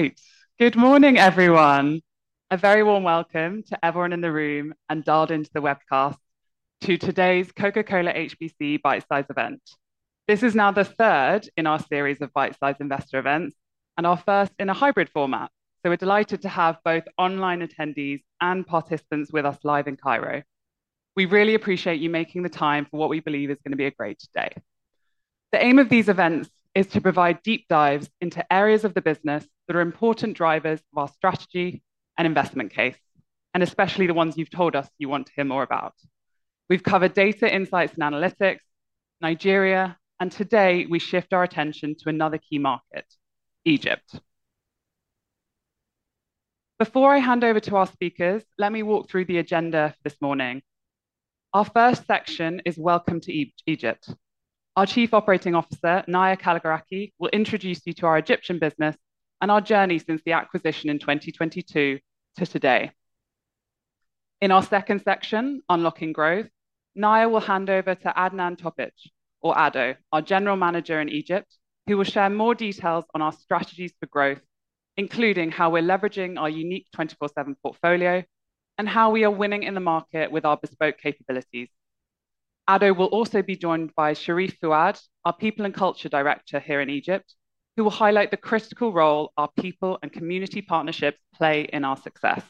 All right. Good morning, everyone. A very warm welcome to everyone in the room and dialed into the webcast to today's Coca-Cola HBC Bite Size event. This is now the third in our series of Bite Size investor events and our first in a hybrid format, so we're delighted to have both online attendees and participants with us live in Cairo. We really appreciate you making the time for what we believe is going to be a great day. The aim of these events is to provide deep dives into areas of the business that are important drivers of our strategy and investment case, and especially the ones you've told us you want to hear more about. We've covered data insights and analytics, Nigeria, and today we shift our attention to another key market, Egypt. Before I hand over to our speakers, let me walk through the agenda this morning. Our first section is Welcome to Egypt. Our Chief Operating Officer, Naya Kalogeraki, will introduce you to our Egyptian business and our journey since the acquisition in 2022 to today. In our second section, Unlocking Growth, Naya will hand over to Adnan Topić, or Ado, our General Manager in Egypt, who will share more details on our strategies for growth, including how we're leveraging our unique 24/7 portfolio and how we are winning in the market with our bespoke capabilities. Ado will also be joined by Sherif Fouad, our People and Culture Director here in Egypt, who will highlight the critical role our people and community partnerships play in our success.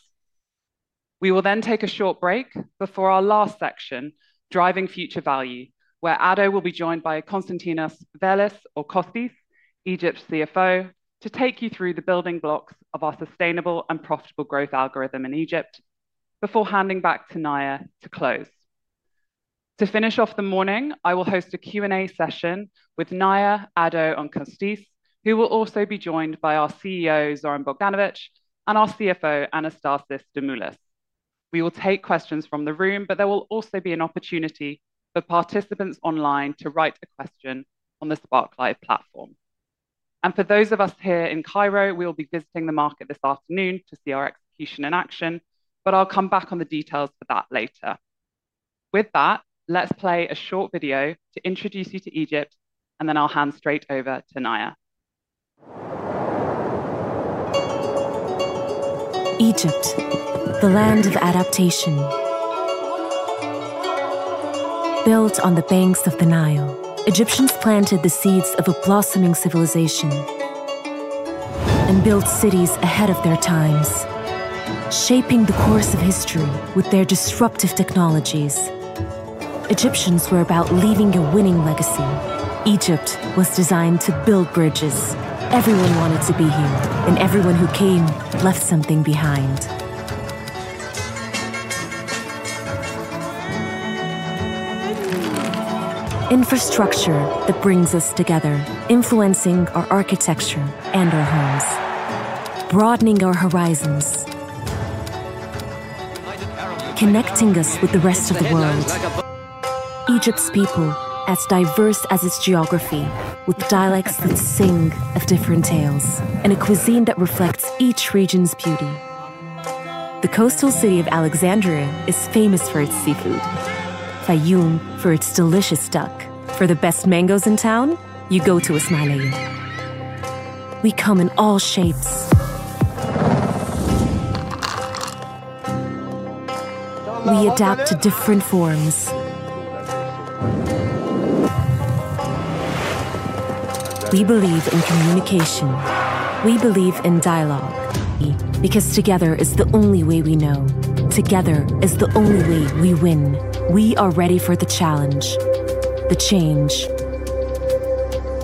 We will then take a short break before our last section, Driving Future Value, where Ado will be joined by Konstantinos Vairlis, or Kostis, Egypt's CFO, to take you through the building blocks of our sustainable and profitable growth algorithm in Egypt before handing back to Naya to close. To finish off the morning, I will host a Q&A session with Naya, Ado, and Kostis, who will also be joined by our CEO, Zoran Bogdanovic, and our CFO, Anastasis Stamoulis. We will take questions from the room, there will also be an opportunity for participants online to write a question on the SparkLive platform. For those of us here in Cairo, we will be visiting the market this afternoon to see our execution in action, I'll come back on the details for that later. With that, let's play a short video to introduce you to Egypt, I'll hand straight over to Naya. Egypt, the land of adaptation. Built on the banks of the Nile, Egyptians planted the seeds of a blossoming civilization and built cities ahead of their times, shaping the course of history with their disruptive technologies. Egyptians were about leaving a winning legacy. Egypt was designed to build bridges. Everyone wanted to be here, and everyone who came left something behind. Infrastructure that brings us together, influencing our architecture and our homes, broadening our horizons. Connecting us with the rest of the world. Egypt's people, as diverse as its geography, with dialects that sing of different tales and a cuisine that reflects each region's beauty. The coastal city of Alexandria is famous for its seafood. Fayoum for its delicious duck. For the best mangoes in town, you go to Ismaïlia. We come in all shapes. We adapt to different forms. We believe in communication. We believe in dialogue because together is the only way we know. Together is the only way we win. We are ready for the challenge, the change,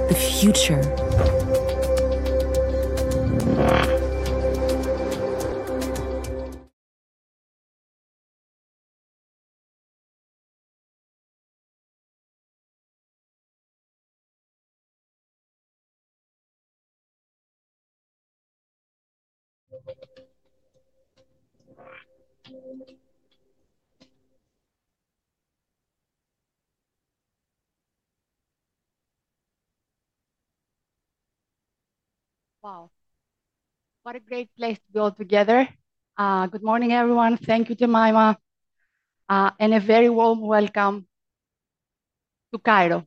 the future. Wow. What a great place to be all together. Good morning, everyone. Thank you, Jemima. A very warm welcome to Cairo.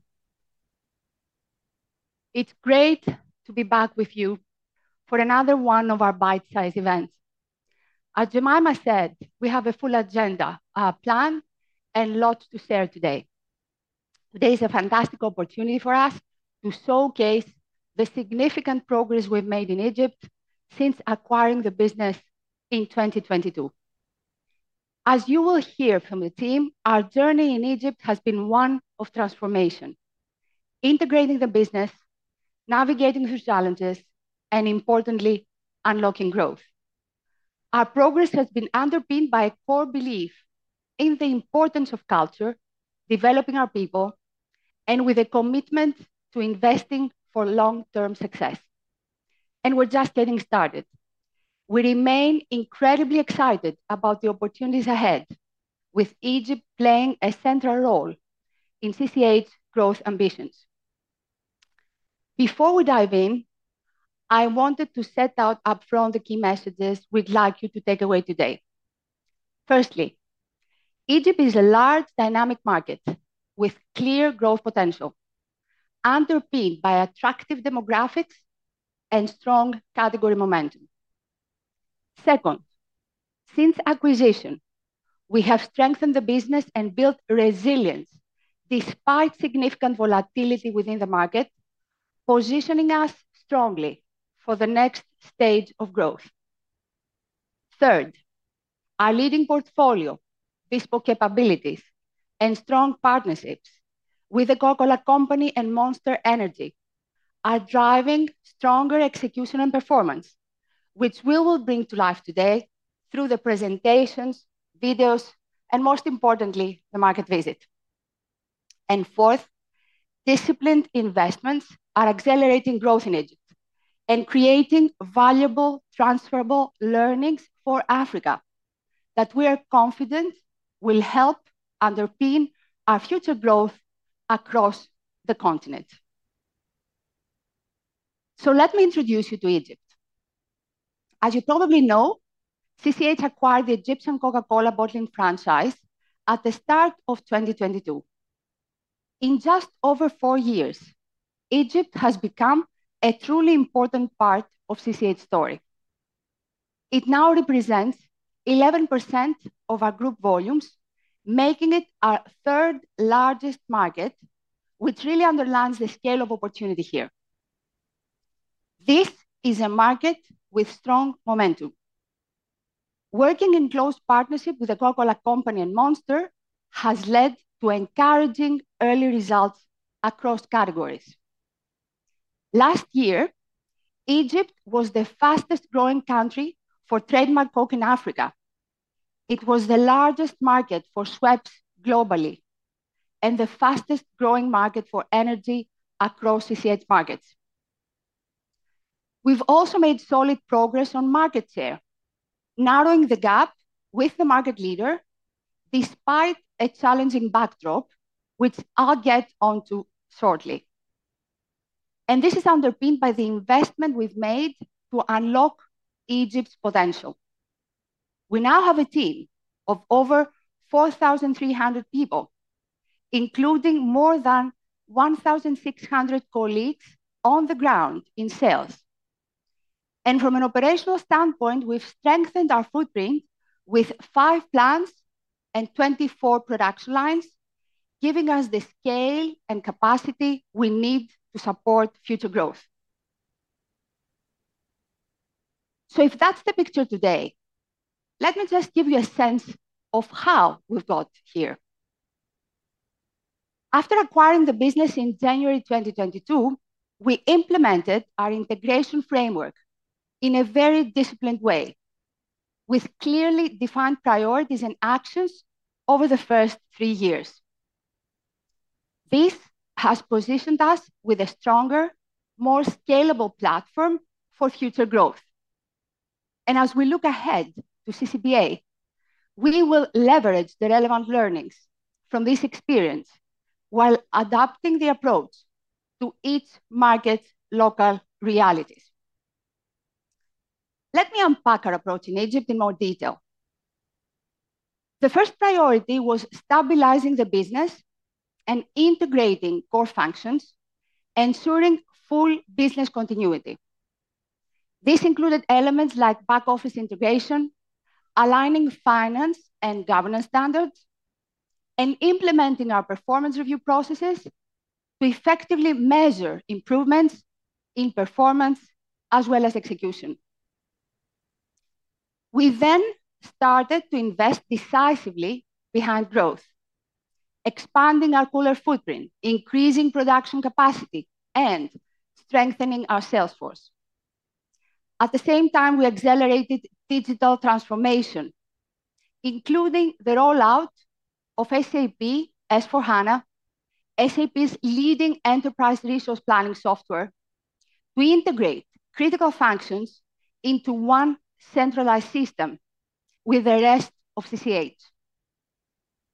It's great to be back with you for another one of our Bite Size events. As Jemima said, we have a full agenda, a plan, and lots to share today. Today is a fantastic opportunity for us to showcase the significant progress we've made in Egypt since acquiring the business in 2022. As you will hear from the team, our journey in Egypt has been one of transformation, integrating the business, navigating through challenges, and importantly, unlocking growth. Our progress has been underpinned by a core belief in the importance of culture, developing our people, and with a commitment to investing for long-term success, and we're just getting started. We remain incredibly excited about the opportunities ahead, with Egypt playing a central role in CCH growth ambitions. Before we dive in, I wanted to set out upfront the key messages we'd like you to take away today. Firstly, Egypt is a large dynamic market with clear growth potential, underpinned by attractive demographics and strong category momentum. Second, since acquisition, we have strengthened the business and built resilience despite significant volatility within the market, positioning us strongly for the next stage of growth. Third, our leading portfolio, bespoke capabilities, and strong partnerships with The Coca-Cola Company and Monster Energy are driving stronger execution and performance, which we will bring to life today through the presentations, videos, and most importantly, the market visit. Fourth, disciplined investments are accelerating growth in Egypt and creating valuable transferable learnings for Africa that we are confident will help underpin our future growth across the continent. Let me introduce you to Egypt. As you probably know, CCH acquired the Egyptian Coca-Cola Bottling franchise at the start of 2022. In just over four years, Egypt has become a truly important part of CCH story. It now represents 11% of our group volumes, making it our third largest market, which really underlines the scale of opportunity here. This is a market with strong momentum. Working in close partnership with The Coca-Cola Company and Monster has led to encouraging early results across categories. Last year, Egypt was the fastest growing country for trademark Coke in Africa. It was the largest market for Schweppes globally and the fastest growing market for energy across CCH markets. We've also made solid progress on market share, narrowing the gap with the market leader despite a challenging backdrop, which I'll get onto shortly. This is underpinned by the investment we've made to unlock Egypt's potential. We now have a team of over 4,300 people, including more than 1,600 colleagues on the ground in sales. From an operational standpoint, we've strengthened our footprint with five plants and 24 production lines, giving us the scale and capacity we need to support future growth. If that's the picture today, let me just give you a sense of how we've got here. After acquiring the business in January 2022, we implemented our integration framework in a very disciplined way, with clearly defined priorities and actions over the first three years. This has positioned us with a stronger, more scalable platform for future growth. As we look ahead to CCBA, we will leverage the relevant learnings from this experience while adapting the approach to each market's local realities. Let me unpack our approach in Egypt in more detail. The first priority was stabilizing the business and integrating core functions, ensuring full business continuity. This included elements like back-office integration, aligning finance and governance standards, and implementing our performance review processes to effectively measure improvements in performance as well as execution. We then started to invest decisively behind growth, expanding our cooler footprint, increasing production capacity, and strengthening our sales force. At the same time, we accelerated digital transformation, including the rollout of SAP S/4HANA, SAP's leading enterprise resource planning software. We integrate critical functions into one centralized system with the rest of CCH.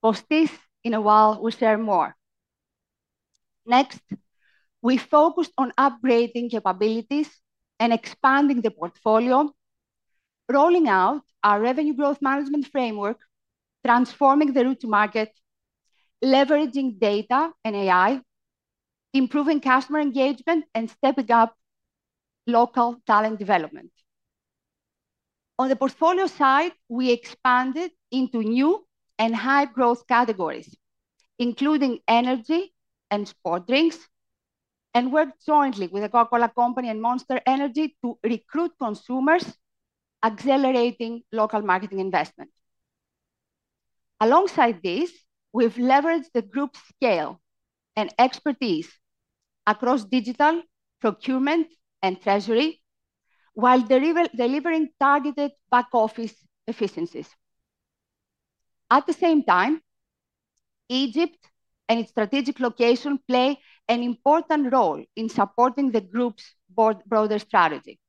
For this, in a while, we'll share more. Next, we focused on upgrading capabilities and expanding the portfolio, rolling out our revenue growth management framework, transforming the route to market, leveraging data and AI, improving customer engagement, and stepping up local talent development. On the portfolio side, we expanded into new and high-growth categories, including energy and sport drinks, and worked jointly with The Coca-Cola Company and Monster Energy to recruit consumers, accelerating local marketing investment. Alongside this, we've leveraged the group's scale and expertise across digital procurement and treasury while delivering targeted back-office efficiencies. At the same time, Egypt and its strategic location play an important role in supporting the group's broader strategy.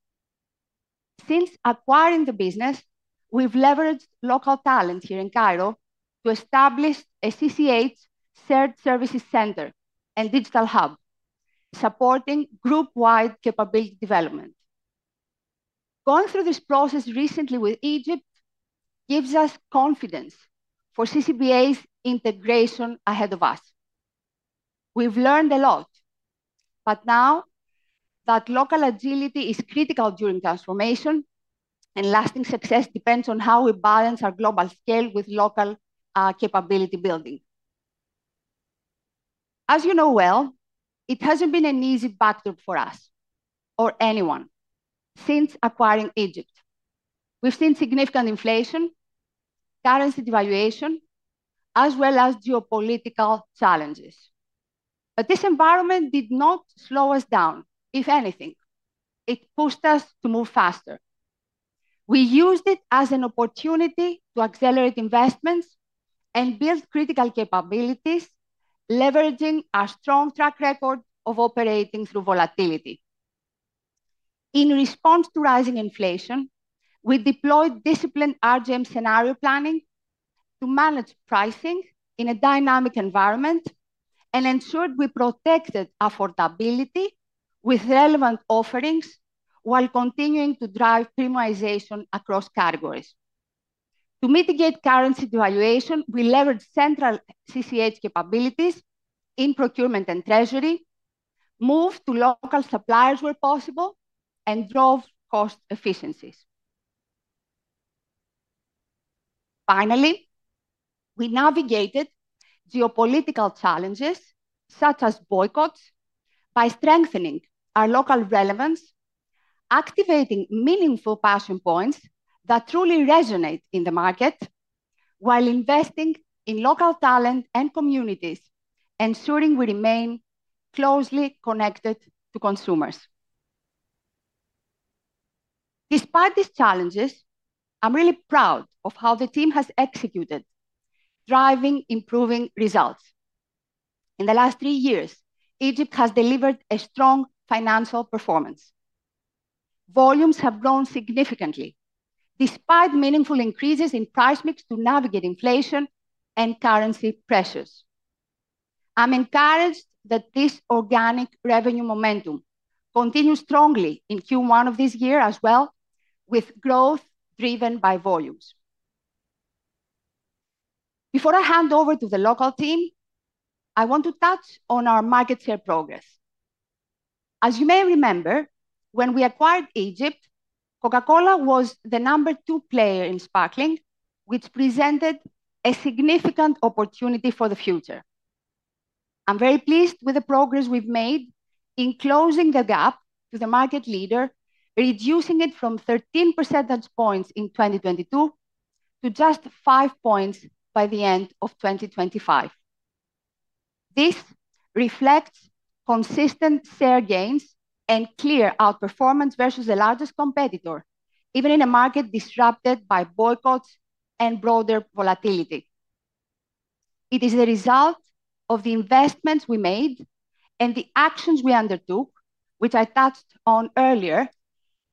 Since acquiring the business, we've leveraged local talent here in Cairo to establish a CCH shared services center and digital hub supporting group-wide capability development. Going through this process recently with Egypt gives us confidence for CCBA's integration ahead of us. We've learned a lot, now that local agility is critical during transformation, and lasting success depends on how we balance our global scale with local capability building. As you know well, it hasn't been an easy backdrop for us or anyone since acquiring Egypt. We've seen significant inflation, currency devaluation, as well as geopolitical challenges. This environment did not slow us down. If anything, it pushed us to move faster. We used it as an opportunity to accelerate investments and build critical capabilities, leveraging our strong track record of operating through volatility. In response to rising inflation, we deployed disciplined RGM scenario planning to manage pricing in a dynamic environment and ensured we protected affordability with relevant offerings while continuing to drive premiumization across categories. To mitigate currency devaluation, we leveraged central CCH capabilities in procurement and treasury, moved to local suppliers where possible, and drove cost efficiencies. Finally, we navigated geopolitical challenges, such as boycotts, by strengthening our local relevance, activating meaningful passion points that truly resonate in the market, while investing in local talent and communities, ensuring we remain closely connected to consumers. Despite these challenges, I'm really proud of how the team has executed, driving improving results. In the last three years, Egypt has delivered a strong financial performance. Volumes have grown significantly despite meaningful increases in price mix to navigate inflation and currency pressures. I'm encouraged that this organic revenue momentum continues strongly in Q1 of this year as well, with growth driven by volumes. Before I hand over to the local team, I want to touch on our market share progress. As you may remember, when we acquired Egypt, Coca-Cola was the number two player in sparkling, which presented a significant opportunity for the future. I'm very pleased with the progress we've made in closing the gap to the market leader, reducing it from 13 percentage points in 2022 to just five points by the end of 2025. This reflects consistent share gains and clear outperformance versus the largest competitor, even in a market disrupted by boycotts and broader volatility. It is a result of the investments we made and the actions we undertook, which I touched on earlier,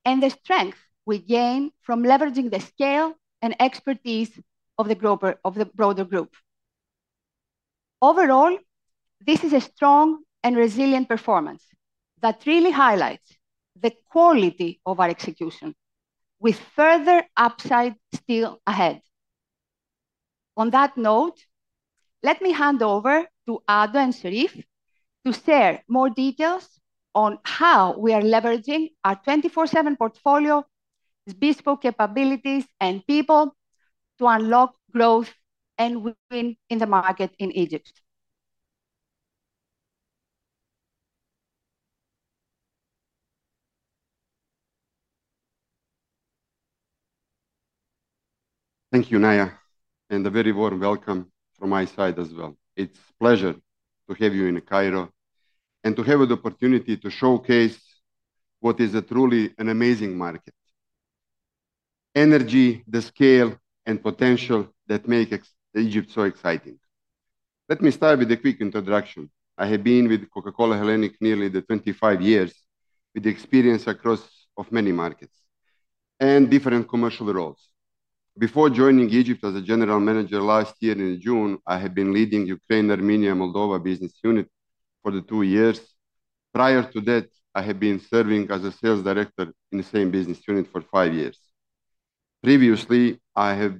and the strength we gain from leveraging the scale and expertise of the broader group. Overall, this is a strong and resilient performance that really highlights the quality of our execution with further upside still ahead. On that note, let me hand over to Ado and Sherif to share more details on how we are leveraging our 24/7 portfolio, bespoke capabilities and people to unlock growth and win in the market in Egypt. Thank you, Naya, and a very warm welcome from my side as well. It's pleasure to have you in Cairo and to have the opportunity to showcase what is a truly an amazing market. Energy, the scale and potential that make Egypt so exciting. Let me start with a quick introduction. I have been with Coca-Cola Hellenic nearly 25 years, with experience across of many markets and different commercial roles. Before joining Egypt as a general manager last year in June, I have been leading Ukraine, Armenia, Moldova business unit for the two years. Prior to that, I have been serving as a sales director in the same business unit for five years. Previously, I have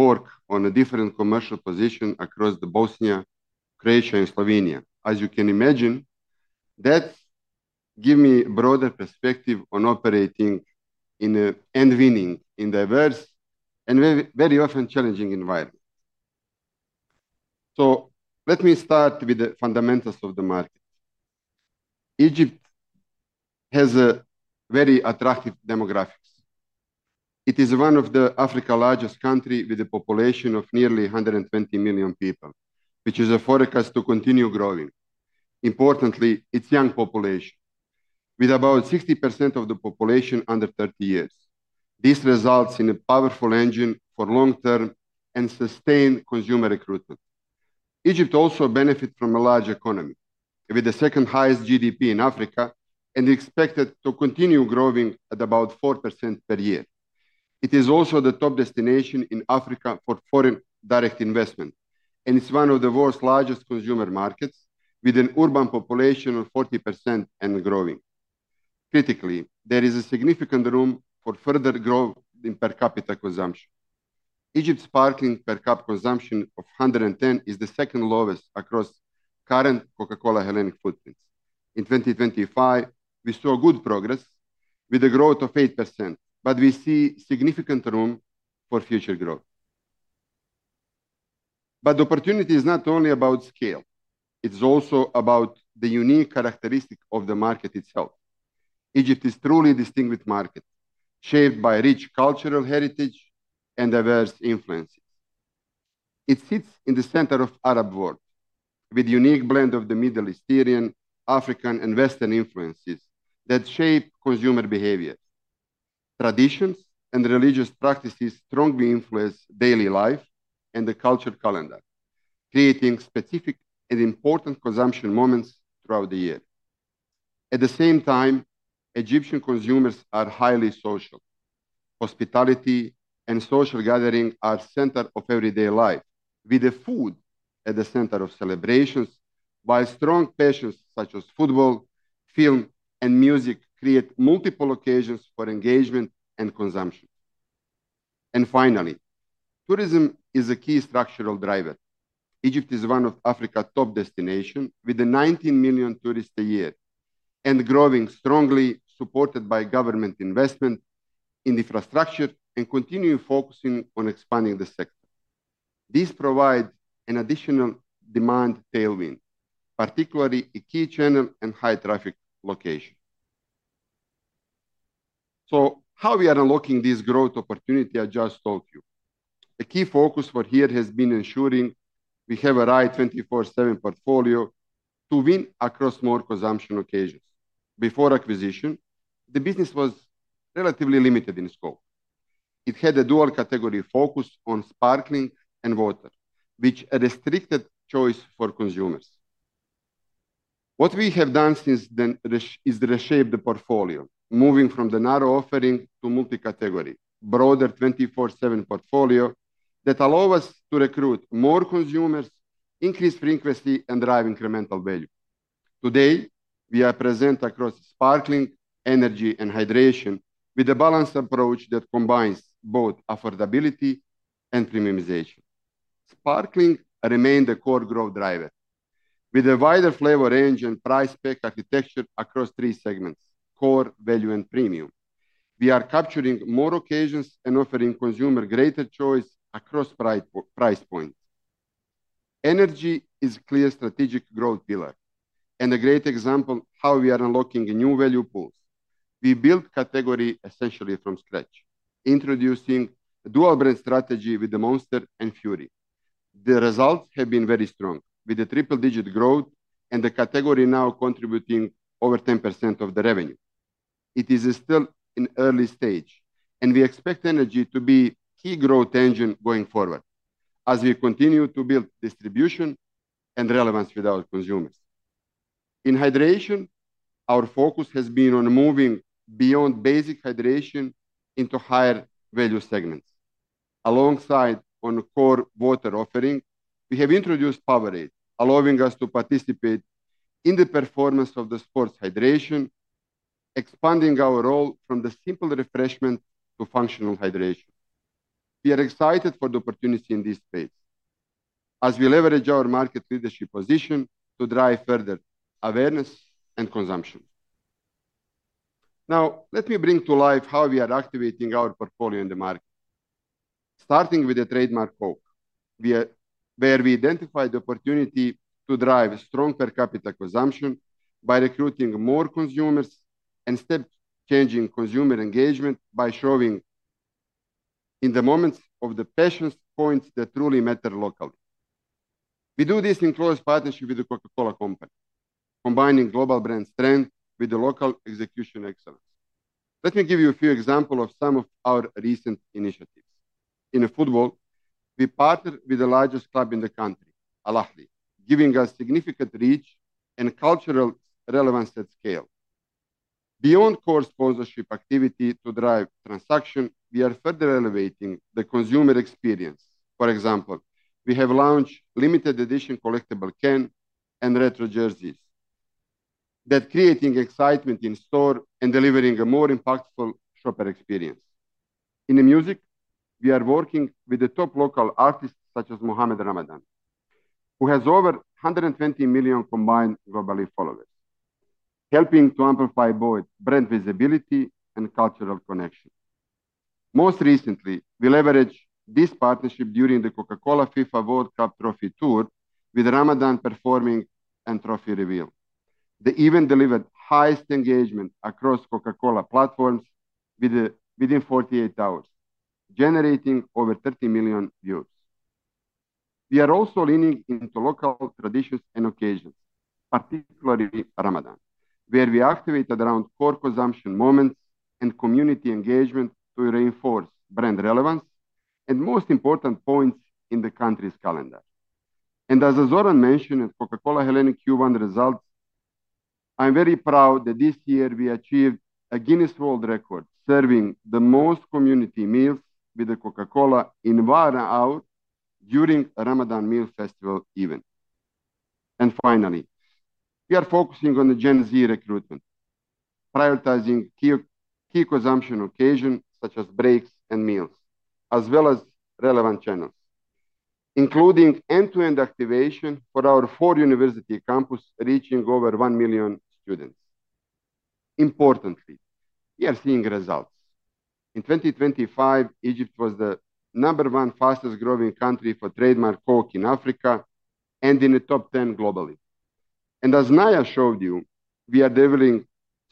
work on a different commercial position across the Bosnia, Croatia, and Slovenia. As you can imagine, that give me broader perspective on operating and winning in diverse and very often challenging environment. Let me start with the fundamentals of the market. Egypt has a very attractive demographics. It is one of the Africa largest country with a population of nearly 120 million people, which is forecast to continue growing. Importantly, its young population, with about 60% of the population under 30 years. This results in a powerful engine for long-term and sustained consumer recruitment. Egypt also benefit from a large economy with the second highest GDP in Africa and expected to continue growing at about 4% per year. It is also the top destination in Africa for foreign direct investment, and it's one of the world's largest consumer markets with an urban population of 40% and growing. Critically, there is a significant room for further growth in per capita consumption. Egypt's sparkling per cap consumption of 110 is the second lowest across current Coca-Cola Hellenic footprints. In 2025, we saw good progress with a growth of 8%, but we see significant room for future growth. Opportunity is not only about scale, it is also about the unique characteristic of the market itself. Egypt is truly distinguished market, shaped by rich cultural heritage and diverse influences. It sits in the center of Arab world with unique blend of the Middle Eastern, African, and Western influences that shape consumer behavior. Traditions and religious practices strongly influence daily life and the cultural calendar, creating specific and important consumption moments throughout the year. At the same time, Egyptian consumers are highly social. Hospitality and social gathering are center of everyday life, with the food at the center of celebrations, while strong passions such as football, film, and music create multiple occasions for engagement and consumption. Finally, tourism is a key structural driver. Egypt is one of Africa top destination with the 19 million tourists a year and growing strongly, supported by government investment in infrastructure and continuing focusing on expanding the sector. This provides an additional demand tailwind, particularly a key channel and high traffic location. How we are unlocking this growth opportunity I just told you? A key focus for here has been ensuring we have a right 24/7 portfolio to win across more consumption occasions. Before acquisition, the business was relatively limited in scope. It had a dual category focus on sparkling and water, which a restricted choice for consumers. What we have done since then is reshape the portfolio, moving from the narrow offering to multi-category, broader 24/7 portfolio that allow us to recruit more consumers, increase frequency, and drive incremental value. Today, we are present across sparkling, energy, and hydration with a balanced approach that combines both affordability and premiumization. Sparkling remain the core growth driver. With a wider flavor range and price/pack architecture across three segments, core, value, and premium, we are capturing more occasions and offering consumer greater choice across price points. Energy is clear strategic growth pillar and a great example how we are unlocking a new value pools. We build category essentially from scratch. Introducing dual brand strategy with the Monster and Fury. The results have been very strong. With the triple-digit growth and the category now contributing over 10% of the revenue. It is still in early stage, and we expect energy to be key growth engine going forward as we continue to build distribution and relevance with our consumers. In hydration, our focus has been on moving beyond basic hydration into higher value segments. Alongside on core water offering, we have introduced Powerade, allowing us to participate in the performance of the sports hydration, expanding our role from the simple refreshment to functional hydration. We are excited for the opportunity in this space as we leverage our market leadership position to drive further awareness and consumption. Let me bring to life how we are activating our portfolio in the market. Starting with the trademark Coke, where we identified the opportunity to drive strong per capita consumption by recruiting more consumers and step-changing consumer engagement by showing in the moments of the passion points that truly matter locally. We do this in close partnership with The Coca-Cola Company, combining global brand strength with the local execution excellence. Let me give you a few example of some of our recent initiatives. In football, we partnered with the largest club in the country, Al Ahly, giving us significant reach and cultural relevance at scale. Beyond core sponsorship activity to drive transaction, we are further elevating the consumer experience. For example, we have launched limited-edition collectible can and retro jerseys that creating excitement in store and delivering a more impactful shopper experience. In music, we are working with the top local artists such as Mohamed Ramadan, who has over 120 million combined globally followers, helping to amplify both brand visibility and cultural connection. Most recently, we leverage this partnership during the Coca-Cola FIFA World Cup trophy tour with Ramadan performing and trophy reveal. They even delivered highest engagement across Coca-Cola platforms within 48 hours, generating over 30 million views. We are also leaning into local traditions and occasions, particularly Ramadan, where we activated around core consumption moments and community engagement to reinforce brand relevance and most important points in the country's calendar. As Zoran mentioned in Coca-Cola HBC Q1 results I'm very proud that this year we achieved a Guinness World Record serving the most community meals with the Coca-Cola in Varna out during a Ramadan meal festival event. Finally, we are focusing on the Gen Z recruitment, prioritizing key consumption occasions such as breaks and meals, as well as relevant channels, including end-to-end activation for our four university campus, reaching over one million students. Importantly, we are seeing results. In 2025, Egypt was the number one fastest growing country for trademark Coke in Africa and in the top 10 globally. As Naya showed you, we are delivering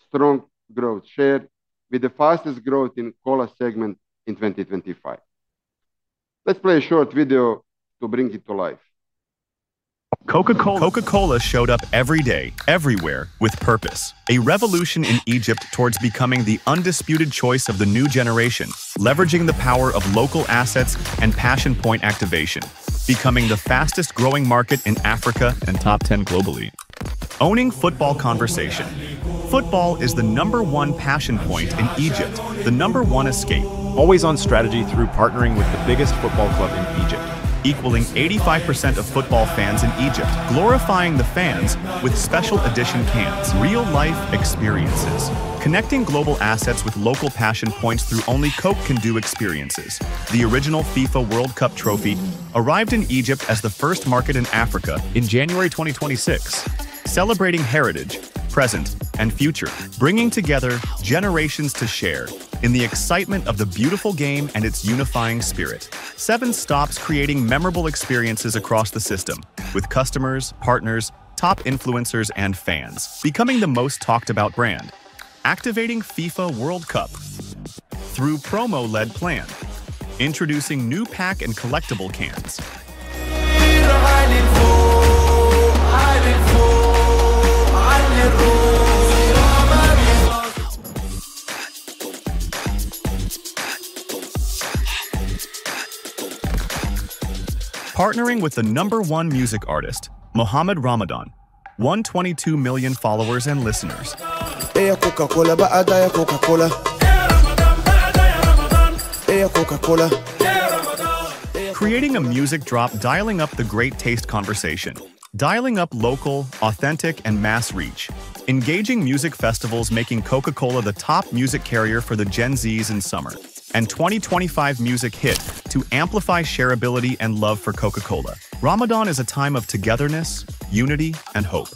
strong growth share with the fastest growth in cola segment in 2025. Let's play a short video to bring it to life. Coca-Cola showed up every day, everywhere with purpose. A revolution in Egypt towards becoming the undisputed choice of the new generation, leveraging the power of local assets and passion point activation, becoming the fastest growing market in Africa and top 10 globally. Owning football conversation. Football is the number one passion point in Egypt, the number one escape. Always on strategy through partnering with the biggest football club in Egypt, equaling 85% of football fans in Egypt, glorifying the fans with special edition cans. Real-life experiences. Connecting global assets with local passion points through only Coke can do experiences. The original FIFA World Cup trophy arrived in Egypt as the first market in Africa in January 2026. Celebrating heritage, present and future. Bringing together generations to share in the excitement of the beautiful game and its unifying spirit. Seven stops creating memorable experiences across the system with customers, partners, top influencers, and fans becoming the most talked about brand. Activating FIFA World Cup through promo-led plan. Introducing new pack and collectible cans. Partnering with the number one music artist, Mohamed Ramadan, 122 million followers and listeners. Creating a music drop, dialing up the great taste conversation, dialing up local, authentic, and mass reach. Engaging music festivals, making Coca-Cola the top music carrier for the Gen Zs in summer. 2025 music hit to amplify shareability and love for Coca-Cola. Ramadan is a time of togetherness, unity and hope.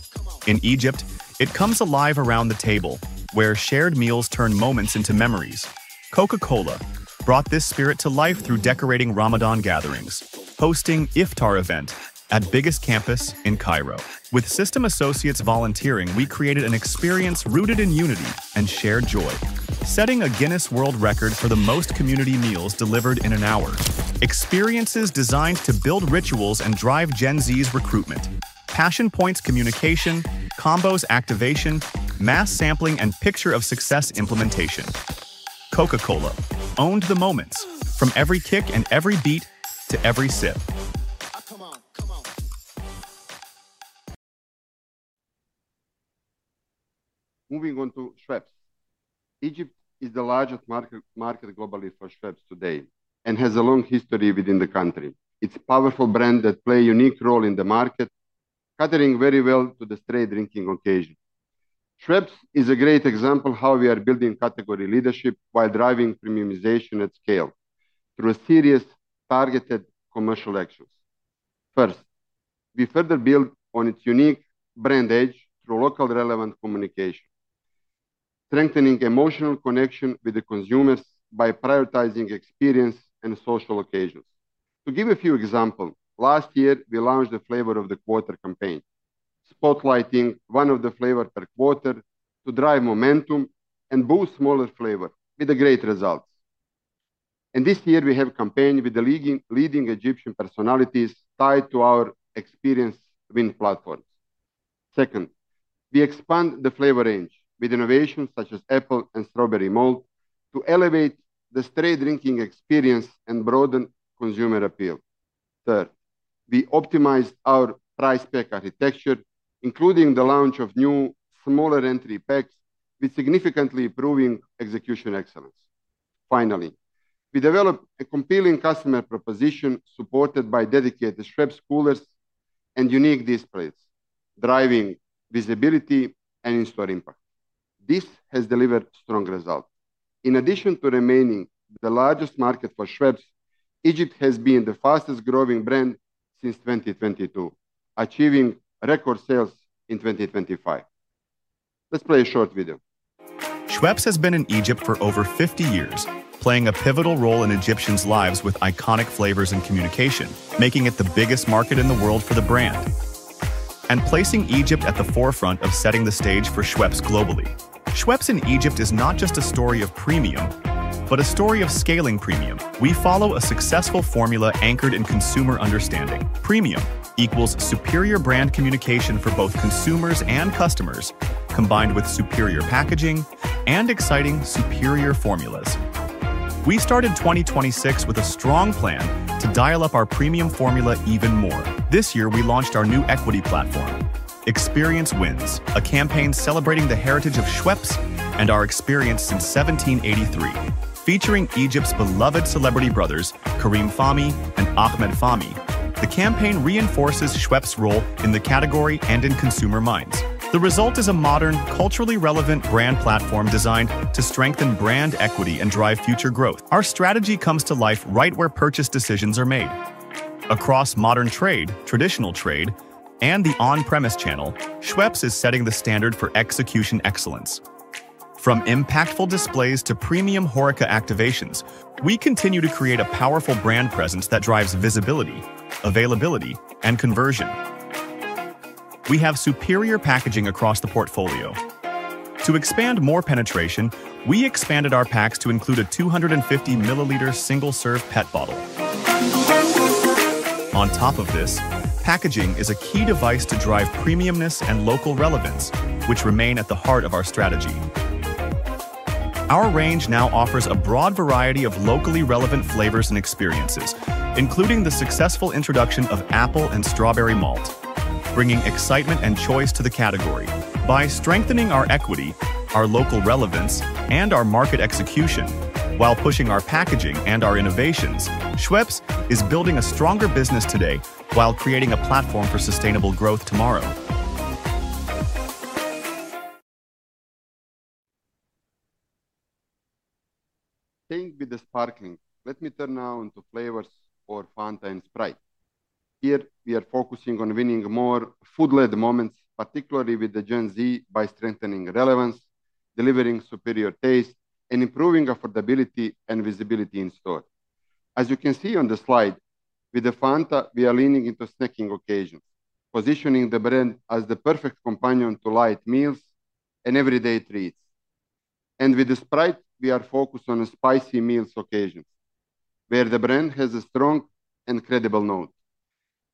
In Egypt, it comes alive around the table where shared meals turn moments into memories. Coca-Cola brought this spirit to life through decorating Ramadan gatherings, hosting iftar event at biggest campus in Cairo. With system associates volunteering, we created an experience rooted in unity and shared joy. Setting a Guinness World Records for the most community meals delivered in an hour. Experiences designed to build rituals and drive Gen Z's recruitment. Passion points communication, combos activation, mass sampling, and picture of success implementation. Coca-Cola owned the moments from every kick and every beat to every sip. Moving on to Schweppes. Egypt is the largest market globally for Schweppes today and has a long history within the country. It's a powerful brand that play a unique role in the market, catering very well to the straight drinking occasion. Schweppes is a great example how we are building category leadership while driving premiumization at scale through a serious targeted commercial actions. First, we further build on its unique brand edge through local relevant communication, strengthening emotional connection with the consumers by prioritizing experience and social occasions. To give a few example, last year we launched the Flavor of the Quarter campaign, spotlighting one of the flavor per quarter to drive momentum and boost smaller flavor with a great result. This year we have campaign with the leading Egyptian personalities tied to our Experience Wins platforms. Second, we expand the flavor range with innovations such as apple and strawberry malt to elevate the straight drinking experience and broaden consumer appeal. Third, we optimized our price pack architecture, including the launch of new smaller entry packs with significantly improving execution excellence. Finally, we developed a compelling customer proposition supported by dedicated Schweppes coolers and unique displays, driving visibility and in-store impact. This has delivered strong results. In addition to remaining the largest market for Schweppes, Egypt has been the fastest growing brand since 2022, achieving record sales in 2025. Let's play a short video. Schweppes has been in Egypt for over 50 years, playing a pivotal role in Egyptians' lives with iconic flavors and communication, making it the biggest market in the world for the brand, and placing Egypt at the forefront of setting the stage for Schweppes globally. Schweppes in Egypt is not just a story of premium, but a story of scaling premium. We follow a successful formula anchored in consumer understanding. Premium equals superior brand communication for both consumers and customers, combined with superior packaging and exciting superior formulas. We started 2026 with a strong plan to dial up our premium formula even more. This year, we launched our new equity platform, Experience Wins, a campaign celebrating the heritage of Schweppes and our experience since 1783. Featuring Egypt's beloved celebrity brothers, Karim Fahmy and Ahmed Fahmy, the campaign reinforces Schweppes' role in the category and in consumer minds. The result is a modern, culturally relevant brand platform designed to strengthen brand equity and drive future growth. Our strategy comes to life right where purchase decisions are made. Across modern trade, traditional trade, and the on-premise channel, Schweppes is setting the standard for execution excellence. From impactful displays to premium HoReCa activations, we continue to create a powerful brand presence that drives visibility, availability, and conversion. We have superior packaging across the portfolio. To expand more penetration, we expanded our packs to include a 250-ml single-serve PET bottle. On top of this, packaging is a key device to drive premiumness and local relevance, which remain at the heart of our strategy. Our range now offers a broad variety of locally relevant flavors and experiences, including the successful introduction of apple and strawberry malt, bringing excitement and choice to the category. By strengthening our equity, our local relevance, and our market execution while pushing our packaging and our innovations, Schweppes is building a stronger business today while creating a platform for sustainable growth tomorrow. Staying with the sparkling, let me turn now onto flavors for Fanta and Sprite. Here, we are focusing on winning more food-led moments, particularly with Gen Z, by strengthening relevance, delivering superior taste, and improving affordability and visibility in store. As you can see on the slide, with Fanta, we are leaning into snacking occasions, positioning the brand as the perfect companion to light meals and everyday treats. With Sprite, we are focused on spicy meals occasions, where the brand has a strong and credible note.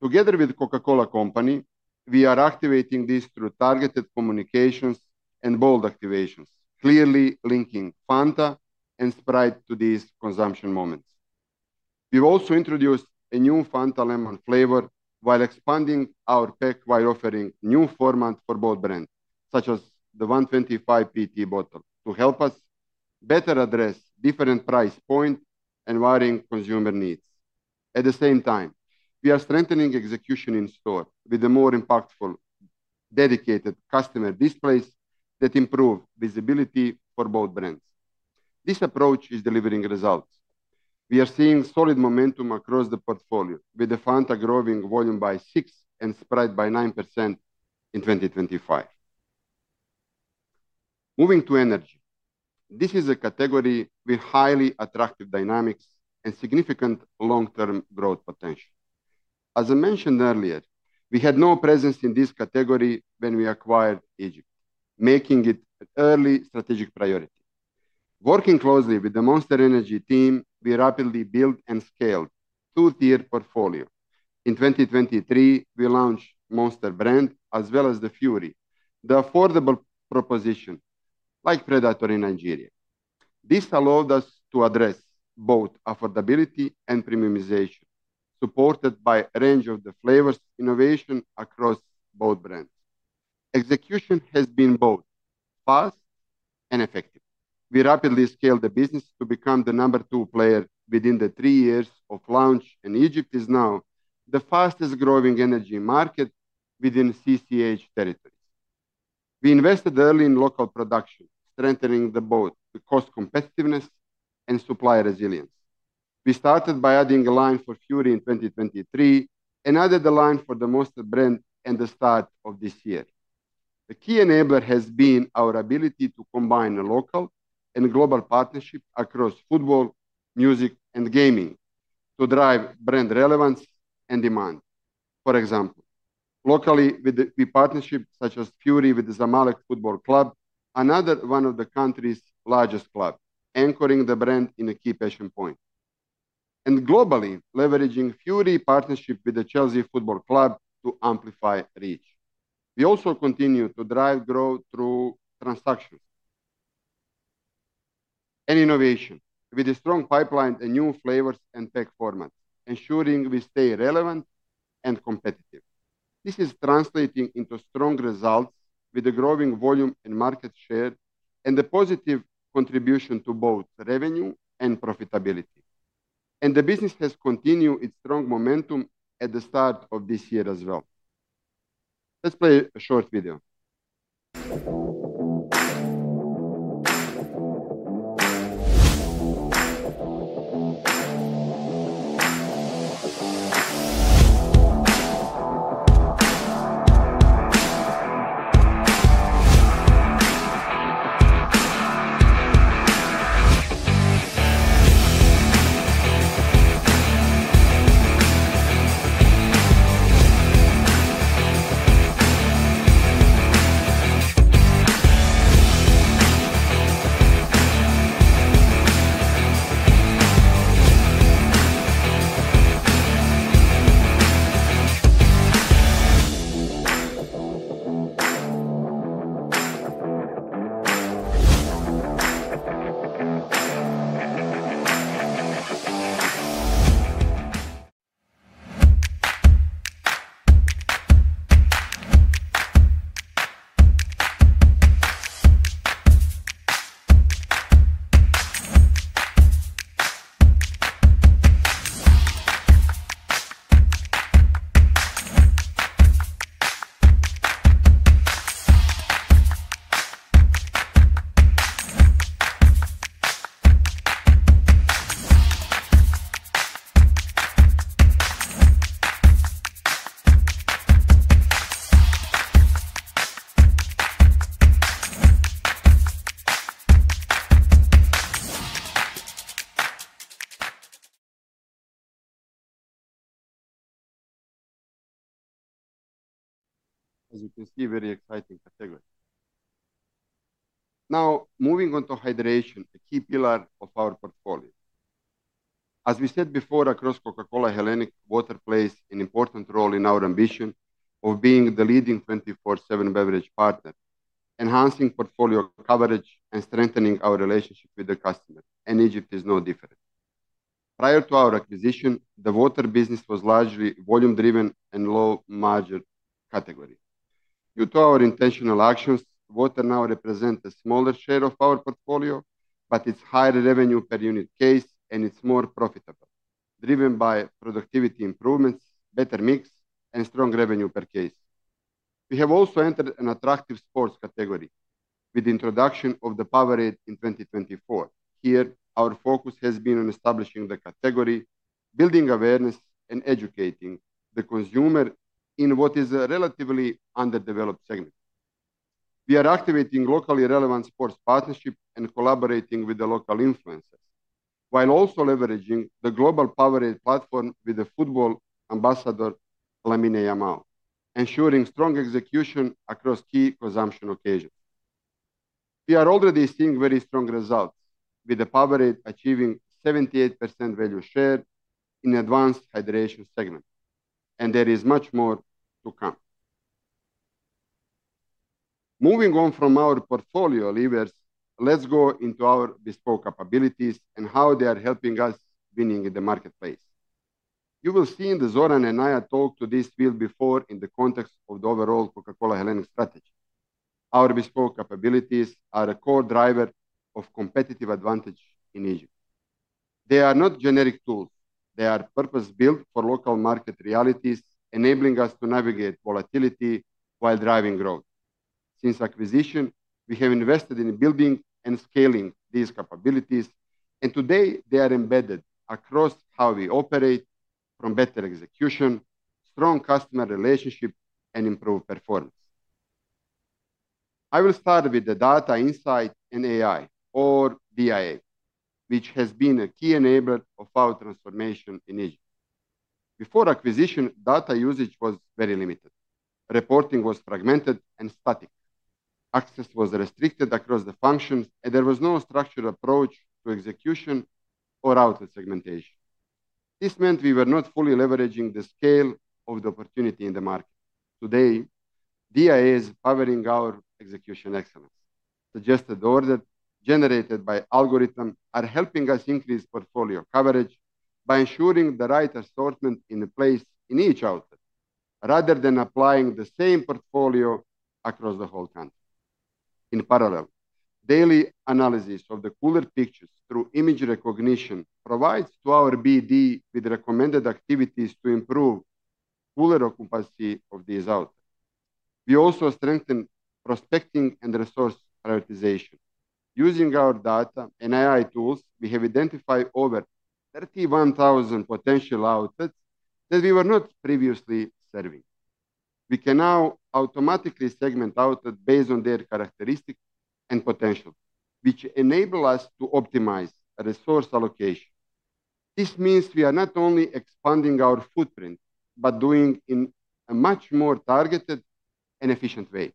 Together with The Coca-Cola Company, we are activating this through targeted communications and bold activations, clearly linking Fanta and Sprite to these consumption moments. We've also introduced a new Fanta lemon flavor while expanding our pack by offering new formats for both brands, such as the 125ml PET bottle, to help us better address different price points and varying consumer needs. At the same time, we are strengthening execution in store with more impactful dedicated customer displays that improve visibility for both brands. This approach is delivering results. We are seeing solid momentum across the portfolio, with Fanta growing volume by 6% and Sprite by 9% in 2025. Moving to energy. This is a category with highly attractive dynamics and significant long-term growth potential. As I mentioned earlier, we had no presence in this category when we acquired Egypt, making it an early strategic priority. Working closely with the Monster Energy team, we rapidly built and scaled a two-tier portfolio. In 2023, we launched the Monster brand as well as Fury, the affordable proposition, like Predator in Nigeria. This allowed us to address both affordability and premiumization, supported by a range of flavor innovations across both brands. Execution has been both fast and effective. We rapidly scaled the business to become the number two player within the three years of launch, and Egypt is now the fastest-growing energy market within CCH territories. We invested early in local production, strengthening both the cost competitiveness and supply resilience. We started by adding a line for Fury in 2023 and added a line for the Monster brand at the start of this year. The key enabler has been our ability to combine local and global partnerships across football, music, and gaming to drive brand relevance and demand. For example, locally with partnerships such as Fury with the Zamalek Football Club, another one of the country's largest clubs, anchoring the brand in a key passion point. Globally, leveraging the Fury partnership with Chelsea Football Club to amplify reach. We also continue to drive growth through transactions and innovation with a strong pipeline and new flavors and pack formats, ensuring we stay relevant and competitive. This is translating into strong results with growing volume and market share and a positive contribution to both revenue and profitability. The business has continued its strong momentum at the start of this year as well. Let's play a short video. As you can see, very exciting category. Moving on to hydration, a key pillar of our portfolio. As we said before, across Coca-Cola Hellenic, water plays an important role in our ambition of being the leading 24/7 beverage partner, enhancing portfolio coverage, and strengthening our relationship with the customer, and Egypt is no different. Prior to our acquisition, the water business was largely volume-driven and low-margin category. Due to our intentional actions, water now represents a smaller share of our portfolio, but it's higher revenue per unit case and it's more profitable, driven by productivity improvements, better mix, and strong revenue per case. We have also entered an attractive sports category with the introduction of the Powerade in 2024. Here, our focus has been on establishing the category, building awareness, and educating the consumer in what is a relatively underdeveloped segment. We are activating locally relevant sports partnership and collaborating with the local influencers, while also leveraging the global Powerade platform with the football ambassador, Lamine Yamal, ensuring strong execution across key consumption occasions. We are already seeing very strong results, with Powerade achieving 78% value share in advanced hydration segment, and there is much more to come. Moving on from our portfolio levers, let's go into our bespoke capabilities and how they are helping us winning in the marketplace. You will see, Zoran and I have talked to this field before in the context of the overall Coca-Cola Hellenic strategy, our bespoke capabilities are a core driver of competitive advantage in Egypt. They are not generic tools. They are purpose-built for local market realities, enabling us to navigate volatility while driving growth. Since acquisition, we have invested in building and scaling these capabilities, and today they are embedded across how we operate from better execution, strong customer relationship, and improved performance. I will start with the data insight and AI, or DIA, which has been a key enabler of our transformation in Egypt. Before acquisition, data usage was very limited. Reporting was fragmented and static. Access was restricted across the functions. There was no structured approach to execution or outlet segmentation. This meant we were not fully leveraging the scale of the opportunity in the market. Today, DIA is powering our execution excellence. Suggested orders generated by algorithm are helping us increase portfolio coverage by ensuring the right assortment in the place in each outlet, rather than applying the same portfolio across the whole country. In parallel, daily analysis of the cooler pictures through image recognition provides to our BD with recommended activities to improve cooler occupancy of these outlets. We also strengthen prospecting and resource prioritization. Using our data and AI tools, we have identified over 31,000 potential outlets that we were not previously serving. We can now automatically segment outlets based on their characteristics and potential, which enable us to optimize resource allocation. This means we are not only expanding our footprint, but doing in a much more targeted and efficient way.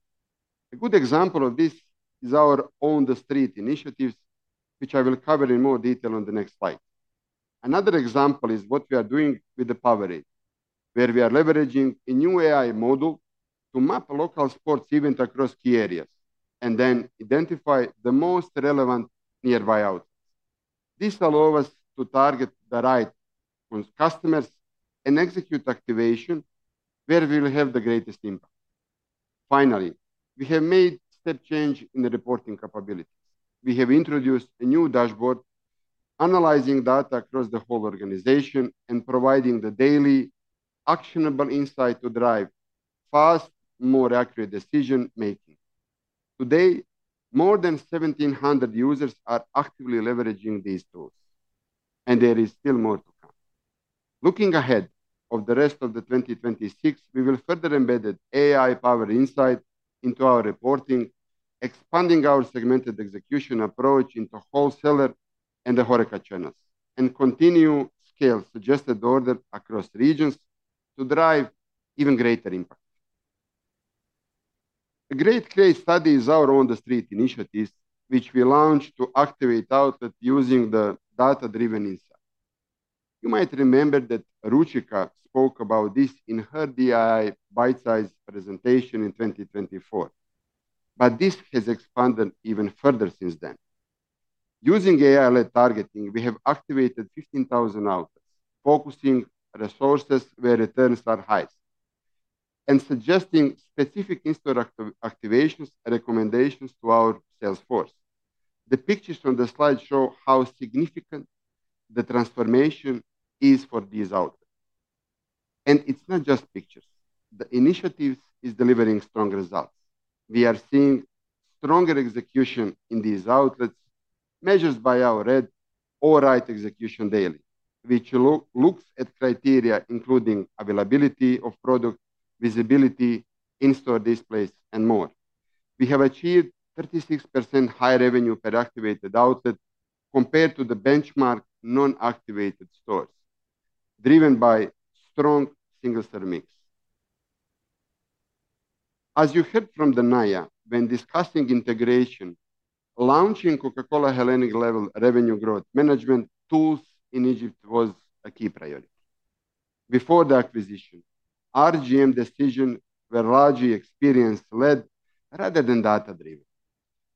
A good example of this is our On the Street initiatives, which I will cover in more detail on the next slide. Another example is what we are doing with the Powerade, where we are leveraging a new AI model to map local sports event across key areas and then identify the most relevant nearby outlets. This allow us to target the right customers and execute activation where we will have the greatest impact. Finally, we have made step change in the reporting capabilities. We have introduced a new dashboard analyzing data across the whole organization and providing the daily actionable insight to drive fast, more accurate decision-making. Today, more than 1,700 users are actively leveraging these tools. There is still more to come. Looking ahead of the rest of the 2026, we will further embed AI power insight into our reporting, expanding our segmented execution approach into wholesaler and the HoReCa channels, and continue scale suggested order across regions to drive even greater impact. A great case study is our On the Street initiatives, which we launched to activate outlet using the data-driven insight. You might remember that Ruchika spoke about this in her DEI bite-size presentation in 2025. This has expanded even further since then. Using AI-led targeting, we have activated 15,000 outlets, focusing resources where returns are highest and suggesting specific in-store activations and recommendations to our sales force. The pictures from the slide show how significant the transformation is for these outlets. It's not just pictures. The initiative is delivering strong results. We are seeing stronger execution in these outlets measured by our RED or Right Execution Daily, which looks at criteria including availability of product, visibility, in-store displays, and more. We have achieved 36% higher revenue per activated outlet compared to the benchmark non-activated stores, driven by strong single-serve mix. As you heard from Dania when discussing integration, launching Coca-Cola Hellenic level revenue growth management tools in Egypt was a key priority. Before the acquisition, RGM decisions were largely experience-led rather than data-driven.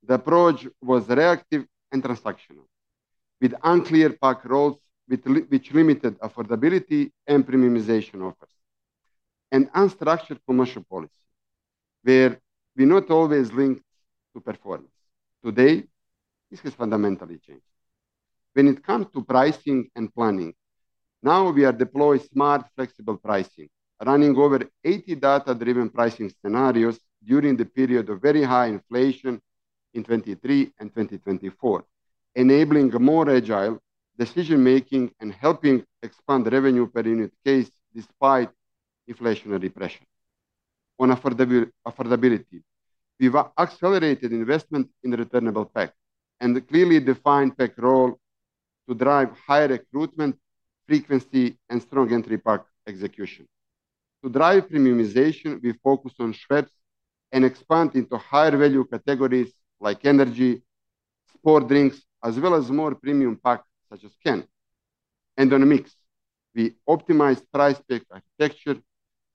The approach was reactive and transactional, with unclear pack roles which limited affordability and premiumization offers. An unstructured commercial policy where we're not always linked to performance. Today, this has fundamentally changed. When it comes to pricing and planning, now we are deploying smart, flexible pricing, running over 80 data-driven pricing scenarios during the period of very high inflation in 2023 and 2024, enabling more agile decision-making and helping expand revenue per unit case despite inflationary pressure. On affordability, we've accelerated investment in returnable pack and a clearly defined pack role to drive higher recruitment, frequency, and strong entry pack execution. To drive premiumization, we focus on Schweppes and expand into higher-value categories like energy, sport drinks, as well as more premium packs such as can. On mix, we optimize price pack architecture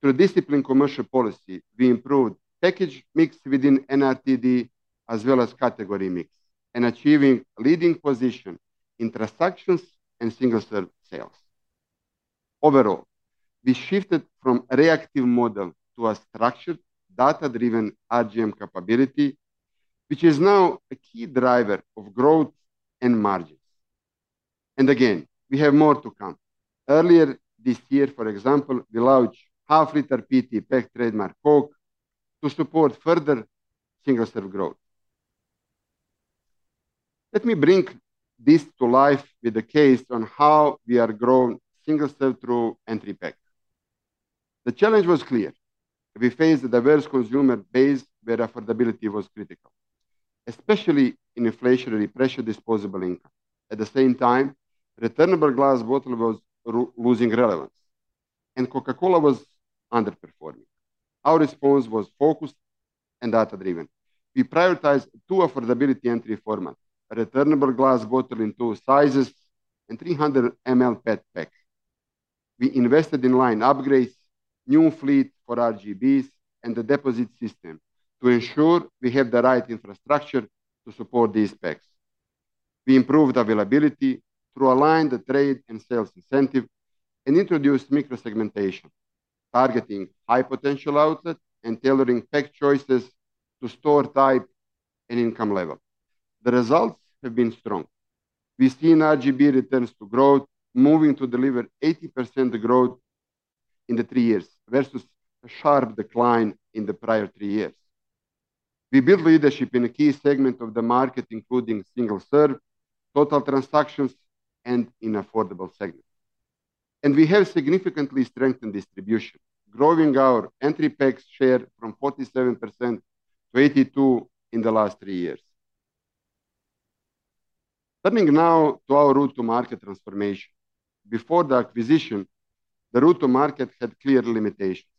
through disciplined commercial policy. We improved package mix within NRTD as well as category mix, and achieving leading position in transactions and single-serve sales. Overall, we shifted from a reactive model to a structured, data-driven RGM capability, which is now a key driver of growth and margins. Again, we have more to come. Earlier this year, for example, we launched half liter PET pack trademark Coke to support further single-serve growth. Let me bring this to life with a case on how we are growing single-serve through entry pack. The challenge was clear. We faced a diverse consumer base where affordability was critical, especially in inflationary pressure disposable income. At the same time, returnable glass bottle was losing relevance, and Coca-Cola was underperforming. Our response was focused and data-driven. We prioritized two affordability entry formats, a returnable glass bottle in two sizes and 300 ml PET pack. We invested in line upgrades, new fleet for RGBs and a deposit system to ensure we have the right infrastructure to support these packs. We improved availability through aligned trade and sales incentive and introduced micro-segmentation, targeting high-potential outlets and tailoring pack choices to store type and income level. The results have been strong. We've seen RGB returns to growth moving to deliver 80% growth in the three years versus a sharp decline in the prior three years. We built leadership in a key segment of the market, including single-serve, total transactions, and in affordable segments. We have significantly strengthened distribution, growing our entry packs share from 47% to 82% in the last three years. Coming now to our route to market transformation. Before the acquisition, the route to market had clear limitations.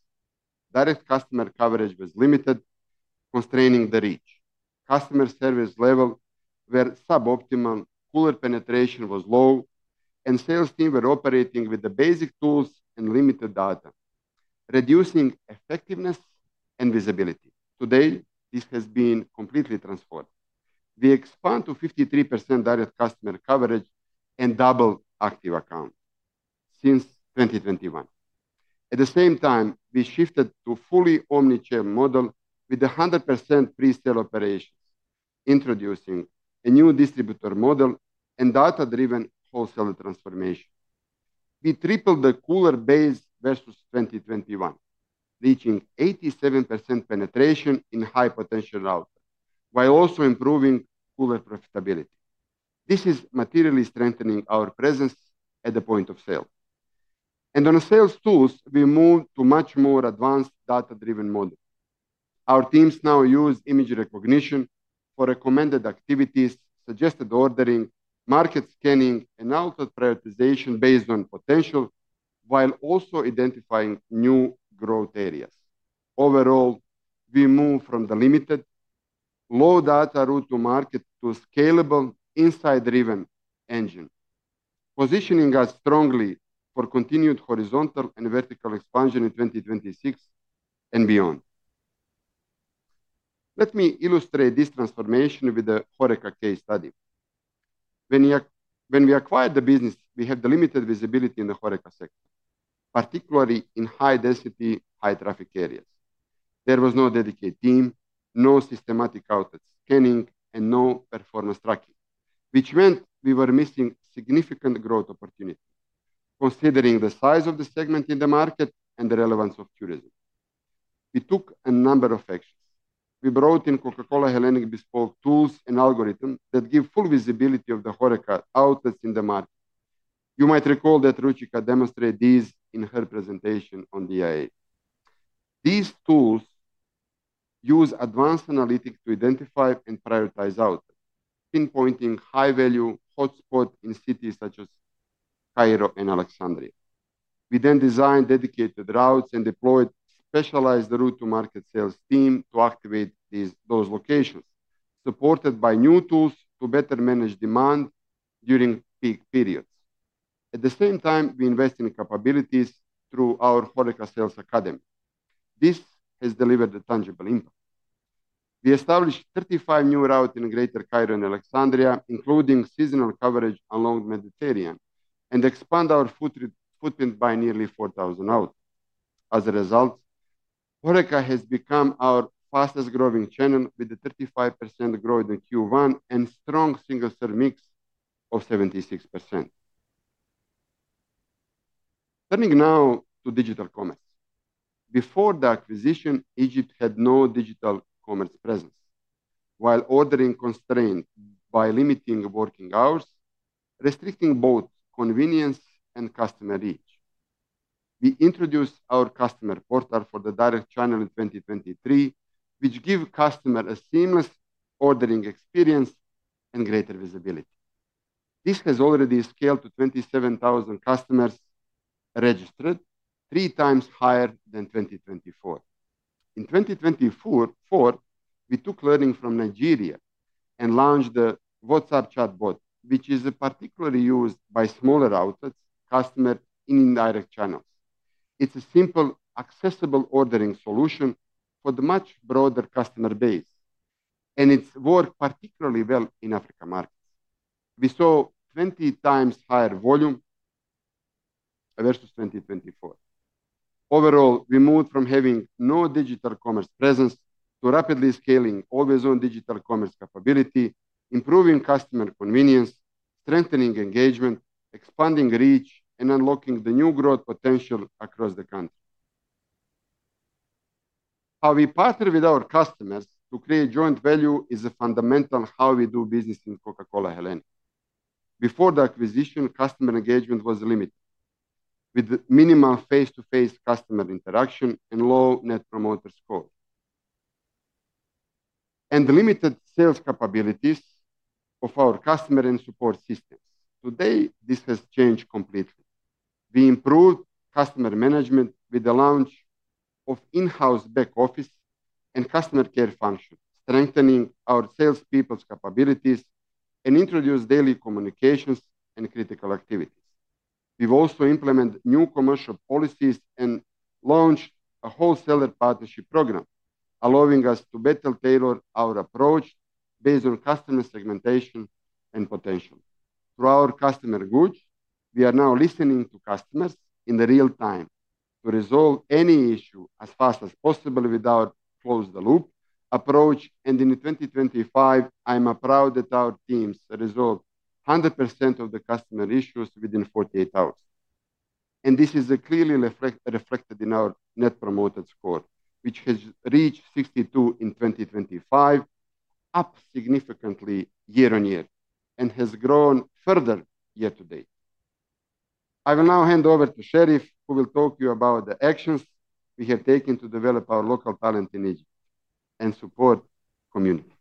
Direct customer coverage was limited, constraining the reach. Customer service level were suboptimal, cooler penetration was low, and sales team were operating with the basic tools and limited data, reducing effectiveness and visibility. Today, this has been completely transformed. We expand to 53% direct customer coverage and double active accounts since 2021. At the same time, we shifted to fully omni-channel model with 100% pre-sale operations, introducing a new distributor model and data-driven wholesale transformation. We tripled the cooler base versus 2021, reaching 87% penetration in high potential outlets while also improving cooler profitability. This is materially strengthening our presence at the point of sale. On the sales tools, we moved to much more advanced data-driven model. Our teams now use image recognition for recommended activities, suggested ordering, market scanning, and output prioritization based on potential, while also identifying new growth areas. Overall, we move from the limited Low data route to market to scalable insight-driven engine, positioning us strongly for continued horizontal and vertical expansion in 2026 and beyond. Let me illustrate this transformation with the HoReCa case study. When we acquired the business, we had limited visibility in the HoReCa sector, particularly in high-density, high-traffic areas. There was no dedicated team, no systematic outlet scanning, and no performance tracking, which meant we were missing significant growth opportunities considering the size of the segment in the market and the relevance of tourism. We took a number of actions. We brought in Coca-Cola Hellenic bespoke tools and algorithms that give full visibility of the HoReCa outlets in the market. You might recall that Ruchika demonstrated this in her presentation on DIA. These tools use advanced analytics to identify and prioritize outlets, pinpointing high-value hotspots in cities such as Cairo and Alexandria. We then designed dedicated routes and deployed specialized route to market sales team to activate those locations, supported by new tools to better manage demand during peak periods. At the same time, we invest in capabilities through our HoReCa Sales Academy. This has delivered a tangible impact. We established 35 new routes in Greater Cairo and Alexandria, including seasonal coverage along Mediterranean, and expand our footprint by nearly 4,000 outlets. As a result, HoReCa has become our fastest growing channel, with a 35% growth in Q1 and strong single sell mix of 76%. Turning now to digital commerce. Before the acquisition, Egypt had no digital commerce presence. While ordering constrained by limiting working hours, restricting both convenience and customer reach. We introduced our customer portal for the direct channel in 2023, which give customer a seamless ordering experience and greater visibility. This has already scaled to 27,000 customers registered, three times higher than 2024. In 2024, we took learning from Nigeria and launched the WhatsApp chatbot, which is particularly used by smaller outlets, customer in indirect channels. It's a simple, accessible ordering solution for the much broader customer base, and it's worked particularly well in Africa markets. We saw 20 times higher volume versus 2024. Overall, we moved from having no digital commerce presence to rapidly scaling our zone digital commerce capability, improving customer convenience, strengthening engagement, expanding reach, and unlocking the new growth potential across the country. How we partner with our customers to create joint value is a fundamental how we do business in Coca-Cola Hellenic. Before the acquisition, customer engagement was limited, with minimal face-to-face customer interaction and low Net Promoter Score and limited sales capabilities of our customer and support systems. Today, this has changed completely. We improved customer management with the launch of in-house back office and customer care function, strengthening our salespeople's capabilities and introduced daily communications and critical activities. We've also implemented new commercial policies and launched a wholesaler partnership program, allowing us to better tailor our approach based on customer segmentation and potential. Through our customer goods, we are now listening to customers in real-time to resolve any issue as fast as possible with our close-the-loop approach. In 2025, I'm proud that our teams resolved 100% of the customer issues within 48 hours. This is clearly reflected in our Net Promoter Score, which has reached 62 in 2025, up significantly year-on-year and has grown further yet today. I will now hand over to Sherif, who will talk to you about the actions we have taken to develop our local talent in Egypt and support communities.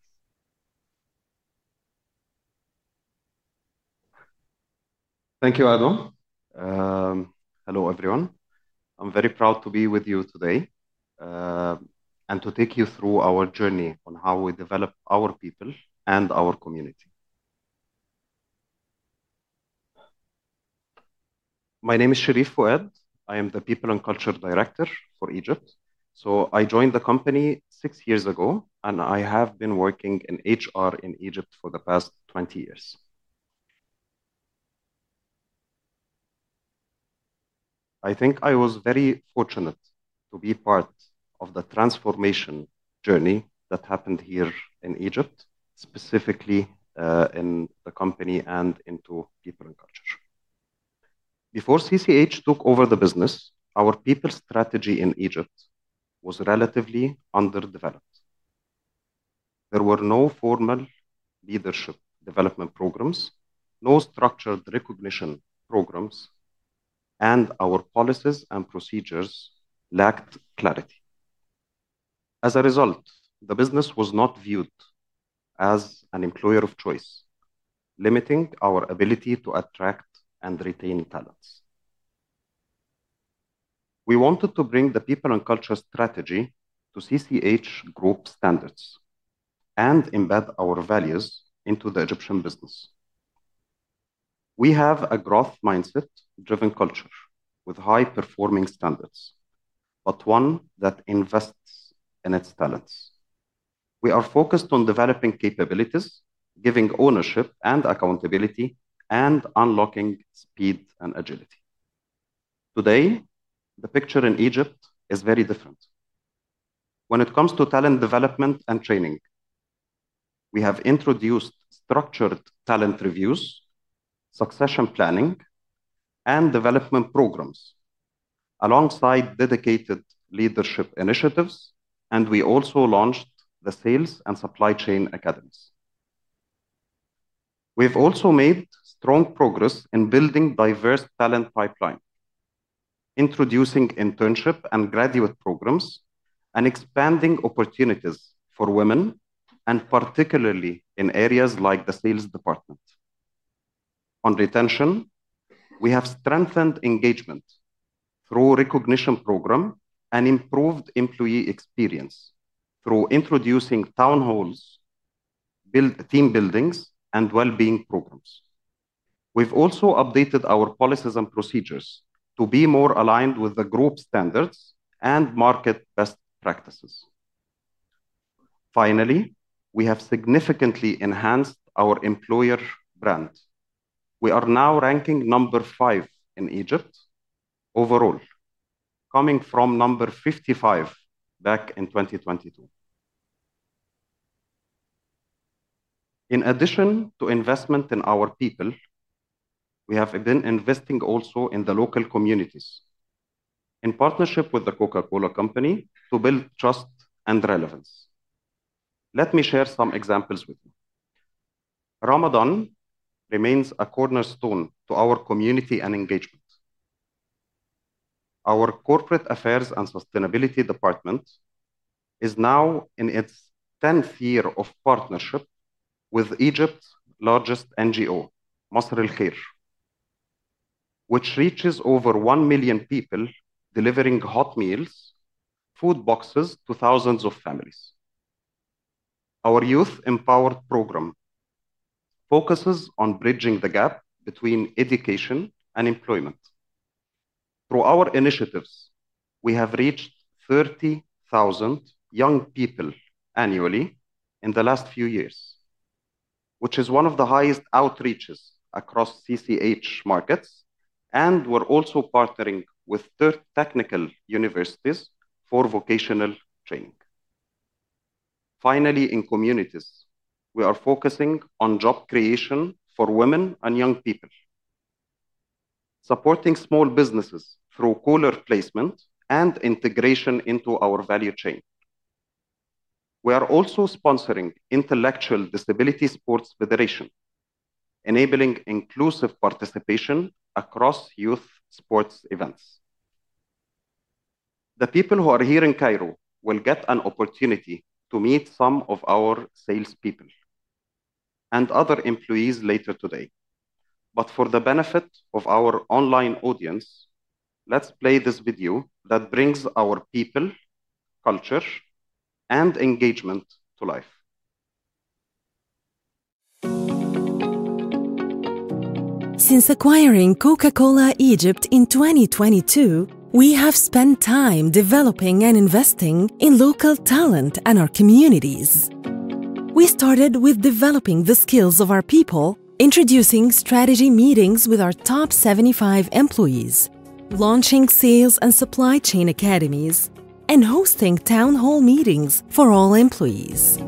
Thank you, Ado. Hello, everyone. I'm very proud to be with you today and to take you through our journey on how we develop our people and our community. My name is Sherif Fouad. I am the People and Culture Director for Egypt. I joined the company six years ago, and I have been working in HR in Egypt for the past 20 years. I think I was very fortunate to be part of the transformation journey that happened here in Egypt, specifically in the company and into people and culture. Before CCH took over the business, our people strategy in Egypt was relatively underdeveloped. There were no formal leadership development programs, no structured recognition programs, and our policies and procedures lacked clarity. As a result, the business was not viewed as an employer of choice, limiting our ability to attract and retain talents. We wanted to bring the people and culture strategy to CCH group standards and embed our values into the Egyptian business. We have a growth mindset-driven culture with high performing standards, but one that invests in its talents. We are focused on developing capabilities, giving ownership and accountability, and unlocking speed and agility. Today, the picture in Egypt is very different. When it comes to talent development and training, we have introduced structured talent reviews, succession planning, and development programs alongside dedicated leadership initiatives, and we also launched the sales and supply chain academies. We've also made strong progress in building diverse talent pipeline, introducing internship and graduate programs, and expanding opportunities for women, particularly in areas like the sales department. On retention, we have strengthened engagement through recognition program and improved employee experience through introducing town halls, team buildings, and wellbeing programs. We've also updated our policies and procedures to be more aligned with the group standards and market best practices. Finally, we have significantly enhanced our employer brand. We are now ranking number five in Egypt overall, coming from number 55 back in 2022. In addition to investment in our people, we have been investing also in the local communities in partnership with The Coca-Cola Company to build trust and relevance. Let me share some examples with you. Ramadan remains a cornerstone to our community and engagement. Our corporate affairs and sustainability department is now in its 10th year of partnership with Egypt's largest NGO, Misr El Kheir Foundation, which reaches over one million people, delivering hot meals, food boxes to thousands of families. Our Youth Empowered program focuses on bridging the gap between education and employment. Through our initiatives, we have reached 30,000 young people annually in the last few years, which is one of the highest outreaches across CCH markets, and we're also partnering with third technical universities for vocational training. Finally, in communities, we are focusing on job creation for women and young people, supporting small businesses through cooler placement and integration into our value chain. We are also sponsoring Intellectual Disability Sports Federation, enabling inclusive participation across youth sports events. The people who are here in Cairo will get an opportunity to meet some of our salespeople and other employees later today. For the benefit of our online audience, let's play this video that brings our people, culture, and engagement to life. Since acquiring Coca-Cola Egypt in 2022, we have spent time developing and investing in local talent and our communities. We started with developing the skills of our people, introducing strategy meetings with our top 75 employees, launching sales and supply chain academies, and hosting town hall meetings for all employees.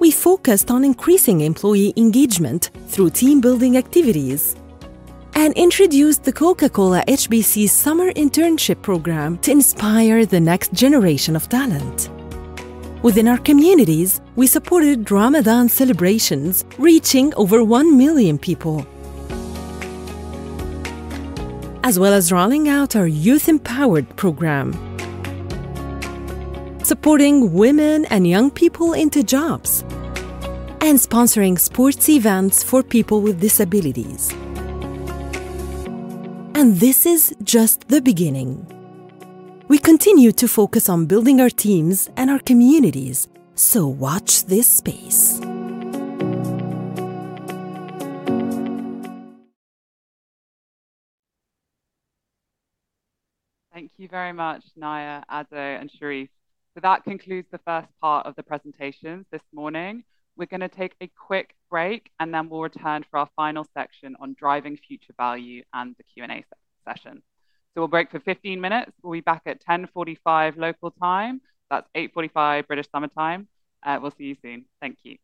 We focused on increasing employee engagement through team-building activities and introduced the Coca-Cola HBC Summer Internship Program to inspire the next generation of talent. Within our communities, we supported Ramadan celebrations, reaching over 1 million people, as well as rolling out our Youth Empowered Program, supporting women and young people into jobs, and sponsoring sports events for people with disabilities. This is just the beginning. We continue to focus on building our teams and our communities, watch this space. Thank you very much, Naya, Ado, and Sherif. That concludes the first part of the presentations this morning. We're going to take a quick break, and then we'll return for our final section on driving future value and the Q&A session. We'll break for 15 minutes. We'll be back at 10:45 local time. That's 8:45 British Summer Time. We'll see you soon. Thank you.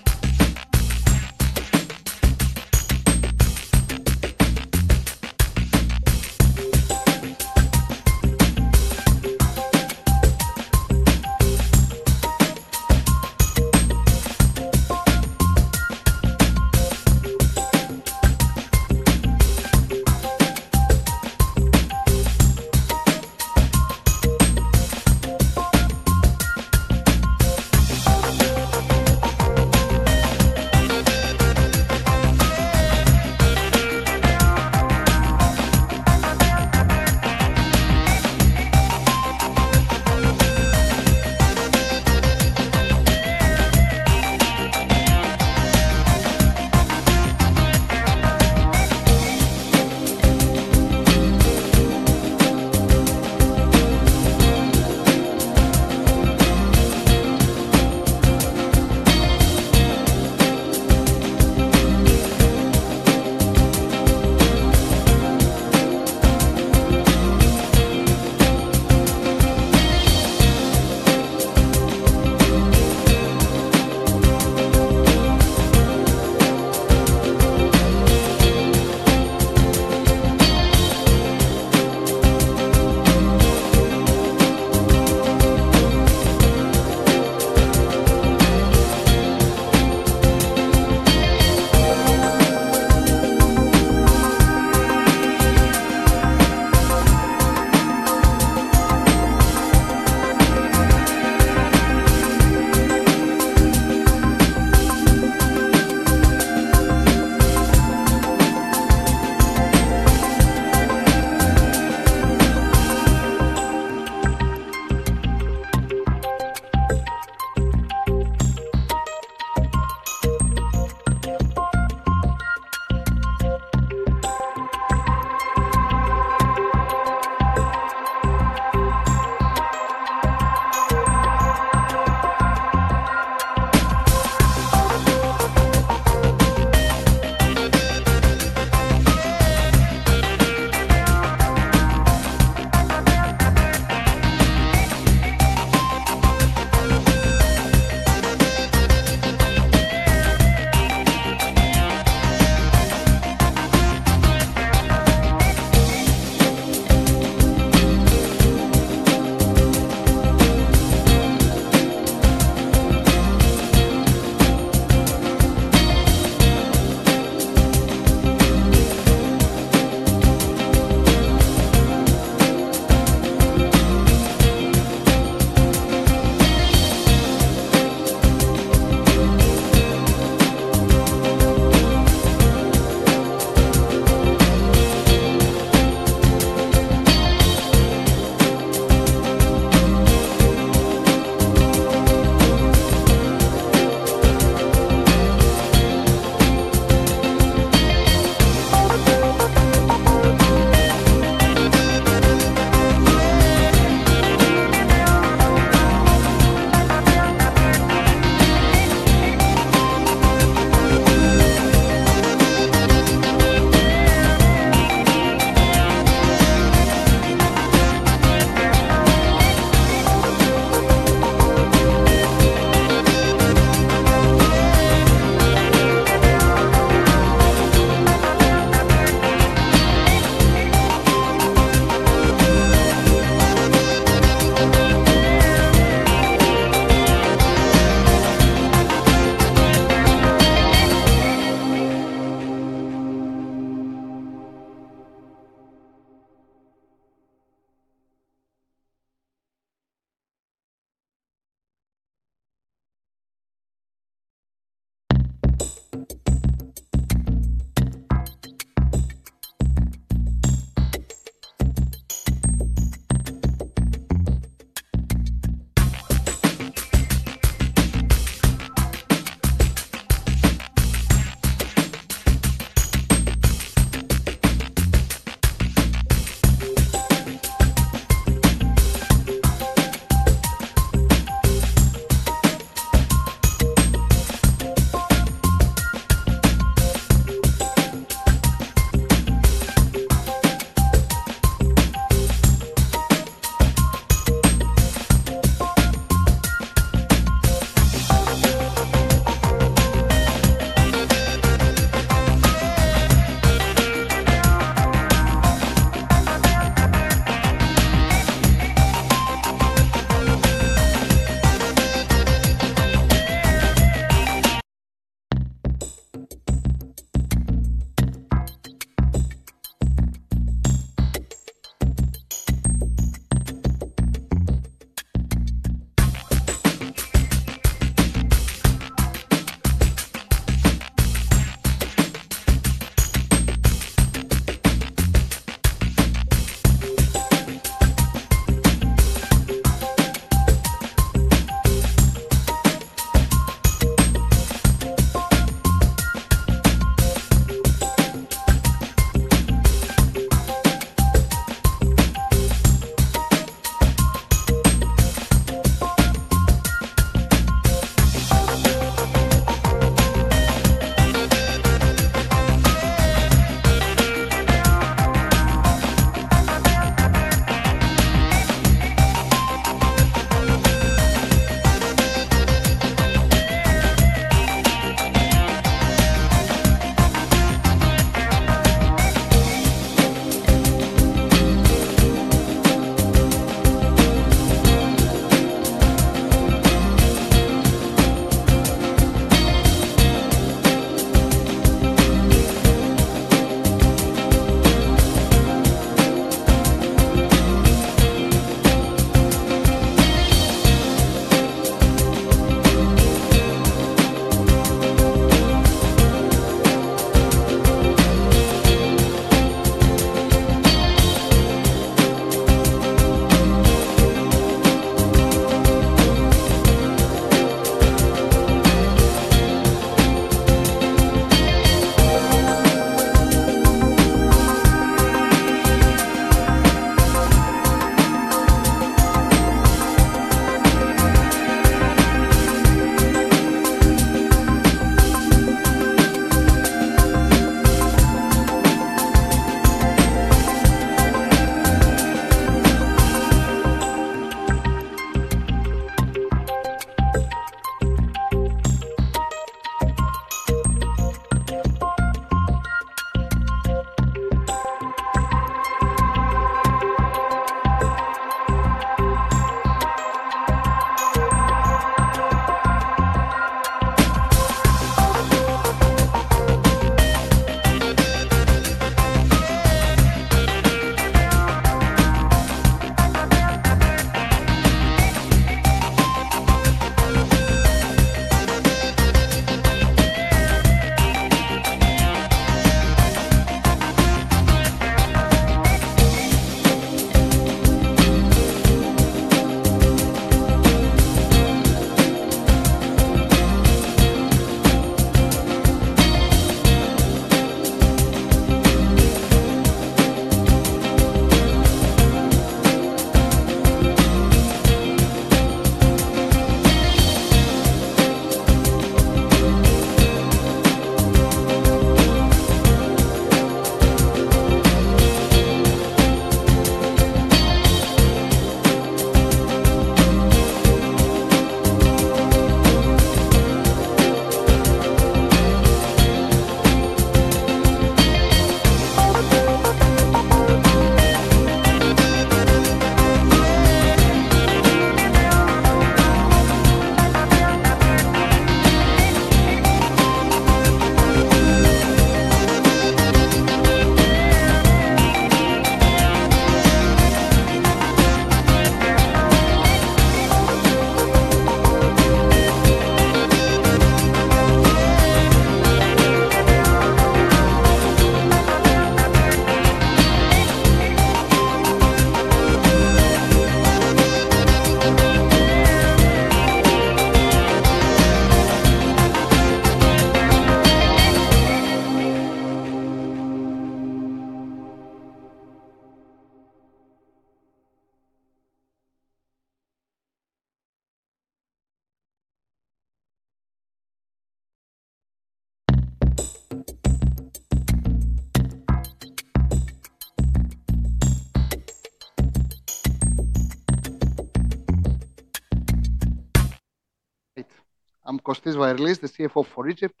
I'm Kostis Vairlis, the CFO for Egypt.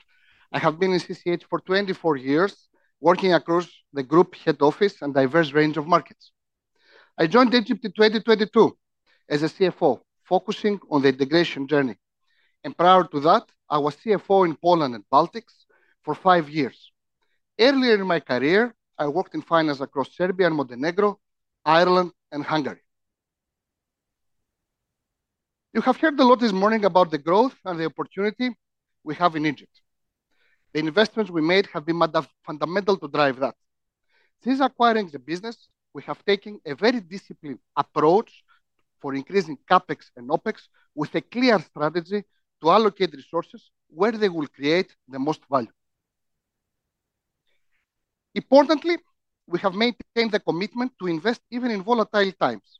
I have been in CCH for 24 years, working across the group head office and diverse range of markets. I joined Egypt in 2022 as a CFO, focusing on the integration journey. Prior to that, I was CFO in Poland and Baltics for five years. Earlier in my career, I worked in finance across Serbia and Montenegro, Ireland and Hungary. You have heard a lot this morning about the growth and the opportunity we have in Egypt. The investments we made have been fundamental to drive that. Since acquiring the business, we have taken a very disciplined approach for increasing CapEx and OpEx with a clear strategy to allocate resources where they will create the most value. Importantly, we have maintained the commitment to invest even in volatile times.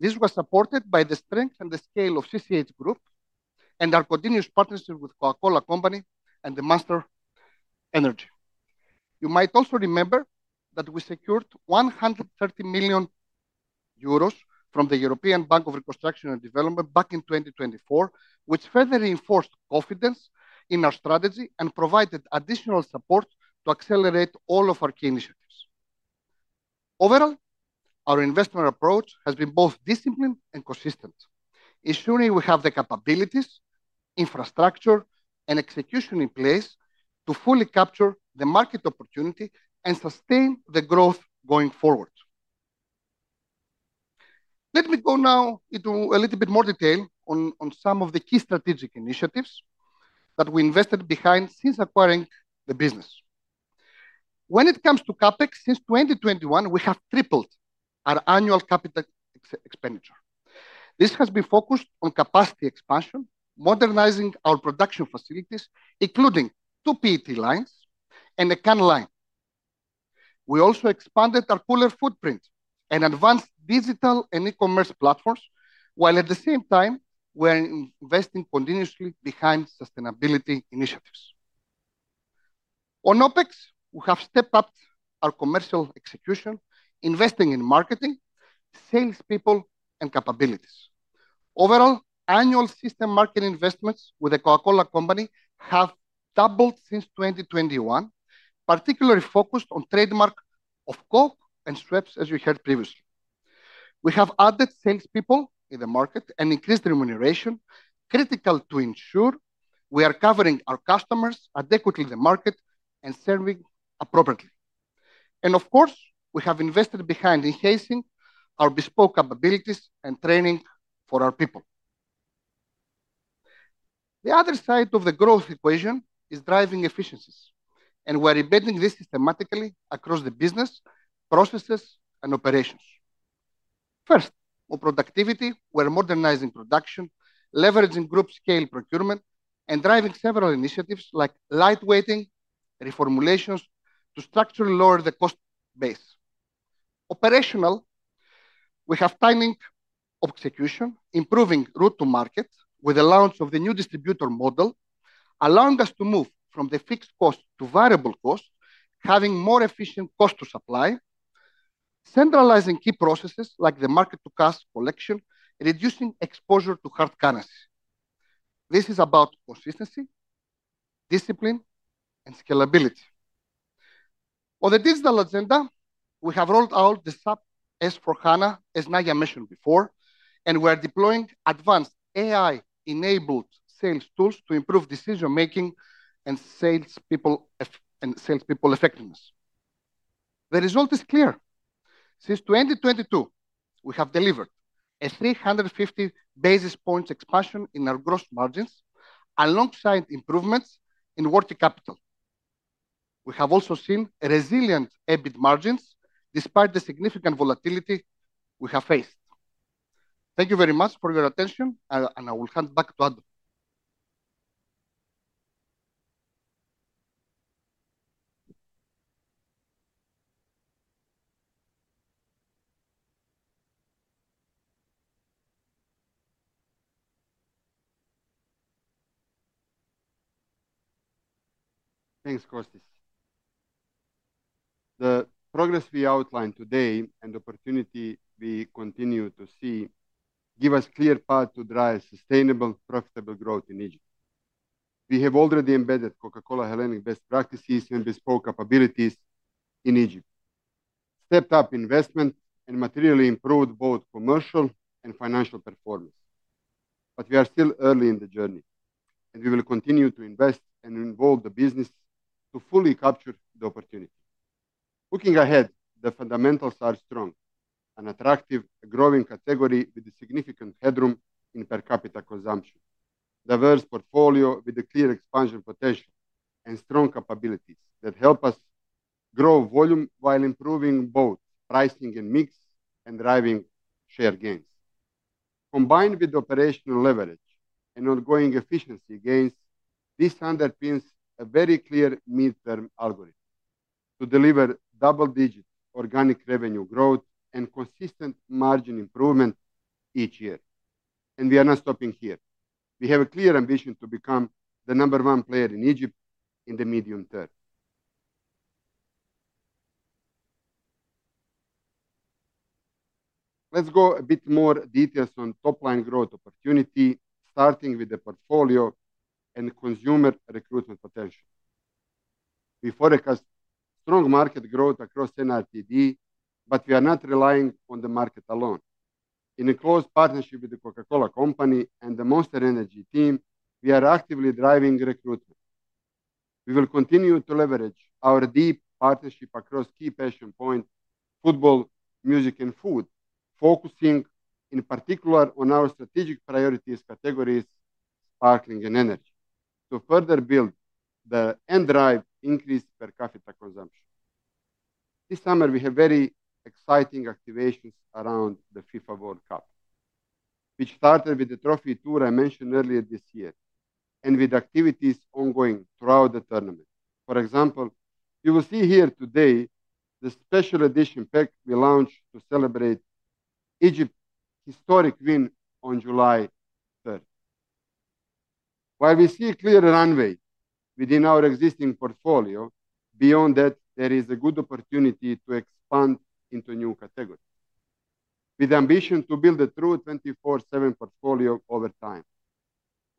This was supported by the strength and the scale of CCH Group and our continuous partnership with The Coca-Cola Company and Monster Energy. You might also remember that we secured 130 million euros from the European Bank for Reconstruction and Development back in 2024, which further reinforced confidence in our strategy and provided additional support to accelerate all of our key initiatives. Overall, our investment approach has been both disciplined and consistent, ensuring we have the capabilities, infrastructure, and execution in place to fully capture the market opportunity and sustain the growth going forward. Let me go now into a little bit more detail on some of the key strategic initiatives that we invested behind since acquiring the business. When it comes to CapEx, since 2021, we have tripled our annual capital expenditure. This has been focused on capacity expansion, modernizing our production facilities, including two PET lines and a can line. We also expanded our cooler footprint and advanced digital and e-commerce platforms, while at the same time, we are investing continuously behind sustainability initiatives. On OpEx, we have stepped up our commercial execution, investing in marketing, salespeople, and capabilities. Overall, annual system marketing investments with The Coca-Cola Company have doubled since 2021, particularly focused on trademark of Coke and Schweppes, as you heard previously. We have added salespeople in the market and increased remuneration, critical to ensure we are covering our customers adequately in the market and serving appropriately. Of course, we have invested behind enhancing our bespoke capabilities and training for our people. The other side of the growth equation is driving efficiencies, and we are embedding this systematically across the business processes and operations. First, on productivity, we are modernizing production, leveraging group scale procurement, and driving several initiatives like lightweighting, reformulations to structurally lower the cost base. Operationally, we have timing of execution, improving route to market with the launch of the new distributor model, allowing us to move from the fixed cost to variable cost, having more efficient cost to supply, centralizing key processes like the market to cash collection, reducing exposure to hard currency. This is about consistency, discipline, and scalability. On the digital agenda, we have rolled out the SAP S/4HANA, as Naya mentioned before, and we are deploying advanced AI-enabled sales tools to improve decision making and salespeople effectiveness. The result is clear. Since 2022, we have delivered a 350 basis points expansion in our gross margins alongside improvements in working capital. We have also seen resilient EBIT margins despite the significant volatility we have faced. Thank you very much for your attention, and I will hand back to Ado. Thanks, Kostis. The progress we outlined today and opportunity we continue to see give us clear path to drive sustainable, profitable growth in Egypt. We have already embedded Coca-Cola Hellenic best practices and bespoke capabilities in Egypt, stepped up investment and materially improved both commercial and financial performance. We are still early in the journey, and we will continue to invest and involve the business to fully capture the opportunity. Looking ahead, the fundamentals are strong and attractive. A growing category with a significant headroom in per capita consumption, diverse portfolio with a clear expansion potential, and strong capabilities that help us grow volume while improving both pricing and mix, and driving share gains. Combined with operational leverage and ongoing efficiency gains, this underpins a very clear midterm algorithm to deliver double-digit organic revenue growth and consistent margin improvement each year. We are not stopping here. We have a clear ambition to become the number one player in Egypt in the medium term. Let's go a bit more details on top line growth opportunity, starting with the portfolio and consumer recruitment potential. We forecast strong market growth across NARTD, but we are not relying on the market alone. In a close partnership with The Coca-Cola Company and the Monster Energy team, we are actively driving recruitment. We will continue to leverage our deep partnership across key passion points, football, music, and food, focusing in particular on our strategic priorities categories, sparkling and energy, to further build the and drive increased per capita consumption. This summer we have very exciting activations around the FIFA World Cup, which started with the trophy tour I mentioned earlier this year, and with activities ongoing throughout the tournament. For example, you will see here today the special edition pack we launched to celebrate Egypt historic win on July 3rd. While we see a clear runway within our existing portfolio, beyond that, there is a good opportunity to expand into new categories. With the ambition to build a true 24/7 portfolio over time.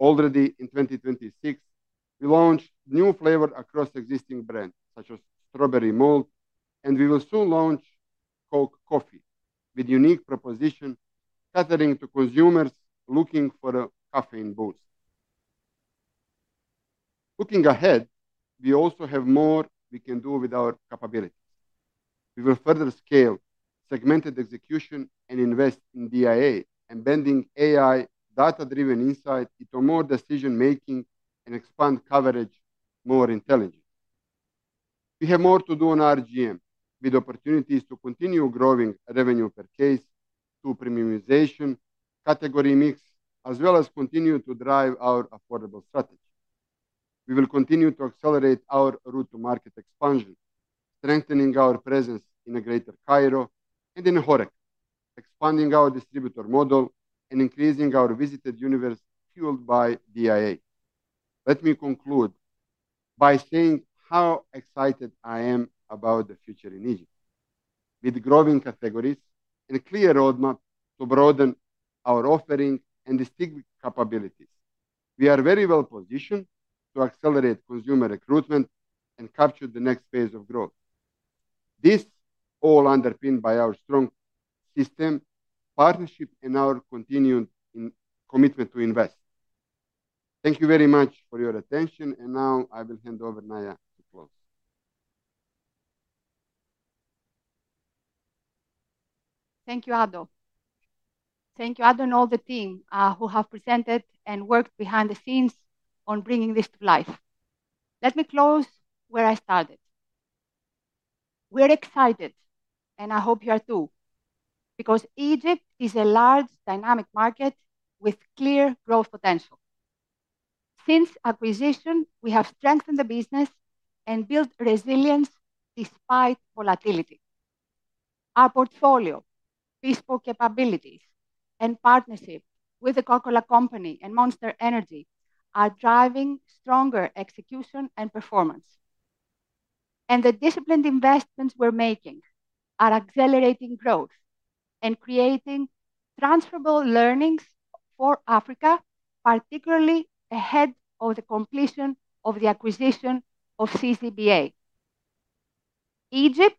Already in 2026, we launched new flavor across existing brands such as strawberry malt, and we will soon launch Coke Coffee with unique proposition, catering to consumers looking for a caffeine boost. Looking ahead, we also have more we can do with our capabilities. We will further scale segmented execution and invest in DIA, embedding AI data-driven insight into more decision making and expand coverage more intelligently. We have more to do on RGM with opportunities to continue growing revenue per case through premiumization, category mix, as well as continue to drive our affordable strategy. We will continue to accelerate our route to market expansion, strengthening our presence in the Greater Cairo and in HoReCa, expanding our distributor model and increasing our visited universe fueled by DIA. Let me conclude by saying how excited I am about the future in Egypt. With growing categories and a clear roadmap to broaden our offering and distinct capabilities, we are very well positioned to accelerate consumer recruitment and capture the next phase of growth. This all underpinned by our strong system partnership and our continued commitment to invest. Thank you very much for your attention. Now I will hand over Naya to close. Thank you, Ado. Thank you, Ado and all the team who have presented and worked behind the scenes on bringing this to life. Let me close where I started. We're excited, and I hope you are too, because Egypt is a large, dynamic market with clear growth potential. Since acquisition, we have strengthened the business and built resilience despite volatility. Our portfolio, bespoke capabilities, and partnership with The Coca-Cola Company and Monster Energy are driving stronger execution and performance. The disciplined investments we're making are accelerating growth and creating transferable learnings for Africa, particularly ahead of the completion of the acquisition of CCBA. Egypt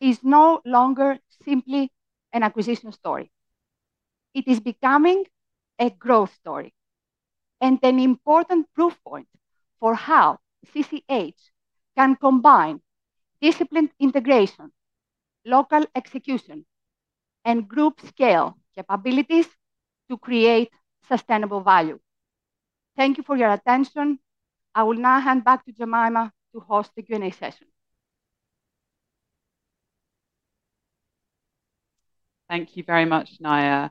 is no longer simply an acquisition story. It is becoming a growth story and an important proof point for how CCH can combine disciplined integration, local execution, and group scale capabilities to create sustainable value. Thank you for your attention. I will now hand back to Jemima to host the Q&A session. Thank you very much, Naya.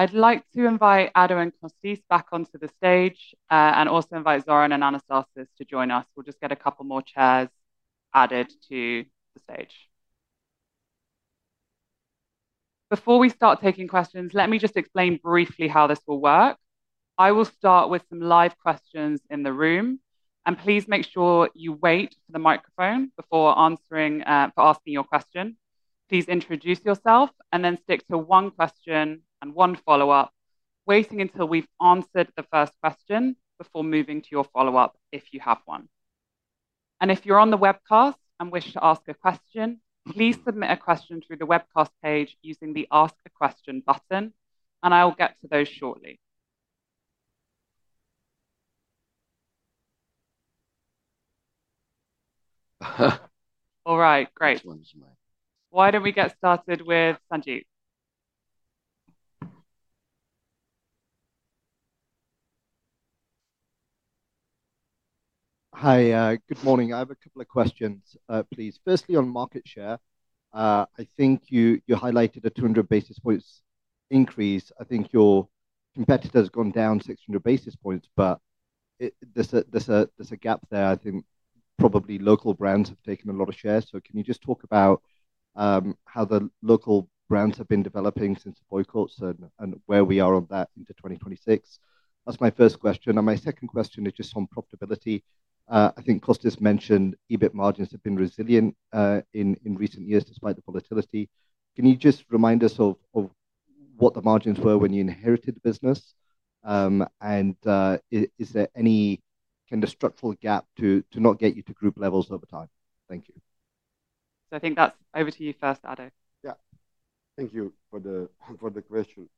I'd like to invite Ado and Kostis back onto the stage, and also invite Zoran and Anastasis to join us. We'll just get a couple more chairs added to the stage. Before we start taking questions, let me just explain briefly how this will work. I will start with some live questions in the room, and please make sure you wait for the microphone before asking your question. Please introduce yourself and then stick to one question and one follow-up, waiting until we've answered the first question before moving to your follow-up, if you have one. If you're on the webcast and wish to ask a question, please submit a question through the webcast page using the Ask a Question button, and I will get to those shortly. All right, great. This one's mine. Why don't we get started with Sanjheet? Hi, good morning. I have a couple of questions, please. Firstly, on market share, I think you highlighted a 200 basis points increase. I think your competitor's gone down 600 basis points, but there's a gap there. I think probably local brands have taken a lot of shares. Can you just talk about how the local brands have been developing since the boycotts and where we are on that into 2026? That's my first question. My second question is just on profitability. I think Kostis mentioned EBIT margins have been resilient in recent years despite the volatility. Can you just remind us of what the margins were when you inherited the business? Is there any structural gap to not get you to group levels over time? Thank you. I think that's over to you first, Ado. Yeah. Thank you for the question.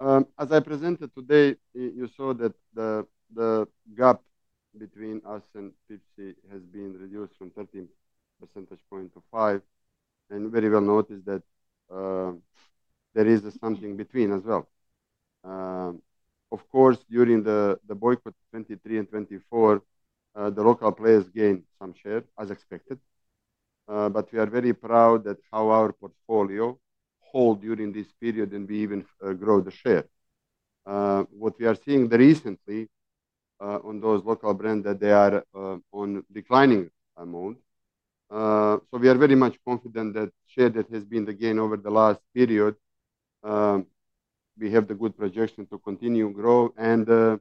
As I presented today, you saw that the gap between us and Pepsi has been reduced from 13 percentage point to five, very well noticed that there is something between as well. Of course, during the boycott 2023 and 2024, the local players gained some share, as expected. We are very proud at how our portfolio hold during this period, and we even grow the share. What we are seeing recently on those local brand, that they are on declining amount. We are very much confident that share that has been the gain over the last period, we have the good projection to continue grow and,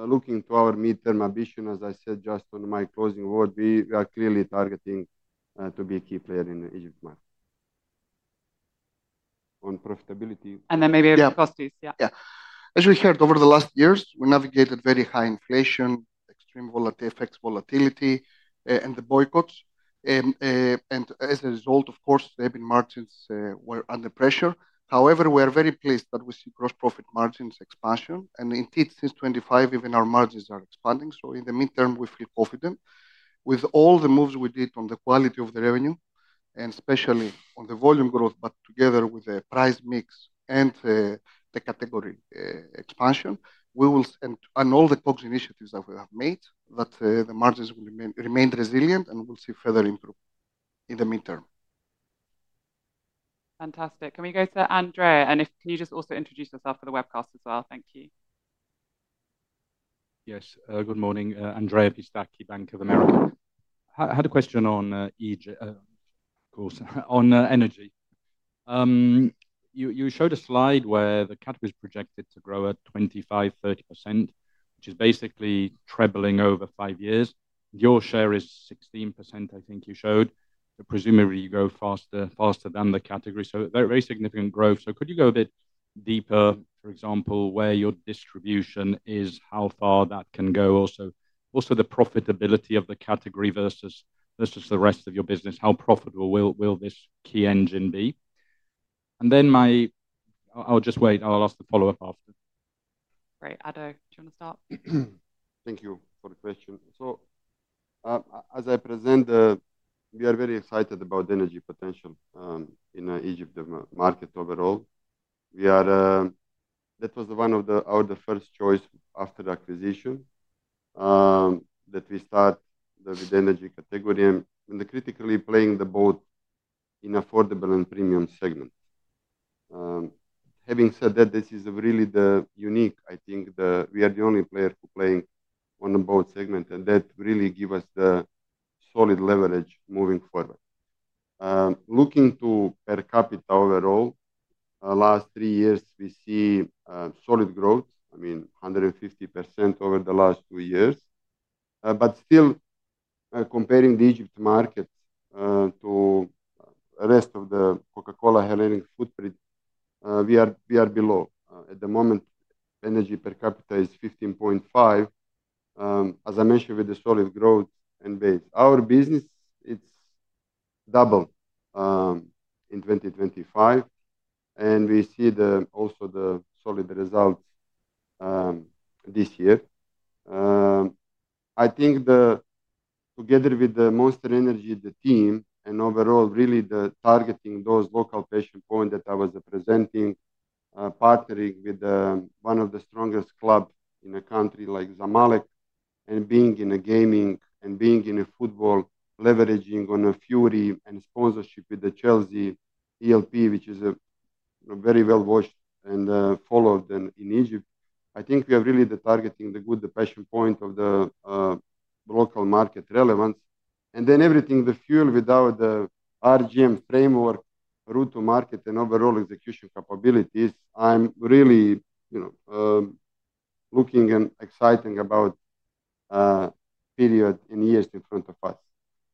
looking to our midterm ambition, as I said just on my closing word, we are clearly targeting to be a key player in the Egypt market. On profitability- Then maybe over to Kostis. Yeah. As you heard, over the last years, we navigated very high inflation, extreme effects volatility, and the boycotts. As a result, of course, the EBIT margins were under pressure. However, we are very pleased that we see gross profit margins expansion, and indeed since 2025, even our margins are expanding. In the midterm, we feel confident. With all the moves we did on the quality of the revenue, and especially on the volume growth, but together with the price mix and the category expansion, and all the COGS initiatives that we have made, that the margins will remain resilient, and we'll see further improvement in the midterm. Fantastic. Can we go to Andrea? Can you just also introduce yourself for the webcast as well? Thank you. Good morning, Andrea Pistacchi, Bank of America. I had a question on energy. You showed a slide where the category's projected to grow at 25%-30%, which is basically trebling over five years. Your share is 16%, I think you showed. Presumably, you grow faster than the category, so very significant growth. Could you go a bit deeper, for example, where your distribution is, how far that can go? Also, the profitability of the category versus the rest of your business, how profitable will this key engine be? Then I'll just wait. I'll ask the follow-up after. Great. Ado, do you want to start? Thank you for the question. As I present, we are very excited about the energy potential in the Egypt market overall. That was one of our first choice after the acquisition, that we start with the energy category and the critically playing the both in affordable and premium segments. Having said that, this is really the unique, I think we are the only player who playing on both segment, that really give us the solid leverage moving forward. Looking to per capita overall, last three years, we see solid growth, I mean, 150% over the last two years. Still, comparing the Egypt market to rest of the Coca-Cola Hellenic footprint, we are below. At the moment, energy per capita is 15.5. As I mentioned, with the solid growth and base. Our business, it's double in 2025. We see also the solid results this year. I think together with the Monster Energy, the team, overall really targeting those local passion point that I was presenting, partnering with one of the strongest club in a country like Zamalek and being in a gaming and being in a football, leveraging on a Fury and sponsorship with the Chelsea EPL, which is a very well-watched and followed in Egypt. I think we are really the targeting the good, the passion point of the local market relevance. Everything, the fuel without the RGM framework, route to market and overall execution capabilities. I'm really looking and exciting about period in years in front of us.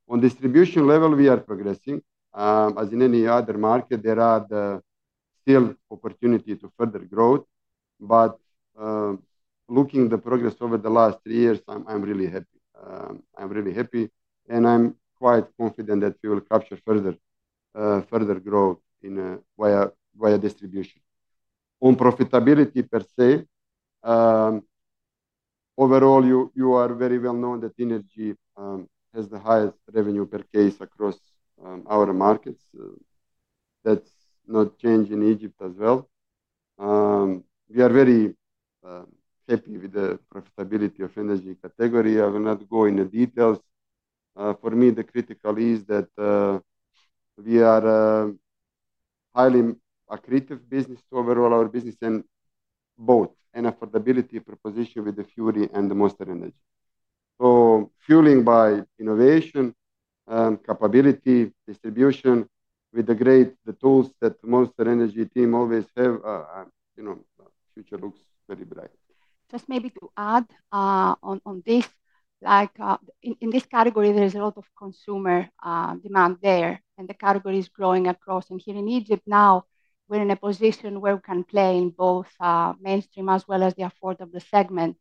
On distribution level, we are progressing. As in any other market, there are still opportunity to further growth, but looking the progress over the last three years, I'm really happy. I'm really happy. I'm quite confident that we will capture further growth via distribution. On profitability per se, overall, you are very well known that energy has the highest revenue per case across our markets. That's not changed in Egypt as well. We are very happy with the profitability of energy category. I will not go into details. For me, the critical is that we are a highly accretive business to overall our business and both an affordability proposition with the Fury and the Monster Energy. Fueling by innovation and capability, distribution with the great tools that Monster Energy team always have, future looks very bright. In this category, there's a lot of consumer demand there, and the category is growing across. Here in Egypt now we're in a position where we can play in both mainstream as well as the affordable segment.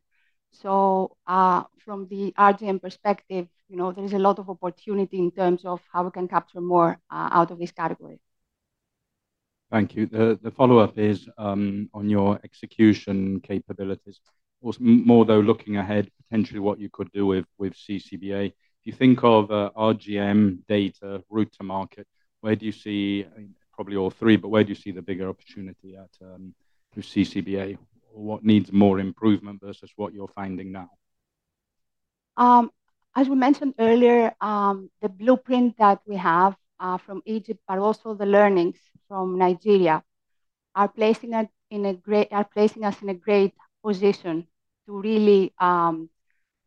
From the RGM perspective, there's a lot of opportunity in terms of how we can capture more out of this category. Thank you. The follow-up is on your execution capabilities. More though, looking ahead potentially what you could do with CCBA. If you think of RGM data route to market, where do you see, probably all three, but where do you see the bigger opportunity at through CCBA? What needs more improvement versus what you're finding now? As we mentioned earlier, the blueprint that we have from Egypt, but also the learnings from Nigeria are placing us in a great position to really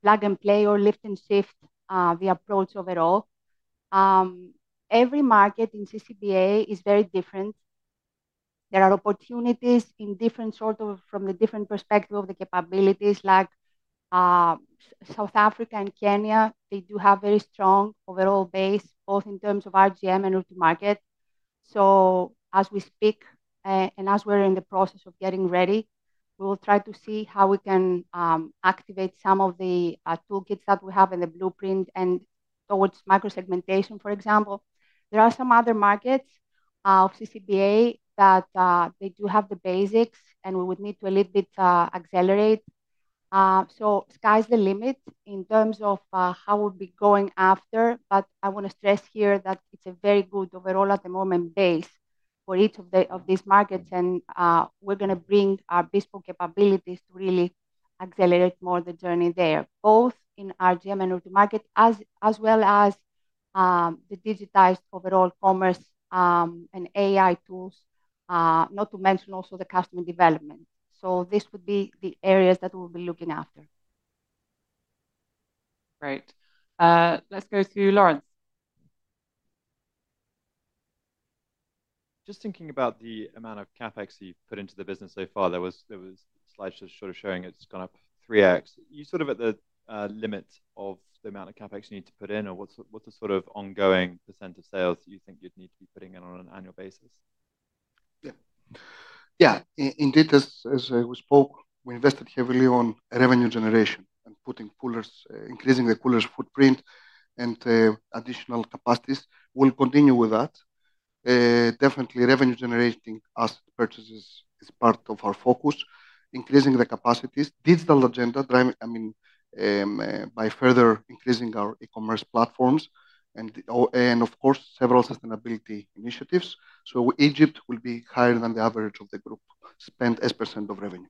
plug and play or lift and shift the approach overall. Every market in CCBA is very different. There are opportunities in different sort of, from the different perspective of the capabilities, like South Africa and Kenya, they do have very strong overall base, both in terms of RGM and route to market. As we speak and as we're in the process of getting ready, we will try to see how we can activate some of the toolkits that we have in the blueprint and towards micro segmentation, for example. There are some other markets of CCBA that they do have the basics and we would need to a little bit accelerate. Sky's the limit in terms of how we'll be going after, but I want to stress here that it's a very good overall at the moment base for each of these markets. We're going to bring our bespoke capabilities to really accelerate more the journey there, both in RGM and route to market as well as the digitized overall commerce and AI tools, not to mention also the customer development. This would be the areas that we'll be looking after. Great. Let's go to [Lawrence]. Just thinking about the amount of CapEx you've put into the business so far. There was a slide sort of showing it's gone up 3X. You sort of at the limit of the amount of CapEx you need to put in, or what's the sort of ongoing percent of sales you think you'd need to be putting in on an annual basis? Yeah. Indeed, as we spoke, we invested heavily on revenue generation and putting coolers, increasing the coolers footprint and additional capacities. We'll continue with that. Definitely revenue generating asset purchases is part of our focus, increasing the capacities, digital agenda driving by further increasing our e-commerce platforms and of course, several sustainability initiatives. Egypt will be higher than the average of the group spend as percent of revenue.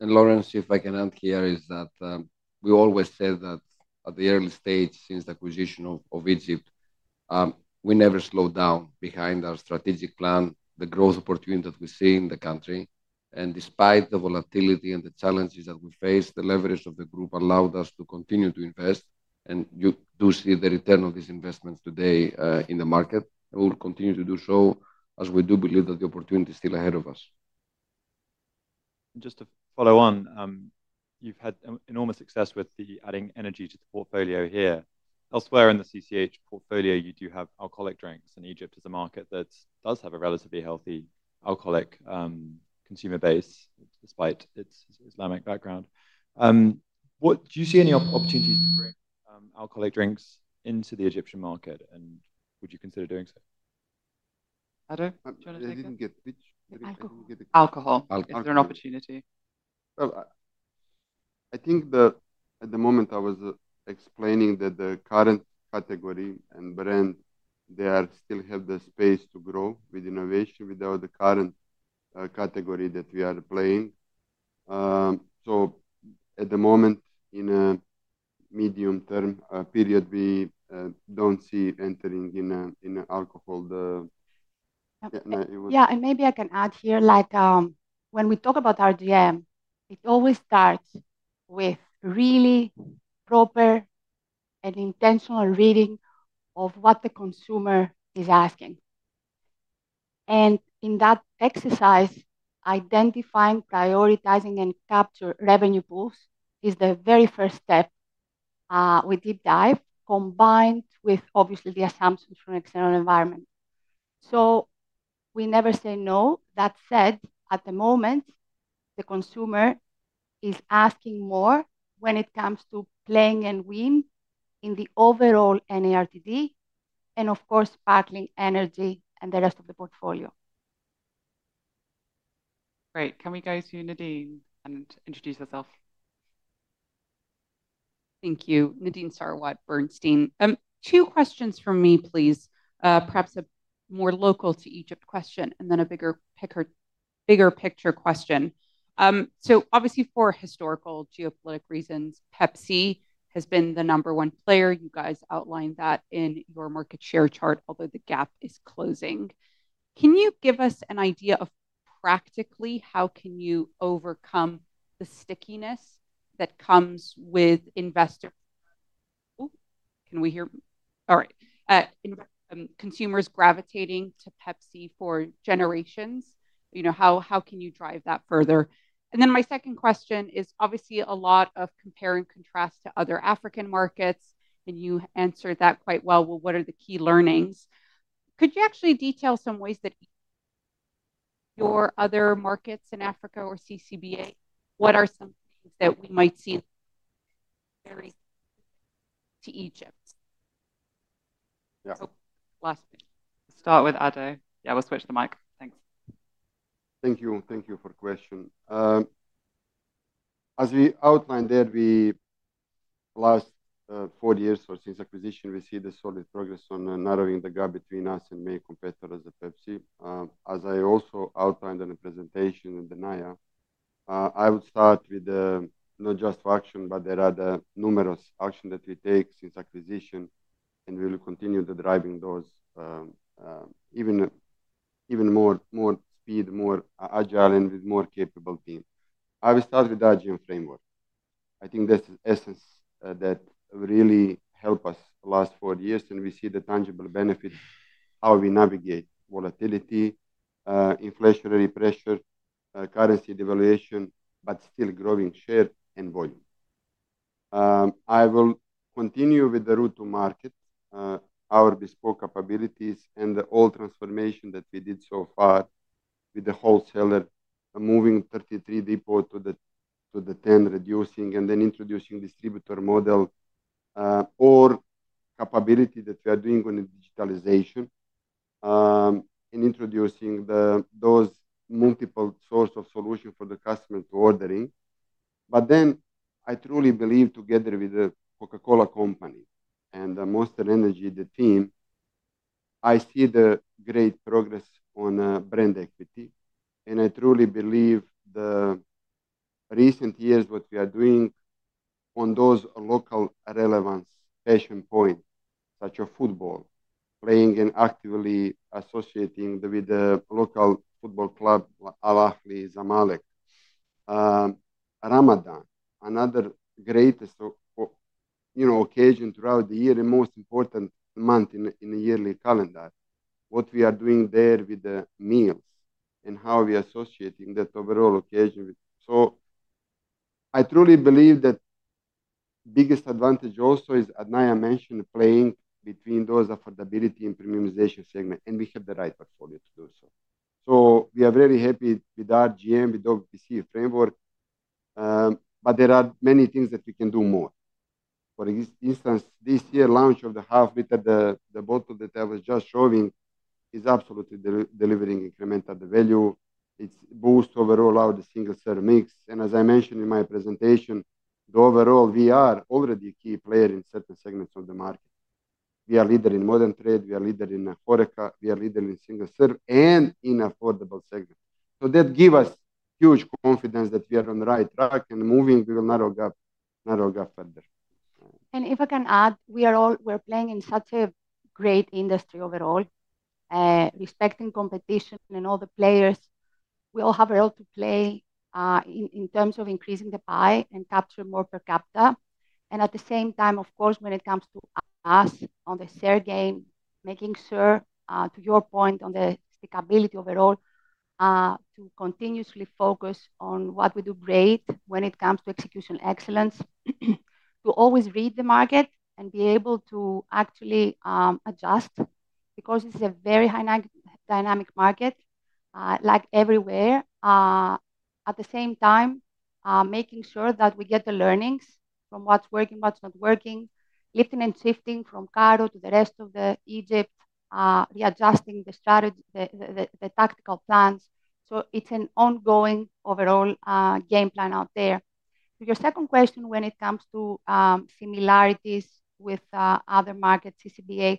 [Lawrence], if I can add here is that we always said that at the early stage since the acquisition of Egypt, we never slowed down behind our strategic plan, the growth opportunity that we see in the country. Despite the volatility and the challenges that we face, the leverage of the group allowed us to continue to invest. You do see the return of these investments today in the market, and we will continue to do so as we do believe that the opportunity is still ahead of us. Just to follow on, you've had enormous success with the adding energy to the portfolio here. Elsewhere in the CCH portfolio, you do have alcoholic drinks, and Egypt is a market that does have a relatively healthy alcoholic consumer base despite its Islamic background. Do you see any opportunities to bring alcoholic drinks into the Egyptian market, and would you consider doing so? Ado, do you want to take it? I didn't get, which? Alcohol. Alcohol. Alcohol. Is there an opportunity? Well, I think at the moment I was explaining that the current category and brand, they still have the space to grow with innovation without the current category that we are playing. At the moment, in a medium-term period, we don't see entering in alcohol. Yeah, maybe I can add here, when we talk about RGM, it always starts with really proper and intentional reading of what the consumer is asking. In that exercise, identifying, prioritizing, and capture revenue pools is the very first step. We deep dive, combined with obviously the assumptions from external environment. We never say no. That said, at the moment, the consumer is asking more when it comes to playing and win in the overall NRTD, and of course, sparkling energy and the rest of the portfolio. Great. Can we go to you, Nadine, and introduce yourself? Thank you. Nadine Sarwat Bernstein. Two questions from me, please. Perhaps a more local to Egypt question and then a bigger picture question. Obviously, for historical geopolitical reasons, Pepsi has been the number one player. You guys outlined that in your market share chart, although the gap is closing. Can you give us an idea of practically how can you overcome the stickiness that comes with consumers gravitating to Pepsi for generations? Can we hear? All right. How can you drive that further? My second question is obviously a lot of compare and contrast to other African markets, and you answered that quite well with what are the key learnings. Could you actually detail some ways that your other markets in Africa or CCBA, what are some things that we might see very to Egypt? Yeah. last bit. Start with Ado. Yeah, we'll switch the mic. Thanks. Thank you. Thank you for question. As we outlined there, last four years or since acquisition, we see the solid progress on narrowing the gap between us and main competitor as a Pepsi. As I also outlined in the presentation and the Naya, I would start with not just one action, but there are the numerous action that we take since acquisition. We will continue to driving those even more speed, more agile, and with more capable team. I will start with RGM framework. I think that's the essence that really help us last four years, and we see the tangible benefit, how we navigate volatility, inflationary pressure, currency devaluation. Still growing share and volume. I will continue with the route to market, our bespoke capabilities. The all transformation that we did so far with the wholesaler. Moving 33 depot to the 10, reducing. Introducing distributor model, our capability that we are doing on a digitalization in introducing those multiple source of solution for the customer to ordering. I truly believe together with The Coca-Cola Company and Monster Energy, the team, I see the great progress on brand equity. I truly believe the recent years what we are doing on those local relevance passion point, such as football, playing and actively associating with the local football club, Al Ahly, Zamalek. Ramadan, another greatest occasion throughout the year and most important month in the yearly calendar. What we are doing there with the meals and how we associating that overall occasion. I truly believe that biggest advantage also is, as Naya mentioned, playing between those affordability and premiumization segment. We have the right portfolio to do so. We are very happy with RGM, with OBPPC framework, but there are many things that we can do more. For instance, this year, launch of the half liter, the bottle that I was just showing is absolutely delivering incremental value. It's boost overall our single serve mix. As I mentioned in my presentation, we are already a key player in certain segments of the market. We are leader in modern trade, we are leader in HoReCa, we are leader in single serve and in affordable segment. That give us huge confidence that we are on the right track and moving, we will narrow gap further. If I can add, we're playing in such a great industry overall. Respecting competition and all the players. We all have a role to play in terms of increasing the pie and capture more per capita. At the same time, of course, when it comes to us on the share game, making sure, to your point on the stickability overall. To continuously focus on what we do great when it comes to execution excellence. To always read the market and be able to actually adjust, because this is a very dynamic market, like everywhere. At the same time, making sure that we get the learnings from what's working, what's not working, lifting and shifting from Cairo to the rest of Egypt, readjusting the tactical plans. It's an ongoing overall game plan out there. To your second question, when it comes to similarities with other markets, CCBA.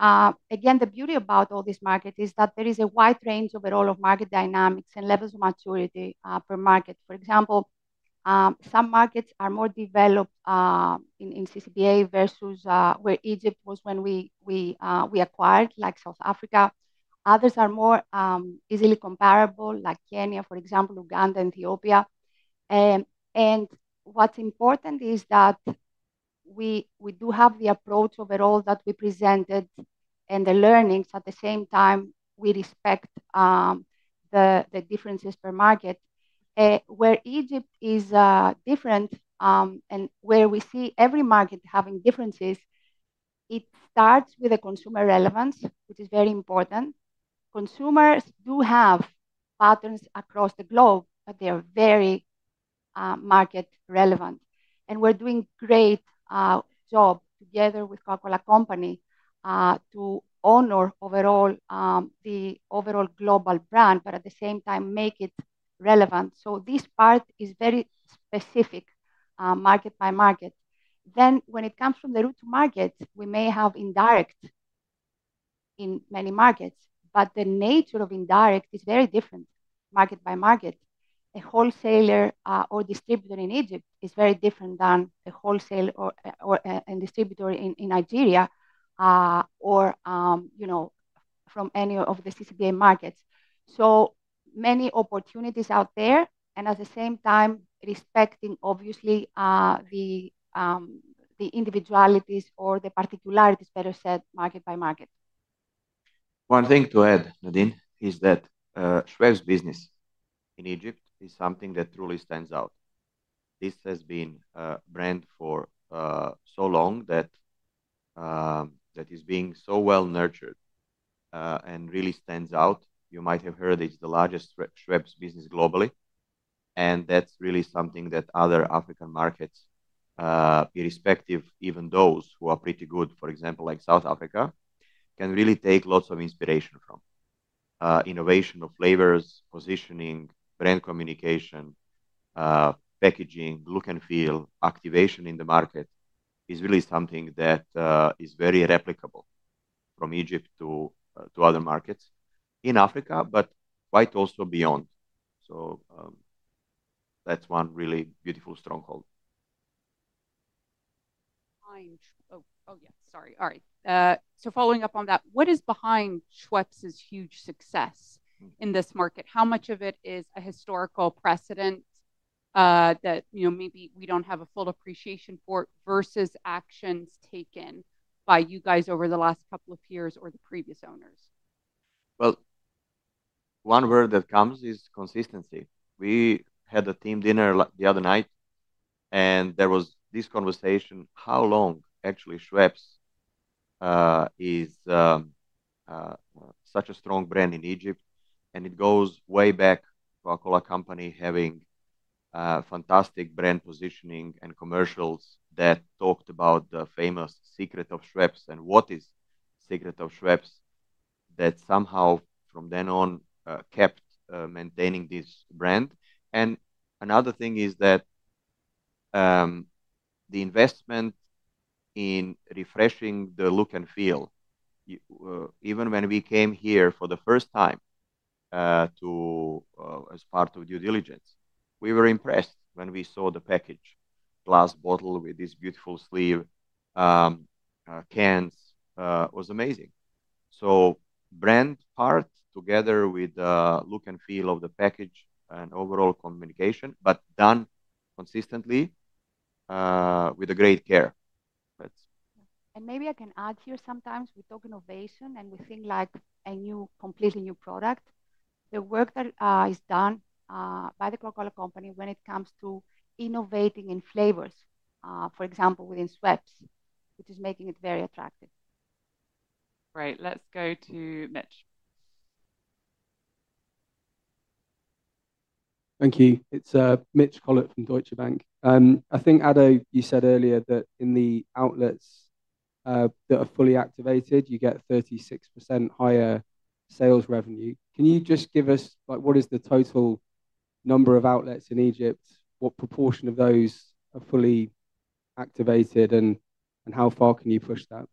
The beauty about all these markets is that there is a wide range overall of market dynamics and levels of maturity per market. For example, some markets are more developed in CCBA versus where Egypt was when we acquired, like South Africa. Others are more easily comparable, like Kenya for example, Uganda, Ethiopia. What's important is that we do have the approach overall that we presented and the learnings. At the same time, we respect the differences per market. Where Egypt is different, and where we see every market having differences, it starts with the consumer relevance, which is very important. Consumers do have patterns across the globe, but they are very market relevant, and we're doing a great job together with Coca-Cola Company to honor the overall global brand, but at the same time, make it relevant. This part is very specific market by market. When it comes from the route to market, we may have indirect in many markets, but the nature of indirect is very different market by market. A wholesaler or distributor in Egypt is very different than a wholesale or a distributor in Nigeria or from any of the CCBA markets. Many opportunities out there, and at the same time, respecting obviously the individualities or the particularities, better said, market by market. One thing to add, Nadine, is that Schweppes business in Egypt is something that truly stands out. This has been a brand for so long that is being so well nurtured and really stands out. You might have heard it's the largest Schweppes business globally, and that's really something that other African markets, irrespective even those who are pretty good, for example, like South Africa, can really take lots of inspiration from. Innovation of flavors, positioning, brand communication, packaging, look and feel, activation in the market is really something that is very replicable from Egypt to other markets in Africa, but quite also beyond. That's one really beautiful stronghold. Oh, yeah. Sorry. All right. Following up on that, what is behind Schweppes' huge success in this market? How much of it is a historical precedent that maybe we don't have a full appreciation for versus actions taken by you guys over the last couple of years or the previous owners? Well, one word that comes is consistency. We had a team dinner the other night and there was this conversation, how long actually Schweppes is such a strong brand in Egypt, and it goes way back to our Cola company having fantastic brand positioning and commercials that talked about the famous secret of Schweppes and what is secret of Schweppes that somehow from then on, kept maintaining this brand. Another thing is that the investment in refreshing the look and feel. Even when we came here for the first time as part of due diligence, we were impressed when we saw the package, glass bottle with this beautiful sleeve, cans. It was amazing. Brand part together with the look and feel of the package and overall communication, but done consistently with great care. Maybe I can add here, sometimes we talk innovation and we think like a completely new product. The work that is done by The Coca-Cola Company when it comes to innovating in flavors, for example, within Schweppes, which is making it very attractive. Right. Let's go to Mitch. Thank you. It's Mitch Collett from Deutsche Bank. I think, Ado, you said earlier that in the outlets that are fully activated, you get 36% higher sales revenue. Can you just give us what is the total number of outlets in Egypt? What proportion of those are fully activated and how far can you push that?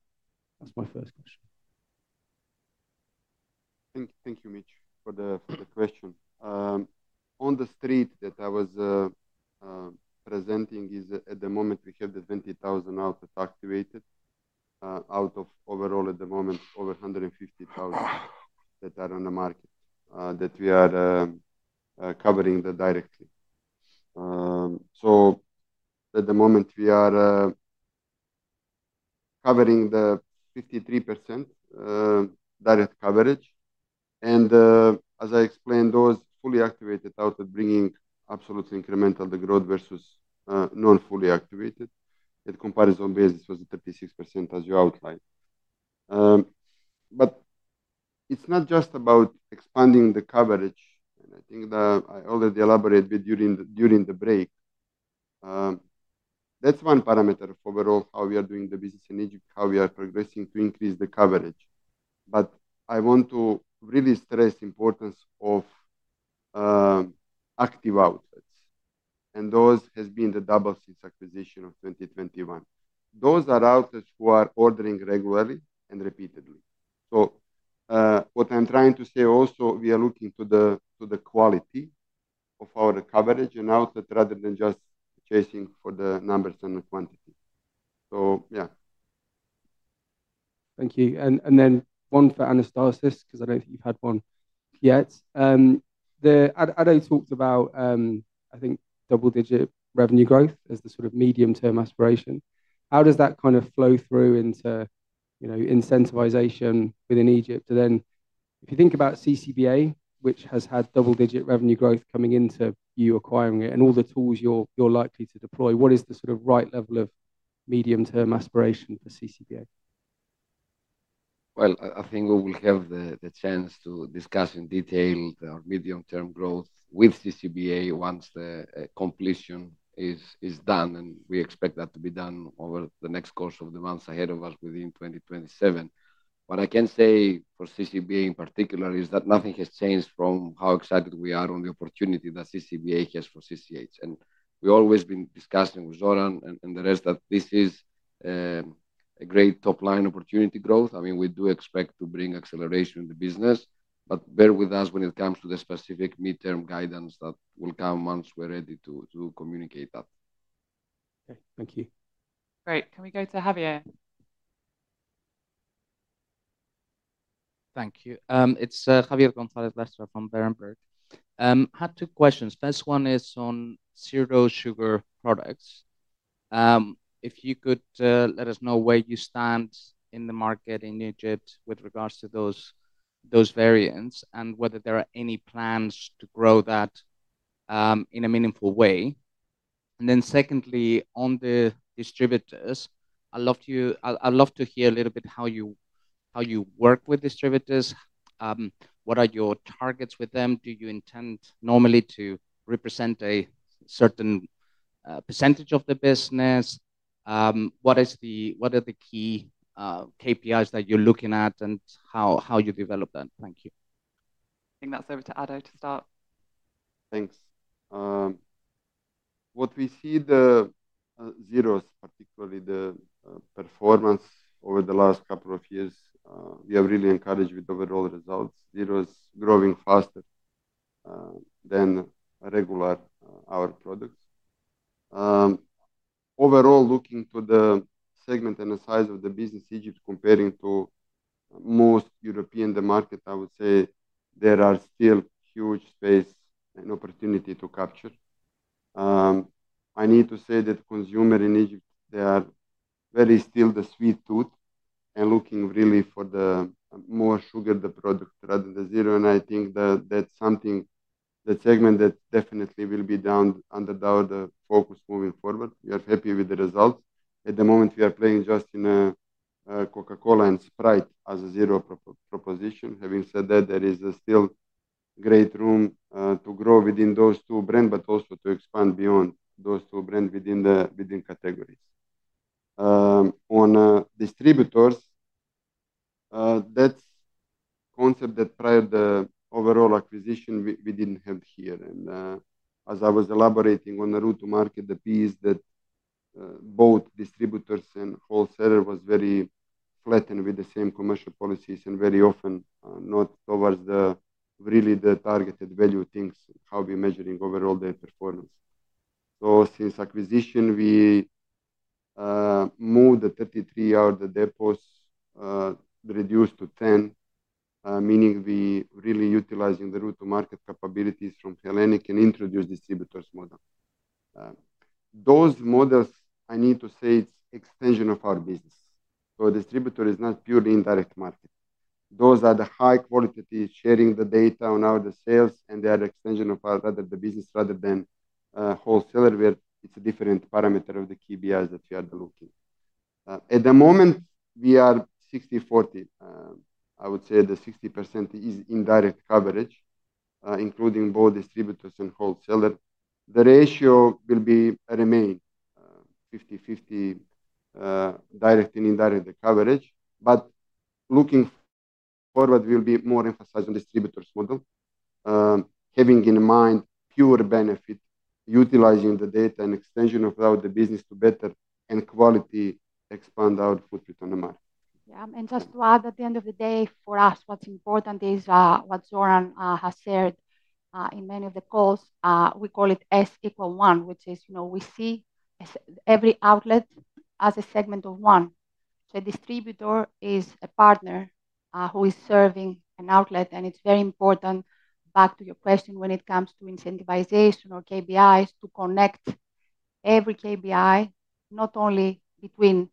That's my first question. Thank you, Mitch, for the question. On the street that I was presenting is at the moment, we have the 20,000 outlets activated out of overall at the moment over 150,000 that are on the market, that we are covering directly. At the moment we are Covering the 53% direct coverage. As I explained, those fully activated outlet bringing absolute incremental, the growth versus non-fully activated. The comparison base was 36%, as you outlined. It's not just about expanding the coverage, and I think that I already elaborated during the break. That's one parameter of overall how we are doing the business in Egypt, how we are progressing to increase the coverage. I want to really stress importance of active outlets, and those has been the double since acquisition of 2021. Those are outlets who are ordering regularly and repeatedly. What I'm trying to say also, we are looking to the quality of our coverage and outlet, rather than just chasing for the numbers and the quantity. Yeah. Thank you. Then one for Anastasis, because I don't think you've had one yet. Ado talked about, I think, double-digit revenue growth as the medium-term aspiration. How does that flow through into incentivization within Egypt? If you think about CCBA, which has had double-digit revenue growth coming into you acquiring it and all the tools you're likely to deploy, what is the right level of medium-term aspiration for CCBA? Well, I think we will have the chance to discuss in detail our medium-term growth with CCBA once the completion is done, and we expect that to be done over the next course of the months ahead of us within 2026. What I can say for CCBA in particular is that nothing has changed from how excited we are on the opportunity that CCBA has for CCH. We always been discussing with Zoran and the rest that this is a great top-line opportunity growth. We do expect to bring acceleration in the business, but bear with us when it comes to the specific mid-term guidance that will come once we're ready to communicate that. Okay. Thank you. Great. Can we go to Javier? Thank you. It is Javier Gonzalez Lastra from Berenberg. I have two questions. First one is on zero sugar products. If you could let us know where you stand in the market in Egypt with regards to those variants and whether there are any plans to grow that in a meaningful way. Secondly, on the distributors, I would love to hear a little bit how you work with distributors. What are your targets with them? Do you intend normally to represent a certain percentage of the business? What are the key KPIs that you are looking at and how you develop them? Thank you. I think that is over to Ado to start. Thanks. What we see the zeros, particularly the performance over the last couple of years, we are really encouraged with overall results. Zero is growing faster than regular our products. Overall, looking to the segment and the size of the business, Egypt comparing to most European market, I would say there are still huge space and opportunity to capture. I need to say that consumer in Egypt, they are very still the sweet tooth and looking really for the more sugar the product rather than the zero, and I think that is something, the segment that definitely will be under doubt focus moving forward. We are happy with the results. At the moment, we are playing just in Coca-Cola and Sprite as a zero proposition. Having said that, there is still great room to grow within those two brand, but also to expand beyond those two brand within categories. On distributors, that is concept that prior the overall acquisition we did not have here. As I was elaborating on the route to market, the piece that both distributors and wholesaler was very flattened with the same commercial policies and very often, not towards the really the targeted value things, how we are measuring overall their performance. Since acquisition, we moved the 33 out-depots, reduced to 10, meaning we really utilizing the route to market capabilities from Hellenic and introduce distributors model. Those models, I need to say, it is extension of our business. Distributor is not purely indirect market. Those are the high quality, sharing the data on all the sales, and they are extension of our rather the business rather than wholesaler, where it is a different parameter of the KPIs that we are looking. At the moment, we are 60/40. I would say the 60% is indirect coverage, including both distributors and wholesaler. The ratio will remain 50/50, direct and indirect coverage. Looking forward, we'll be more emphasizing distributors model, having in mind pure benefit, utilizing the data and extension of our business to better and quality expand our footprint on the market. Yeah. Just to add, at the end of the day, for us, what's important is what Zoran has shared in many of the calls, we call it S=1, which is we see every outlet as a segment of one. A distributor is a partner who is serving an outlet, and it's very important, back to your question, when it comes to incentivization or KPIs to connect every KPI, not only between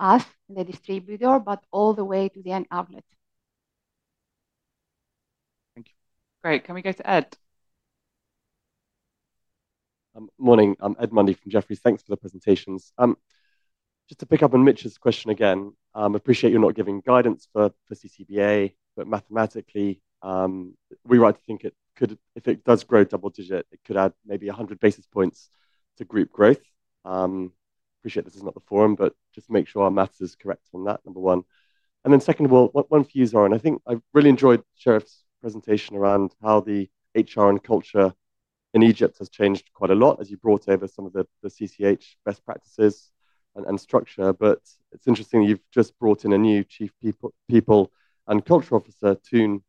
us and the distributor, but all the way to the end outlet. Thank you. Great. Can we go to Ed? Morning. I'm Ed Mundy from Jefferies. Thanks for the presentations. Just to pick up on Mitch's question again, appreciate you're not giving guidance for CCBA, but mathematically, we like to think if it does grow double digit, it could add maybe 100 basis points to group growth. Appreciate this is not the forum, just to make sure our maths is correct on that, number one. Second of all, one for you, Zoran. I think I've really enjoyed Sherif's presentation around how the HR and culture in Egypt has changed quite a lot as you brought over some of the CCH best practices and structure. It's interesting you've just brought in a new Chief People and Culture Officer, Toon,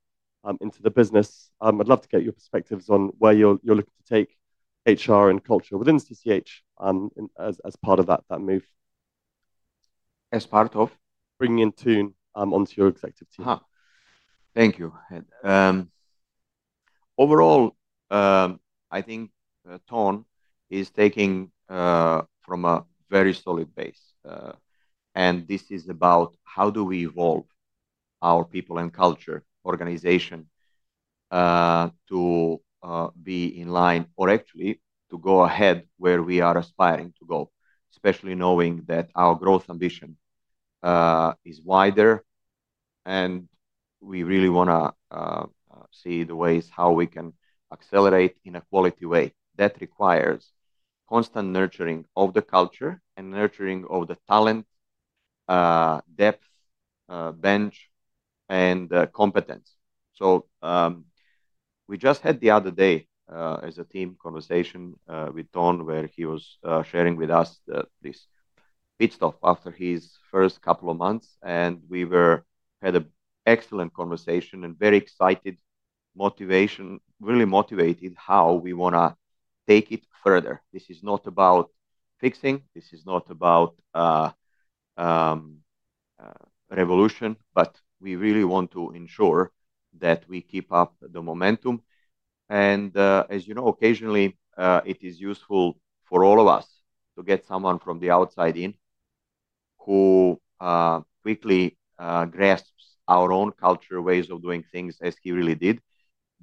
into the business. I'd love to get your perspectives on where you're looking to take HR and culture within CCH as part of that move. As part of? Bringing in Toon onto your executive team. Thank you, Ed. Overall, I think Toon is taking from a very solid base. This is about how do we evolve our people and culture organization to be in line or actually to go ahead where we are aspiring to go, especially knowing that our growth ambition is wider and we really want to see the ways how we can accelerate in a quality way. That requires constant nurturing of the culture and nurturing of the talent, depth, bench and competence. We just had the other day as a team conversation with Toon where he was sharing with us this pit stop after his first couple of months, and we had an excellent conversation and very excited motivation, really motivated how we want to take it further. This is not about fixing, this is not about revolution, but we really want to ensure that we keep up the momentum. As you know, occasionally, it is useful for all of us to get someone from the outside in who quickly grasps our own culture ways of doing things as he really did,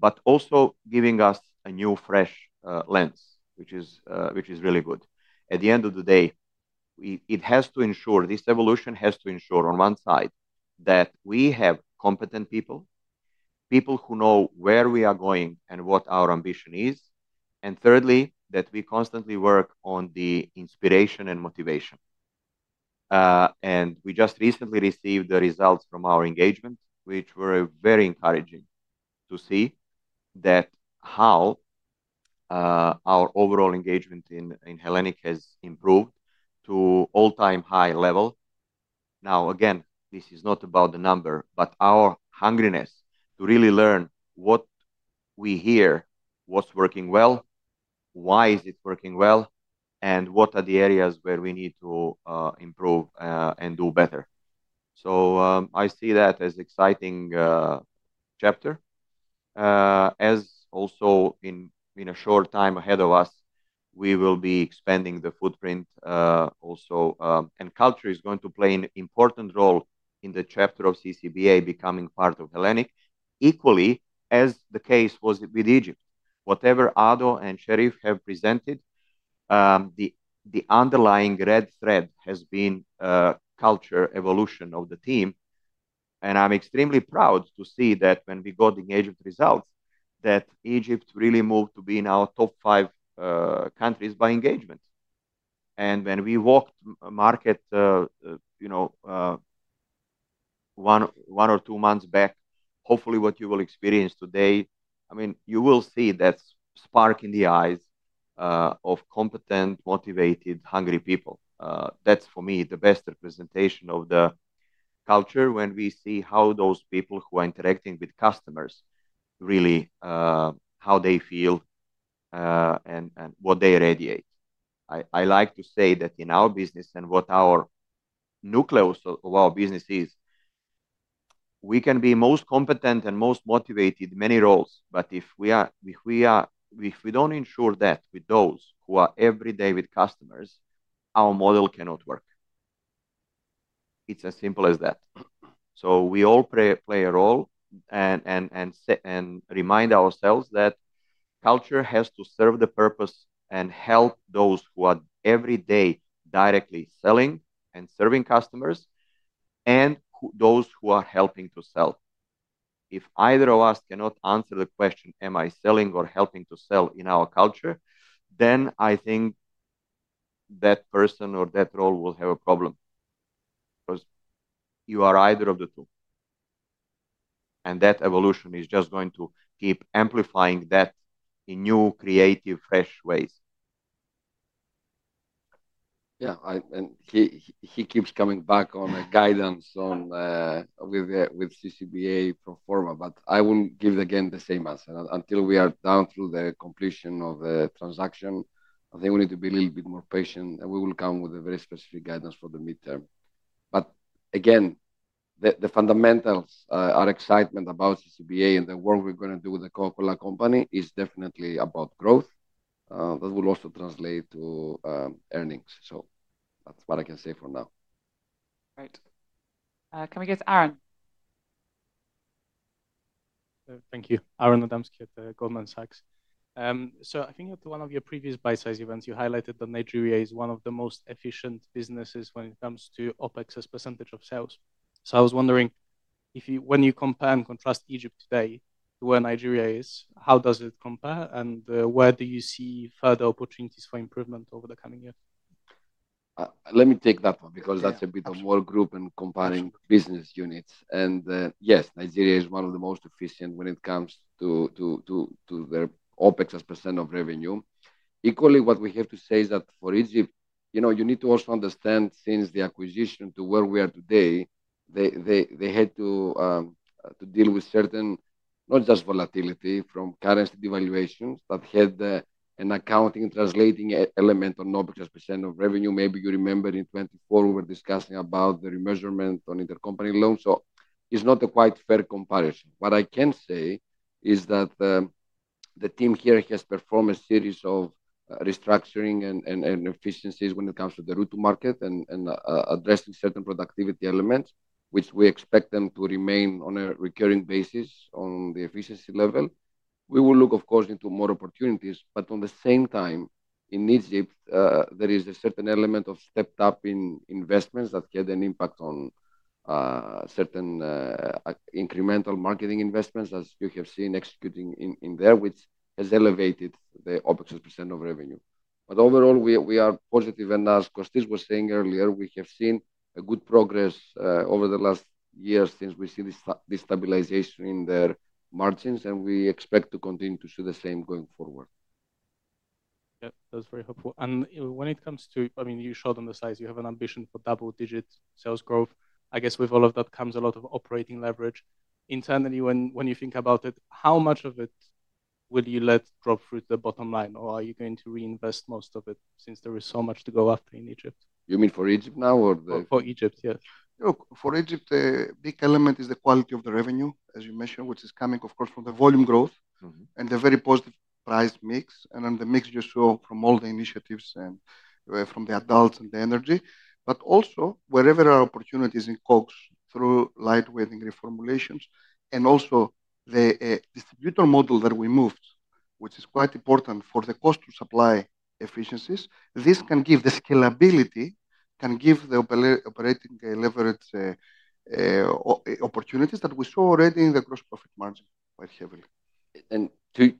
but also giving us a new, fresh lens, which is really good. At the end of the day, this evolution has to ensure on one side that we have competent people who know where we are going and what our ambition is, and thirdly, that we constantly work on the inspiration and motivation. We just recently received the results from our engagement, which were very encouraging to see that how our overall engagement in Hellenic has improved to all-time high level. Now, again, this is not about the number, but our hungriness to really learn what we hear, what's working well, why is it working well, and what are the areas where we need to improve and do better. I see that as exciting chapter. As also in a short time ahead of us, we will be expanding the footprint also, and culture is going to play an important role in the chapter of CCBA becoming part of Hellenic, equally as the case was with Egypt. Whatever Ado and Sherif have presented, the underlying RED thread has been culture evolution of the team. I am extremely proud to see that when we got the engagement results, that Egypt really moved to be in our top five countries by engagement. When we walked market one or two months back, hopefully what you will experience today, you will see that spark in the eyes of competent, motivated, hungry people. That's, for me, the best representation of the culture when we see how those people who are interacting with customers, really how they feel and what they radiate. I like to say that in our business and what our nucleus of our business is, we can be most competent and most motivated many roles, but if we don't ensure that with those who are every day with customers, our model cannot work. It's as simple as that. We all play a role and remind ourselves that culture has to serve the purpose and help those who are every day directly selling and serving customers, and those who are helping to sell. If either of us cannot answer the question, am I selling or helping to sell in our culture, then I think that person or that role will have a problem because you are either of the two. That evolution is just going to keep amplifying that in new, creative, fresh ways. Yeah. He keeps coming back on a guidance with CCBA pro forma, but I will give again the same answer. Until we are down through the completion of the transaction, I think we need to be a little bit more patient, and we will come with a very specific guidance for the midterm. The fundamentals are excitement about CCBA and the work we're going to do with The Coca-Cola Company is definitely about growth that will also translate to earnings. That's what I can say for now. Great. Can we go to Aron? Thank you. Aron Adamski at Goldman Sachs. I think at one of your previous bite-size events, you highlighted that Nigeria is one of the most efficient businesses when it comes to OpEx as percentage of sales. I was wondering, when you compare and contrast Egypt today to where Nigeria is, how does it compare and where do you see further opportunities for improvement over the coming years? Let me take that one because that's a bit of whole group and comparing business units. Yes, Nigeria is one of the most efficient when it comes to their OpEx as percent of revenue. Equally, what we have to say is that for Egypt, you need to also understand since the acquisition to where we are today, they had to deal with certain, not just volatility from currency devaluations, but had an accounting translating element on OpEx as percent of revenue. Maybe you remember in 2024 we were discussing about the remeasurement on intercompany loans, it's not a quite fair comparison. What I can say is that the team here has performed a series of restructuring and efficiencies when it comes to the route to market and addressing certain productivity elements, which we expect them to remain on a recurring basis on the efficiency level. We will look, of course, into more opportunities, on the same time, in Egypt, there is a certain element of stepped up in investments that had an impact on certain incremental marketing investments as you have seen executing in there, which has elevated the OpEx as percent of revenue. Overall, we are positive and as Kostis was saying earlier, we have seen a good progress over the last year since we see this stabilization in their margins, and we expect to continue to see the same going forward. Yeah, that's very helpful. When it comes to, you showed on the slides you have an ambition for double-digit sales growth. I guess with all of that comes a lot of operating leverage. Internally, when you think about it, how much of it will you let drop through to the bottom line or are you going to reinvest most of it since there is so much to go after in Egypt? You mean for Egypt now or? For Egypt, yes. For Egypt, the big element is the quality of the revenue, as you mentioned, which is coming of course from the volume growth and the very positive price mix, then the mix you saw from all the initiatives and from the adults and the energy, but also wherever are opportunities in Coke through lightweight and reformulations and also the distributor model that we moved, which is quite important for the cost to supply efficiencies. This can give the scalability, can give the operating leverage opportunities that we saw already in the gross profit margin quite heavily.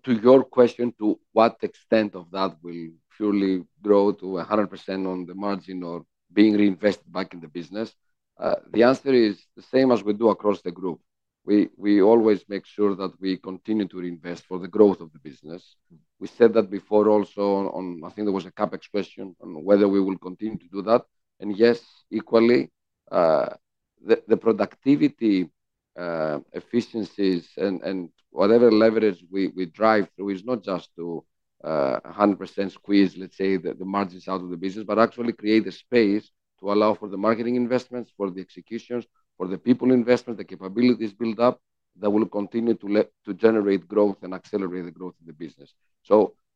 To your question, to what extent of that will purely grow to 100% on the margin or being reinvested back in the business? The answer is the same as we do across the group. We always make sure that we continue to reinvest for the growth of the business. We said that before also on, I think there was a CapEx question on whether we will continue to do that, and yes, equally, the productivity efficiencies and whatever leverage we drive through is not just to 100% squeeze, let's say, the margins out of the business, but actually create a space to allow for the marketing investments, for the executions, for the people investment, the capabilities built up that will continue to generate growth and accelerate the growth of the business.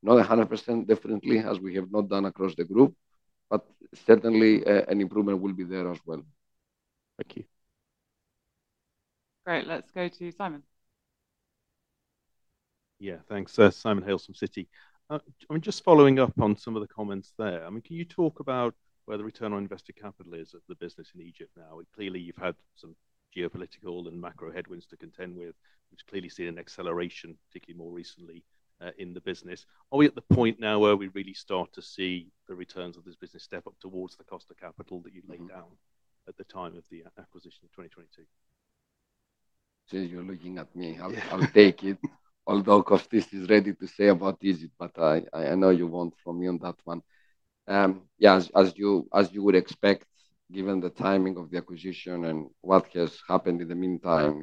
Not 100%, definitely, as we have not done across the group, but certainly, an improvement will be there as well. Thank you. Great. Let's go to Simon. Simon Hales from Citi. Following up on some of the comments there. Can you talk about where the return on invested capital is of the business in Egypt now? Clearly, you've had some geopolitical and macro headwinds to contend with, which clearly see an acceleration, particularly more recently, in the business. Are we at the point now where we really start to see the returns of this business step up towards the cost of capital that you laid down at the time of the acquisition in 2022? Since you're looking at me, I'll take it. Although Kostis is ready to say about Egypt, I know you want from me on that one. As you would expect, given the timing of the acquisition and what has happened in the meantime,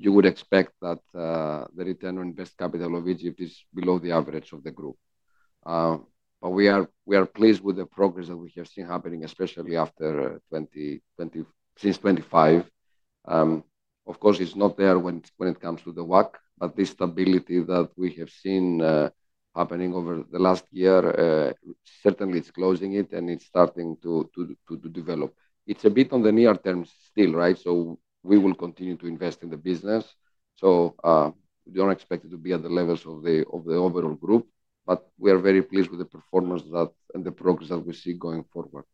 you would expect that the return on invested capital of Egypt is below the average of the group. We are pleased with the progress that we have seen happening, especially since 2025. Of course, it's not there when it comes to the WACC, the stability that we have seen happening over the last year, certainly it's closing it and it's starting to develop. It's a bit on the near term still, right, we will continue to invest in the business. We don't expect it to be at the levels of the overall group, we are very pleased with the performance and the progress that we see going forward.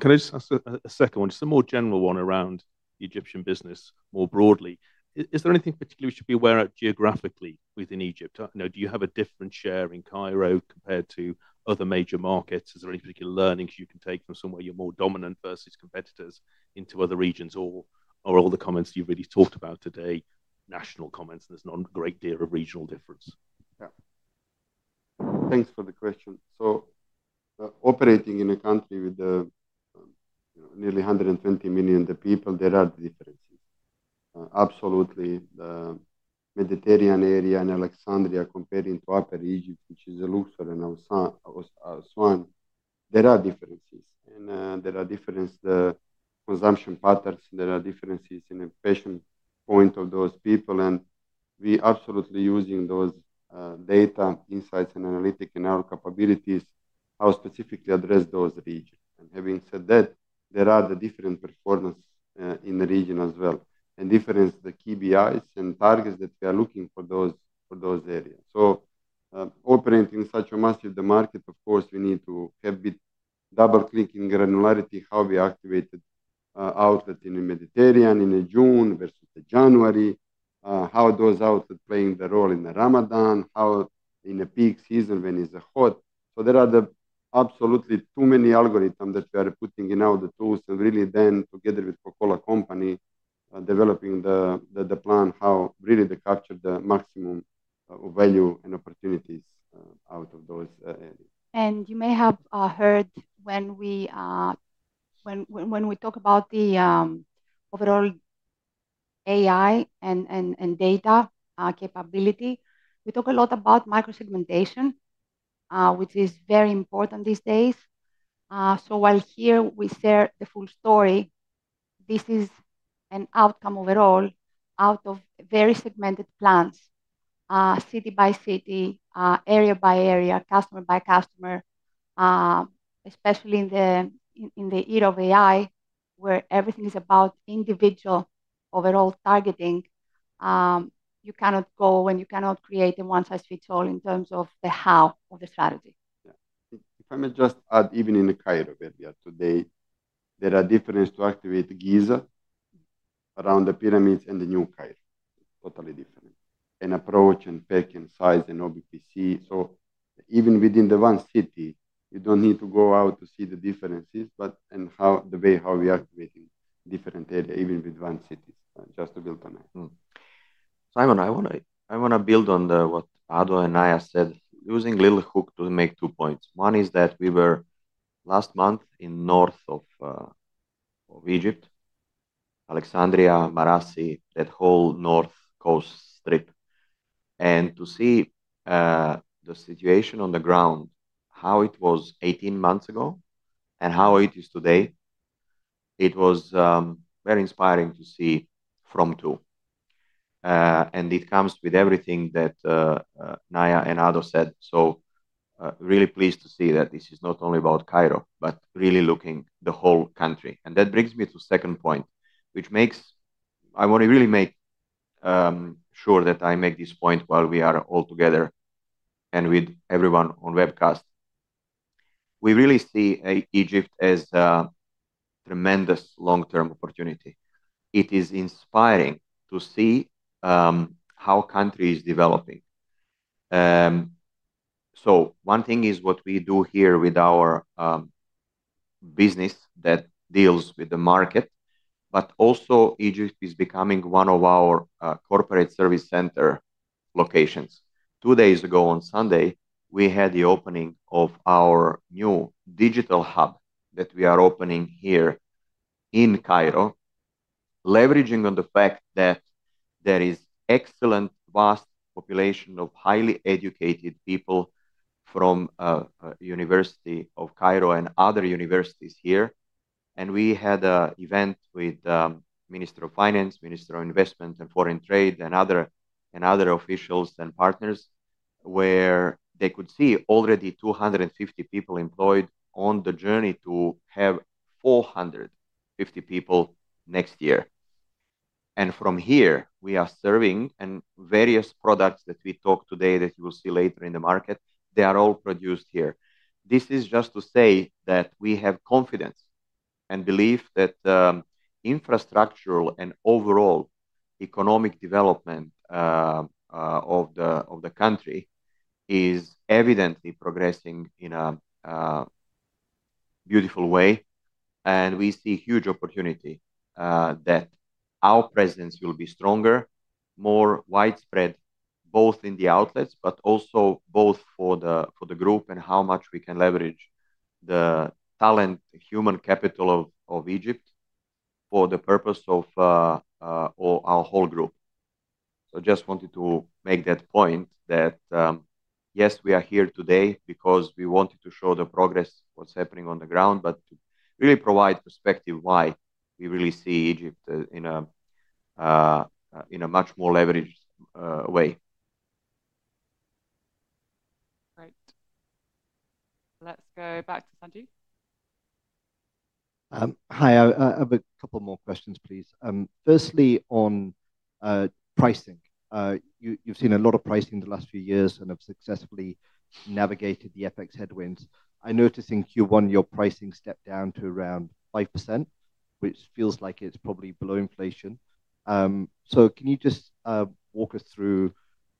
Can I ask a second one, a more general one around the Egyptian business more broadly. Is there anything particular we should be aware of geographically within Egypt? Do you have a different share in Cairo compared to other major markets? Is there any particular learnings you can take from somewhere you're more dominant versus competitors into other regions, or are all the comments you've really talked about today, national comments, there's not a great deal of regional difference? Thanks for the question. Operating in a country with nearly 120 million people, there are differences Absolutely. The Mediterranean area and Alexandria comparing to Upper Egypt, which is Luxor and Aswan, there are differences. There are difference, the consumption patterns, there are differences in the payment point of those people. We absolutely using those data insights and analytic in our capabilities, how specifically address those regions. Having said that, there are the different performance in the region as well, and difference the KPIs and targets that we are looking for those areas. Operating such a massive market, of course, we need to have bit double-click in granularity how we activated outlet in the Mediterranean in the June versus the January. How those outlet playing the role in the Ramadan, how in the peak season when it's hot. There are the absolutely too many algorithm that we are putting in all the tools, and really then together with The Coca-Cola Company, developing the plan how really to capture the maximum value and opportunities out of those areas. You may have heard when we talk about the overall AI and data capability, we talk a lot about micro-segmentation, which is very important these days. While here we share the full story, this is an outcome overall out of very segmented plans, city by city, area by area, customer by customer, especially in the era of AI, where everything is about individual overall targeting. You cannot go and you cannot create a one-size-fits-all in terms of the how of the strategy. Yeah. If I may just add, even in Cairo, where we are today, there are difference to activate Giza around the pyramids and New Cairo. It's totally different. In approach, in packing size, in OBPPC. Even within one city, you don't need to go out to see the differences, but in the way how we are activating different area, even with one city. Just to build on that. Simon, I want to build on what Ado and Naya said, using little hook to make two points. One is that we were last month in north of Egypt, Alexandria, Marassi, that whole north coast strip. To see the situation on the ground, how it was 18 months ago and how it is today, it was very inspiring to see from two. It comes with everything that Naya and Ado said, really pleased to see that this is not only about Cairo, but really looking the whole country. That brings me to second point, which makes me want to really make sure that I make this point while we are all together and with everyone on webcast. We really see Egypt as a tremendous long-term opportunity. It is inspiring to see how country is developing. One thing is what we do here with our business that deals with the market, but also Egypt is becoming one of our corporate service center locations. Two days ago on Sunday, we had the opening of our new digital hub that we are opening here in Cairo, leveraging on the fact that there is excellent, vast population of highly educated people from Cairo University and other universities here. We had an event with Minister of Finance, Minister of Investment and Foreign Trade, and other officials and partners, where they could see already 250 people employed on the journey to have 450 people next year. From here, we are serving, and various products that we talk today that you will see later in the market, they are all produced here. This is just to say that we have confidence and belief that infrastructural and overall economic development of the country is evidently progressing in a beautiful way. We see huge opportunity that our presence will be stronger, more widespread, both in the outlets but also for the group and how much we can leverage the talent, human capital of Egypt for the purpose of our whole group. Just wanted to make that point that, yes, we are here today because we wanted to show the progress, what's happening on the ground, but to really provide perspective on why we really see Egypt in a much more leveraged way. Great. Let's go back to Sanjheet. Hi. I've a couple more questions, please. Firstly, on pricing. You've seen a lot of pricing in the last few years and have successfully navigated the FX headwinds. I notice in Q1 your pricing stepped down to around 5%, which feels like it's probably below inflation. Can you just walk us through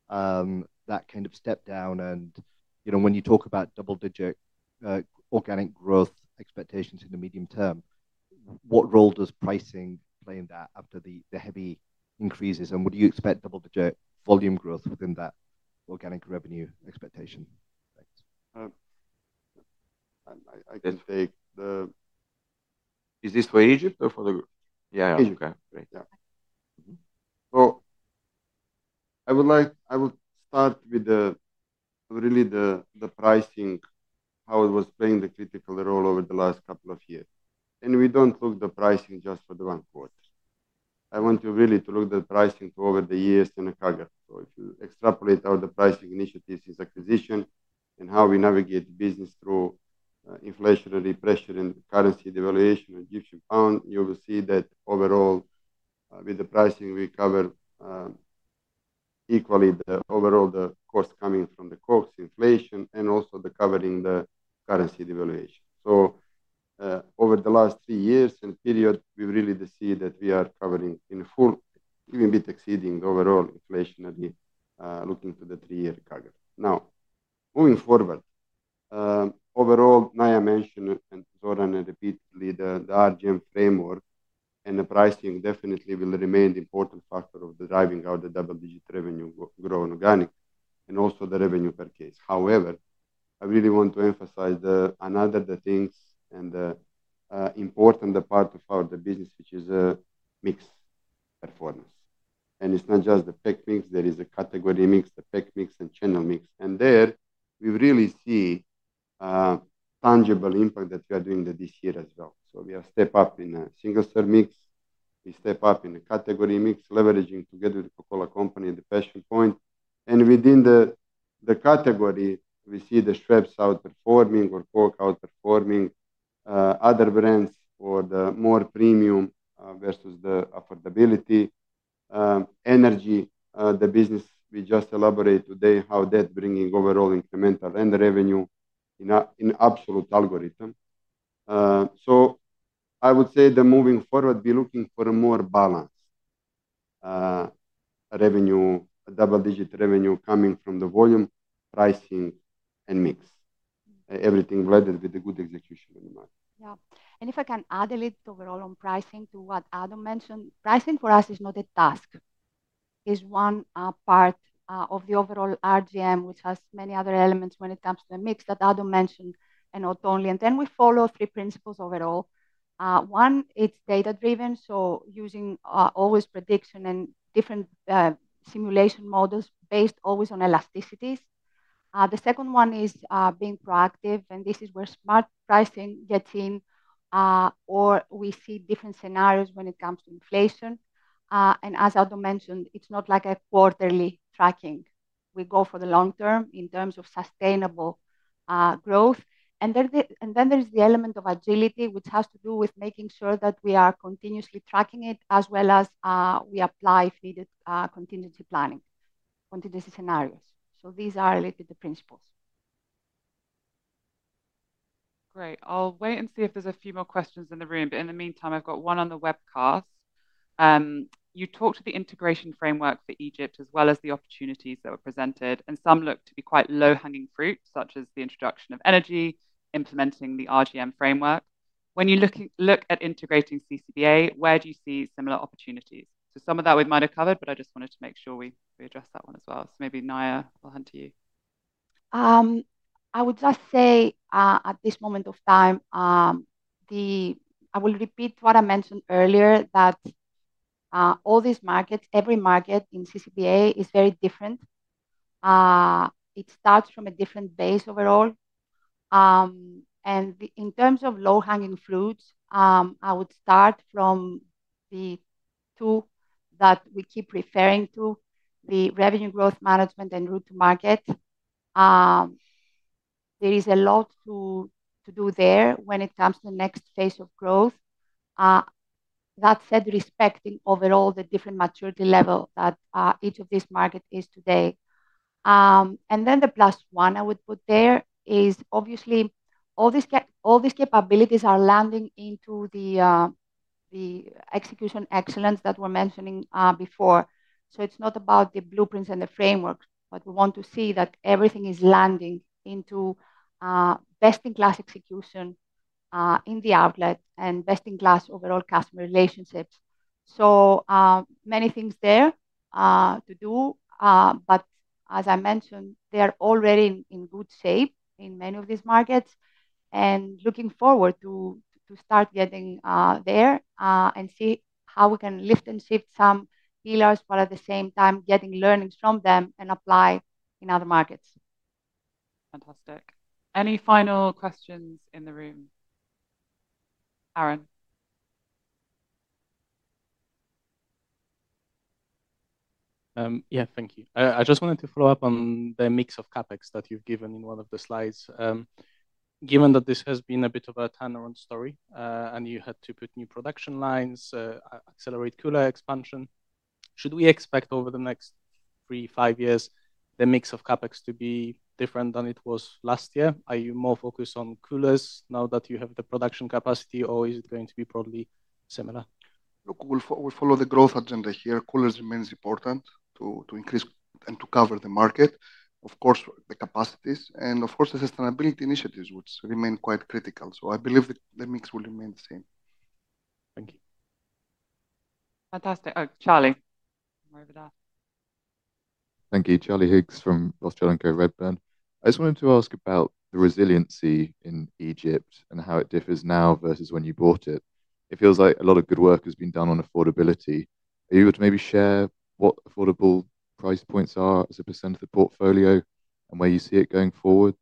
that kind of step down and, when you talk about double-digit organic growth expectations in the medium term, what role does pricing play in that after the heavy increases, and would you expect double-digit volume growth within that organic revenue expectation? Thanks. I can take. Is this for Egypt or for the Yeah. Egypt. Okay, great. Yeah. I would start with really the pricing, how it was playing the critical role over the last couple of years. We don't look the pricing just for the one quarter. I want you really to look the pricing for over the years and the CAGR. If you extrapolate how the pricing initiatives is acquisition and how we navigate the business through inflationary pressure and currency devaluation of Egyptian pound, you will see that overall, with the pricing, we cover equally the overall the cost coming from the Coke's inflation and also the covering the currency devaluation. Over the last three years and period, we really do see that we are covering in full, even with exceeding the overall inflationary, looking to the three-year CAGR. Moving forward, overall, Naya mentioned and Zoran repeatedly the RGM framework and the pricing definitely will remain the important factor of driving out the double-digit revenue growth organic and also the revenue per case. However, I really want to emphasize another things and the important part of our business, which is mix performance. It's not just the pack mix. There is a category mix, the pack mix and channel mix. There we really see tangible impact that we are doing this year as well. We are step up in a single store mix. We step up in a category mix, leveraging together with The Coca-Cola Company and the Passion Point. Within the category, we see the Schweppes outperforming or Coke outperforming other brands for the more premium versus the affordability. Energy, the business we just elaborate today, how that bringing overall incremental and revenue in absolute algorithm. I would say that moving forward, be looking for a more balanced double-digit revenue coming from the volume, pricing, and mix, everything blended with the good execution in the market. Yeah. If I can add a little overall on pricing to what Ado mentioned. Pricing for us is not a task. Is one part of the overall RGM, which has many other elements when it comes to the mix that Ado mentioned and not only. We follow three principles overall. One, it is data-driven, so using always prediction and different simulation models based always on elasticities. The second one is being proactive, and this is where smart pricing gets in, or we see different scenarios when it comes to inflation. As Ado mentioned, it is not like a quarterly tracking. We go for the long term in terms of sustainable growth. There is the element of agility, which has to do with making sure that we are continuously tracking it as well as we apply, if needed, contingency planning, contingency scenarios. These are related to principles. Great. I will wait and see if there is a few more questions in the room, but in the meantime, I have got one on the webcast. You talked to the integration framework for Egypt as well as the opportunities that were presented, and some look to be quite low-hanging fruit, such as the introduction of energy, implementing the RGM framework. When you look at integrating CCBA, where do you see similar opportunities? Some of that we might have covered, but I just wanted to make sure we address that one as well. Maybe Naya, I will hand to you. I would just say, at this moment of time, I will repeat what I mentioned earlier that all these markets, every market in CCBA is very different. It starts from a different base overall. In terms of low-hanging fruits, I would start from the two that we keep referring to, the revenue growth management and route to market. There is a lot to do there when it comes to the next phase of growth. That said, respecting overall the different maturity level that each of these market is today. The plus one I would put there is obviously all these capabilities are landing into the execution excellence that we are mentioning before. It is not about the blueprints and the frameworks, but we want to see that everything is landing into best-in-class execution in the outlet and best-in-class overall customer relationships. Many things there to do, but as I mentioned, they are already in good shape in many of these markets and looking forward to start getting there, and see how we can lift and shift some pillars, but at the same time getting learnings from them and apply in other markets. Fantastic. Any final questions in the room? Aron? Yeah. Thank you. I just wanted to follow up on the mix of CapEx that you've given in one of the slides. Given that this has been a bit of a turnaround story, and you had to put new production lines, accelerate cooler expansion, should we expect over the next three, five years the mix of CapEx to be different than it was last year? Are you more focused on coolers now that you have the production capacity, or is it going to be probably similar? We follow the growth agenda here. Coolers remains important to increase and to cover the market. Of course, the capacities and of course, the sustainability initiatives, which remain quite critical. I believe the mix will remain the same. Thank you. Fantastic. Oh, Charlie. I am over there. Thank you. Charlie Higgs from Rothschild & Co Redburn. I just wanted to ask about the resiliency in Egypt and how it differs now versus when you bought it. It feels like a lot of good work has been done on affordability. Are you able to maybe share what affordable price points are as a percent of the portfolio and where you see it going forward?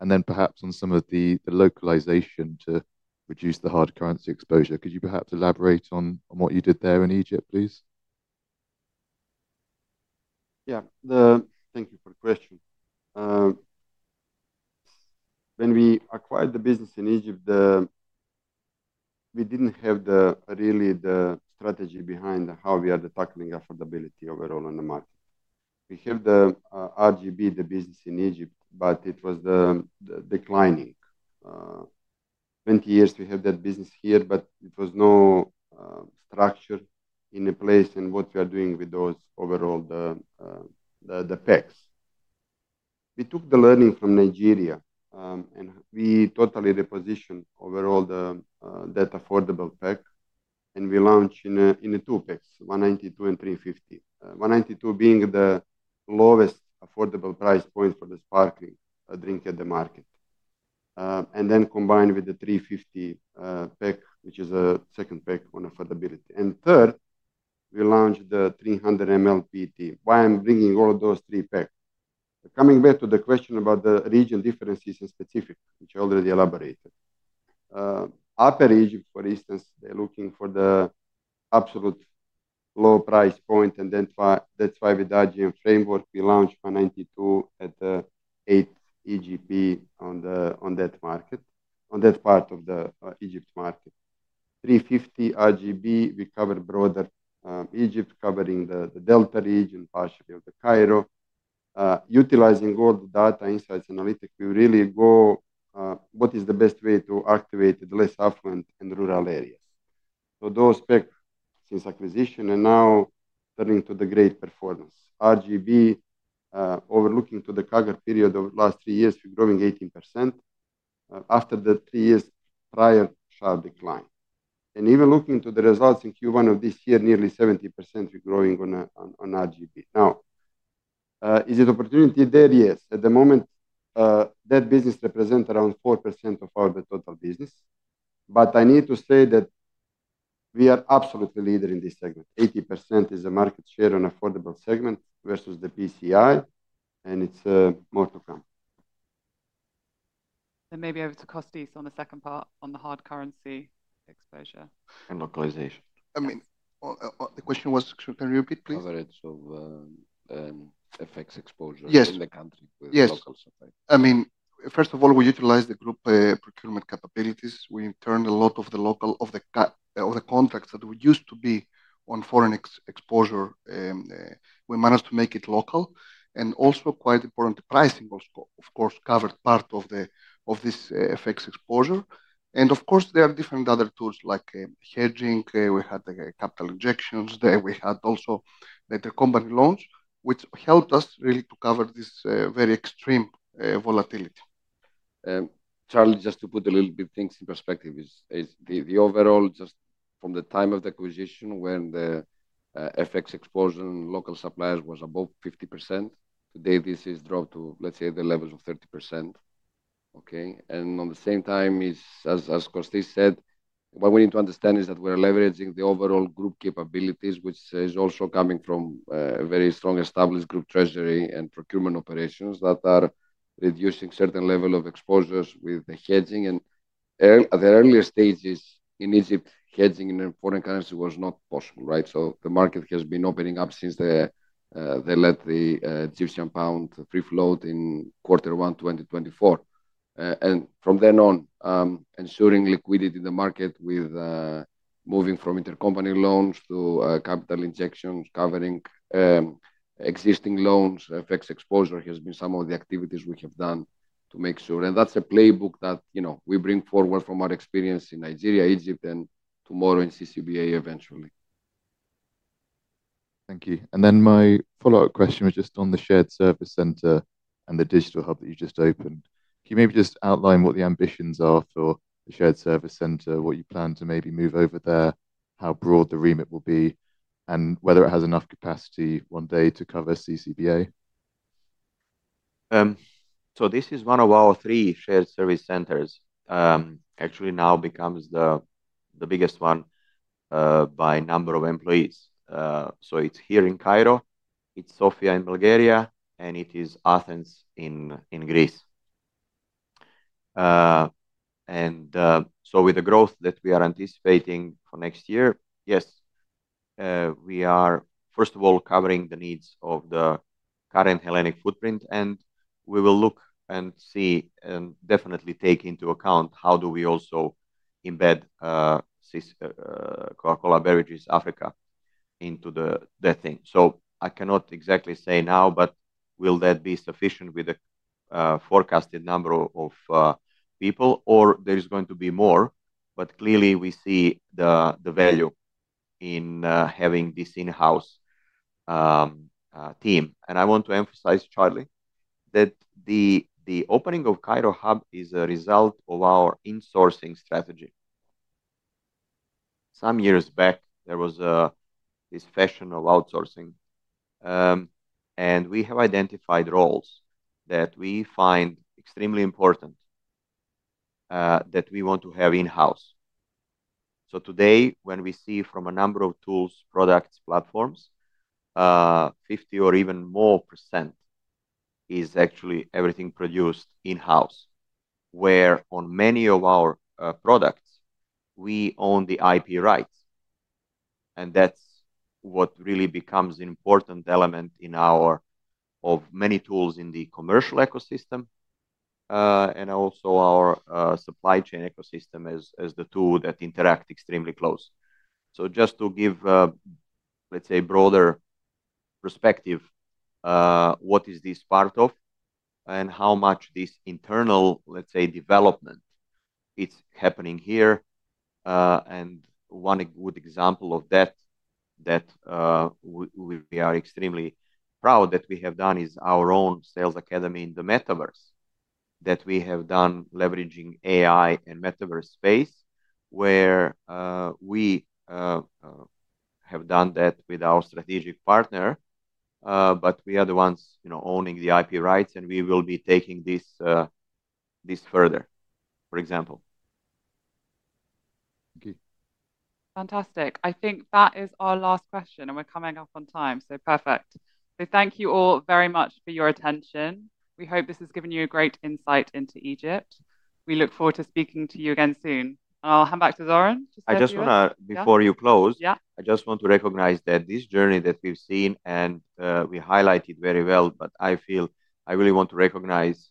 Then perhaps on some of the localization to reduce the hard currency exposure, could you perhaps elaborate on what you did there in Egypt, please? Yeah. Thank you for the question. When we acquired the business in Egypt, we did not have really the strategy behind how we are tackling affordability overall in the market. We have the RGB, the business in Egypt, but it was declining. 20 years we have that business here, but it was no structure in a place and what we are doing with those overall, the packs. We took the learning from Nigeria, and we totally repositioned overall that affordable pack, and we launch in a two packs, 192 and 350. 192 being the lowest affordable price point for the sparkling drink at the market. Then combined with the 350 pack, which is a second pack on affordability. Third, we launched the 300 mL PET. Why I am bringing all those three-pack. Coming back to the question about the region differences in specific, which I already elaborated. Upper Egypt, for instance, they're looking for the absolute low price point, that's why with RGM framework, we launched 192 at the 8 EGP on that market, on that part of the Egypt market. 350 RGB, we cover broader Egypt, covering the Delta region, partially of the Cairo. Utilizing all the data insights, analytics, we really go, what is the best way to activate the less affluent in rural areas? Those packs since acquisition are now turning to the great performance. RGB, overlooking to the cover period of last three years, we're growing 18%. After the three years prior sharp decline. Even looking to the results in Q1 of this year, nearly 70% we're growing on RGB. Is it opportunity there? Yes. At the moment, that business represent around 4% of our total business. I need to say that we are absolutely leader in this segment. 80% is a market share on affordable segment versus the Pepsi, it's more to come. Maybe over to Kostis on the second part on the hard currency exposure. Localization. The question was, can you repeat, please? Coverage of FX exposure. Yes In the country with local supply. Yes. First of all, we utilize the group procurement capabilities. We turned a lot of the contracts that used to be on foreign exposure, we managed to make it local. Also quite important, the pricing was of course, covered part of this FX exposure. Of course, there are different other tools like hedging. We had the capital injections there. We had also intercompany loans, which helped us really to cover this very extreme volatility. Charlie, just to put a little bit things in perspective, the overall, just from the time of the acquisition when the FX exposure on local suppliers was above 50%. Today, this is dropped to, let's say, the levels of 30%. Okay. On the same time, as Kostis said, what we need to understand is that we're leveraging the overall group capabilities, which is also coming from a very strong established group treasury and procurement operations that are reducing certain level of exposures with the hedging. At the earlier stages in Egypt, hedging in a foreign currency was not possible, right? The market has been opening up since they let the Egyptian pound free float in Q1 2024. From then on, ensuring liquidity in the market with moving from intercompany loans to capital injections, covering existing loans, FX exposure has been some of the activities we have done to make sure. That's a playbook that we bring forward from our experience in Nigeria, Egypt, and tomorrow in CCBA eventually. Thank you. Then my follow-up question was just on the shared service center and the digital hub that you just opened. Can you maybe just outline what the ambitions are for the shared service center, what you plan to maybe move over there, how broad the remit will be, and whether it has enough capacity one day to cover CCBA? This is one of our three shared service centers, actually now becomes the biggest one by number of employees. It's here in Cairo, it's Sofia in Bulgaria, and it is Athens in Greece. With the growth that we are anticipating for next year, yes, we are first of all covering the needs of the current Hellenic footprint, and we will look and see and definitely take into account how do we also embed Coca-Cola Beverages Africa into the thing. I cannot exactly say now, but will that be sufficient with the forecasted number of people or there is going to be more? Clearly, we see the value in having this in-house team. I want to emphasize, Charlie, that the opening of Cairo Hub is a result of our insourcing strategy. Some years back, there was this fashion of outsourcing, and we have identified roles that we find extremely important that we want to have in-house. Today, when we see from a number of tools, products, platforms, 50% or even more is actually everything produced in-house. Where on many of our products, we own the IP rights, and that really becomes an important element of many tools in the commercial ecosystem, and also our supply chain ecosystem as the tool that interact extremely close. Just to give, let's say, broader perspective, what is this part of and how much this internal, let's say, development, it is happening here. One good example of that we are extremely proud that we have done is our own Sales Academy in the metaverse that we have done leveraging AI and metaverse space where we have done that with our strategic partner. We are the ones owning the IP rights, and we will be taking this further, for example. Okay. Fantastic. I think that is our last question. We are coming up on time, perfect. Thank you all very much for your attention. We hope this has given you a great insight into Egypt. We look forward to speaking to you again soon. I will hand back to Zoran just to- I just want to, before you close- Yeah I just want to recognize that this journey that we've seen and we highlighted very well. I feel I really want to recognize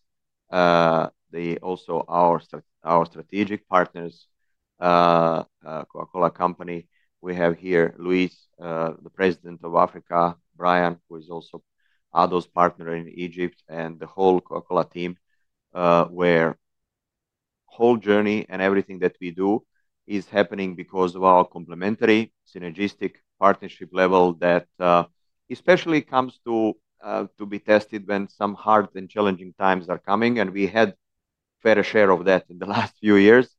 also our strategic partners, Coca-Cola Company. We have here Luís, President of Africa, Brian, who is also Ado's partner in Egypt, and the whole Coca-Cola team, where whole journey and everything that we do is happening because of our complementary synergistic partnership level that especially comes to be tested when some hard and challenging times are coming, and we had fair share of that in the last few years.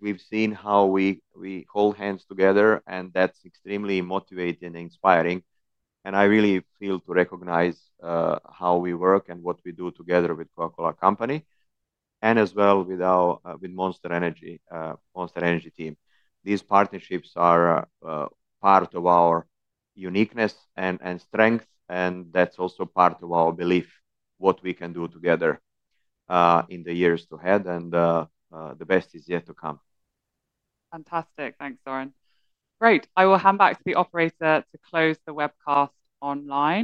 We've seen how we hold hands together, and that's extremely motivating and inspiring, and I really feel to recognize how we work and what we do together with Coca-Cola Company and as well with Monster Energy Team. These partnerships are part of our uniqueness and strength. That's also part of our belief, what we can do together in the years to ahead. The best is yet to come. Fantastic. Thanks, Zoran. Great. I will hand back to the operator to close the webcast online.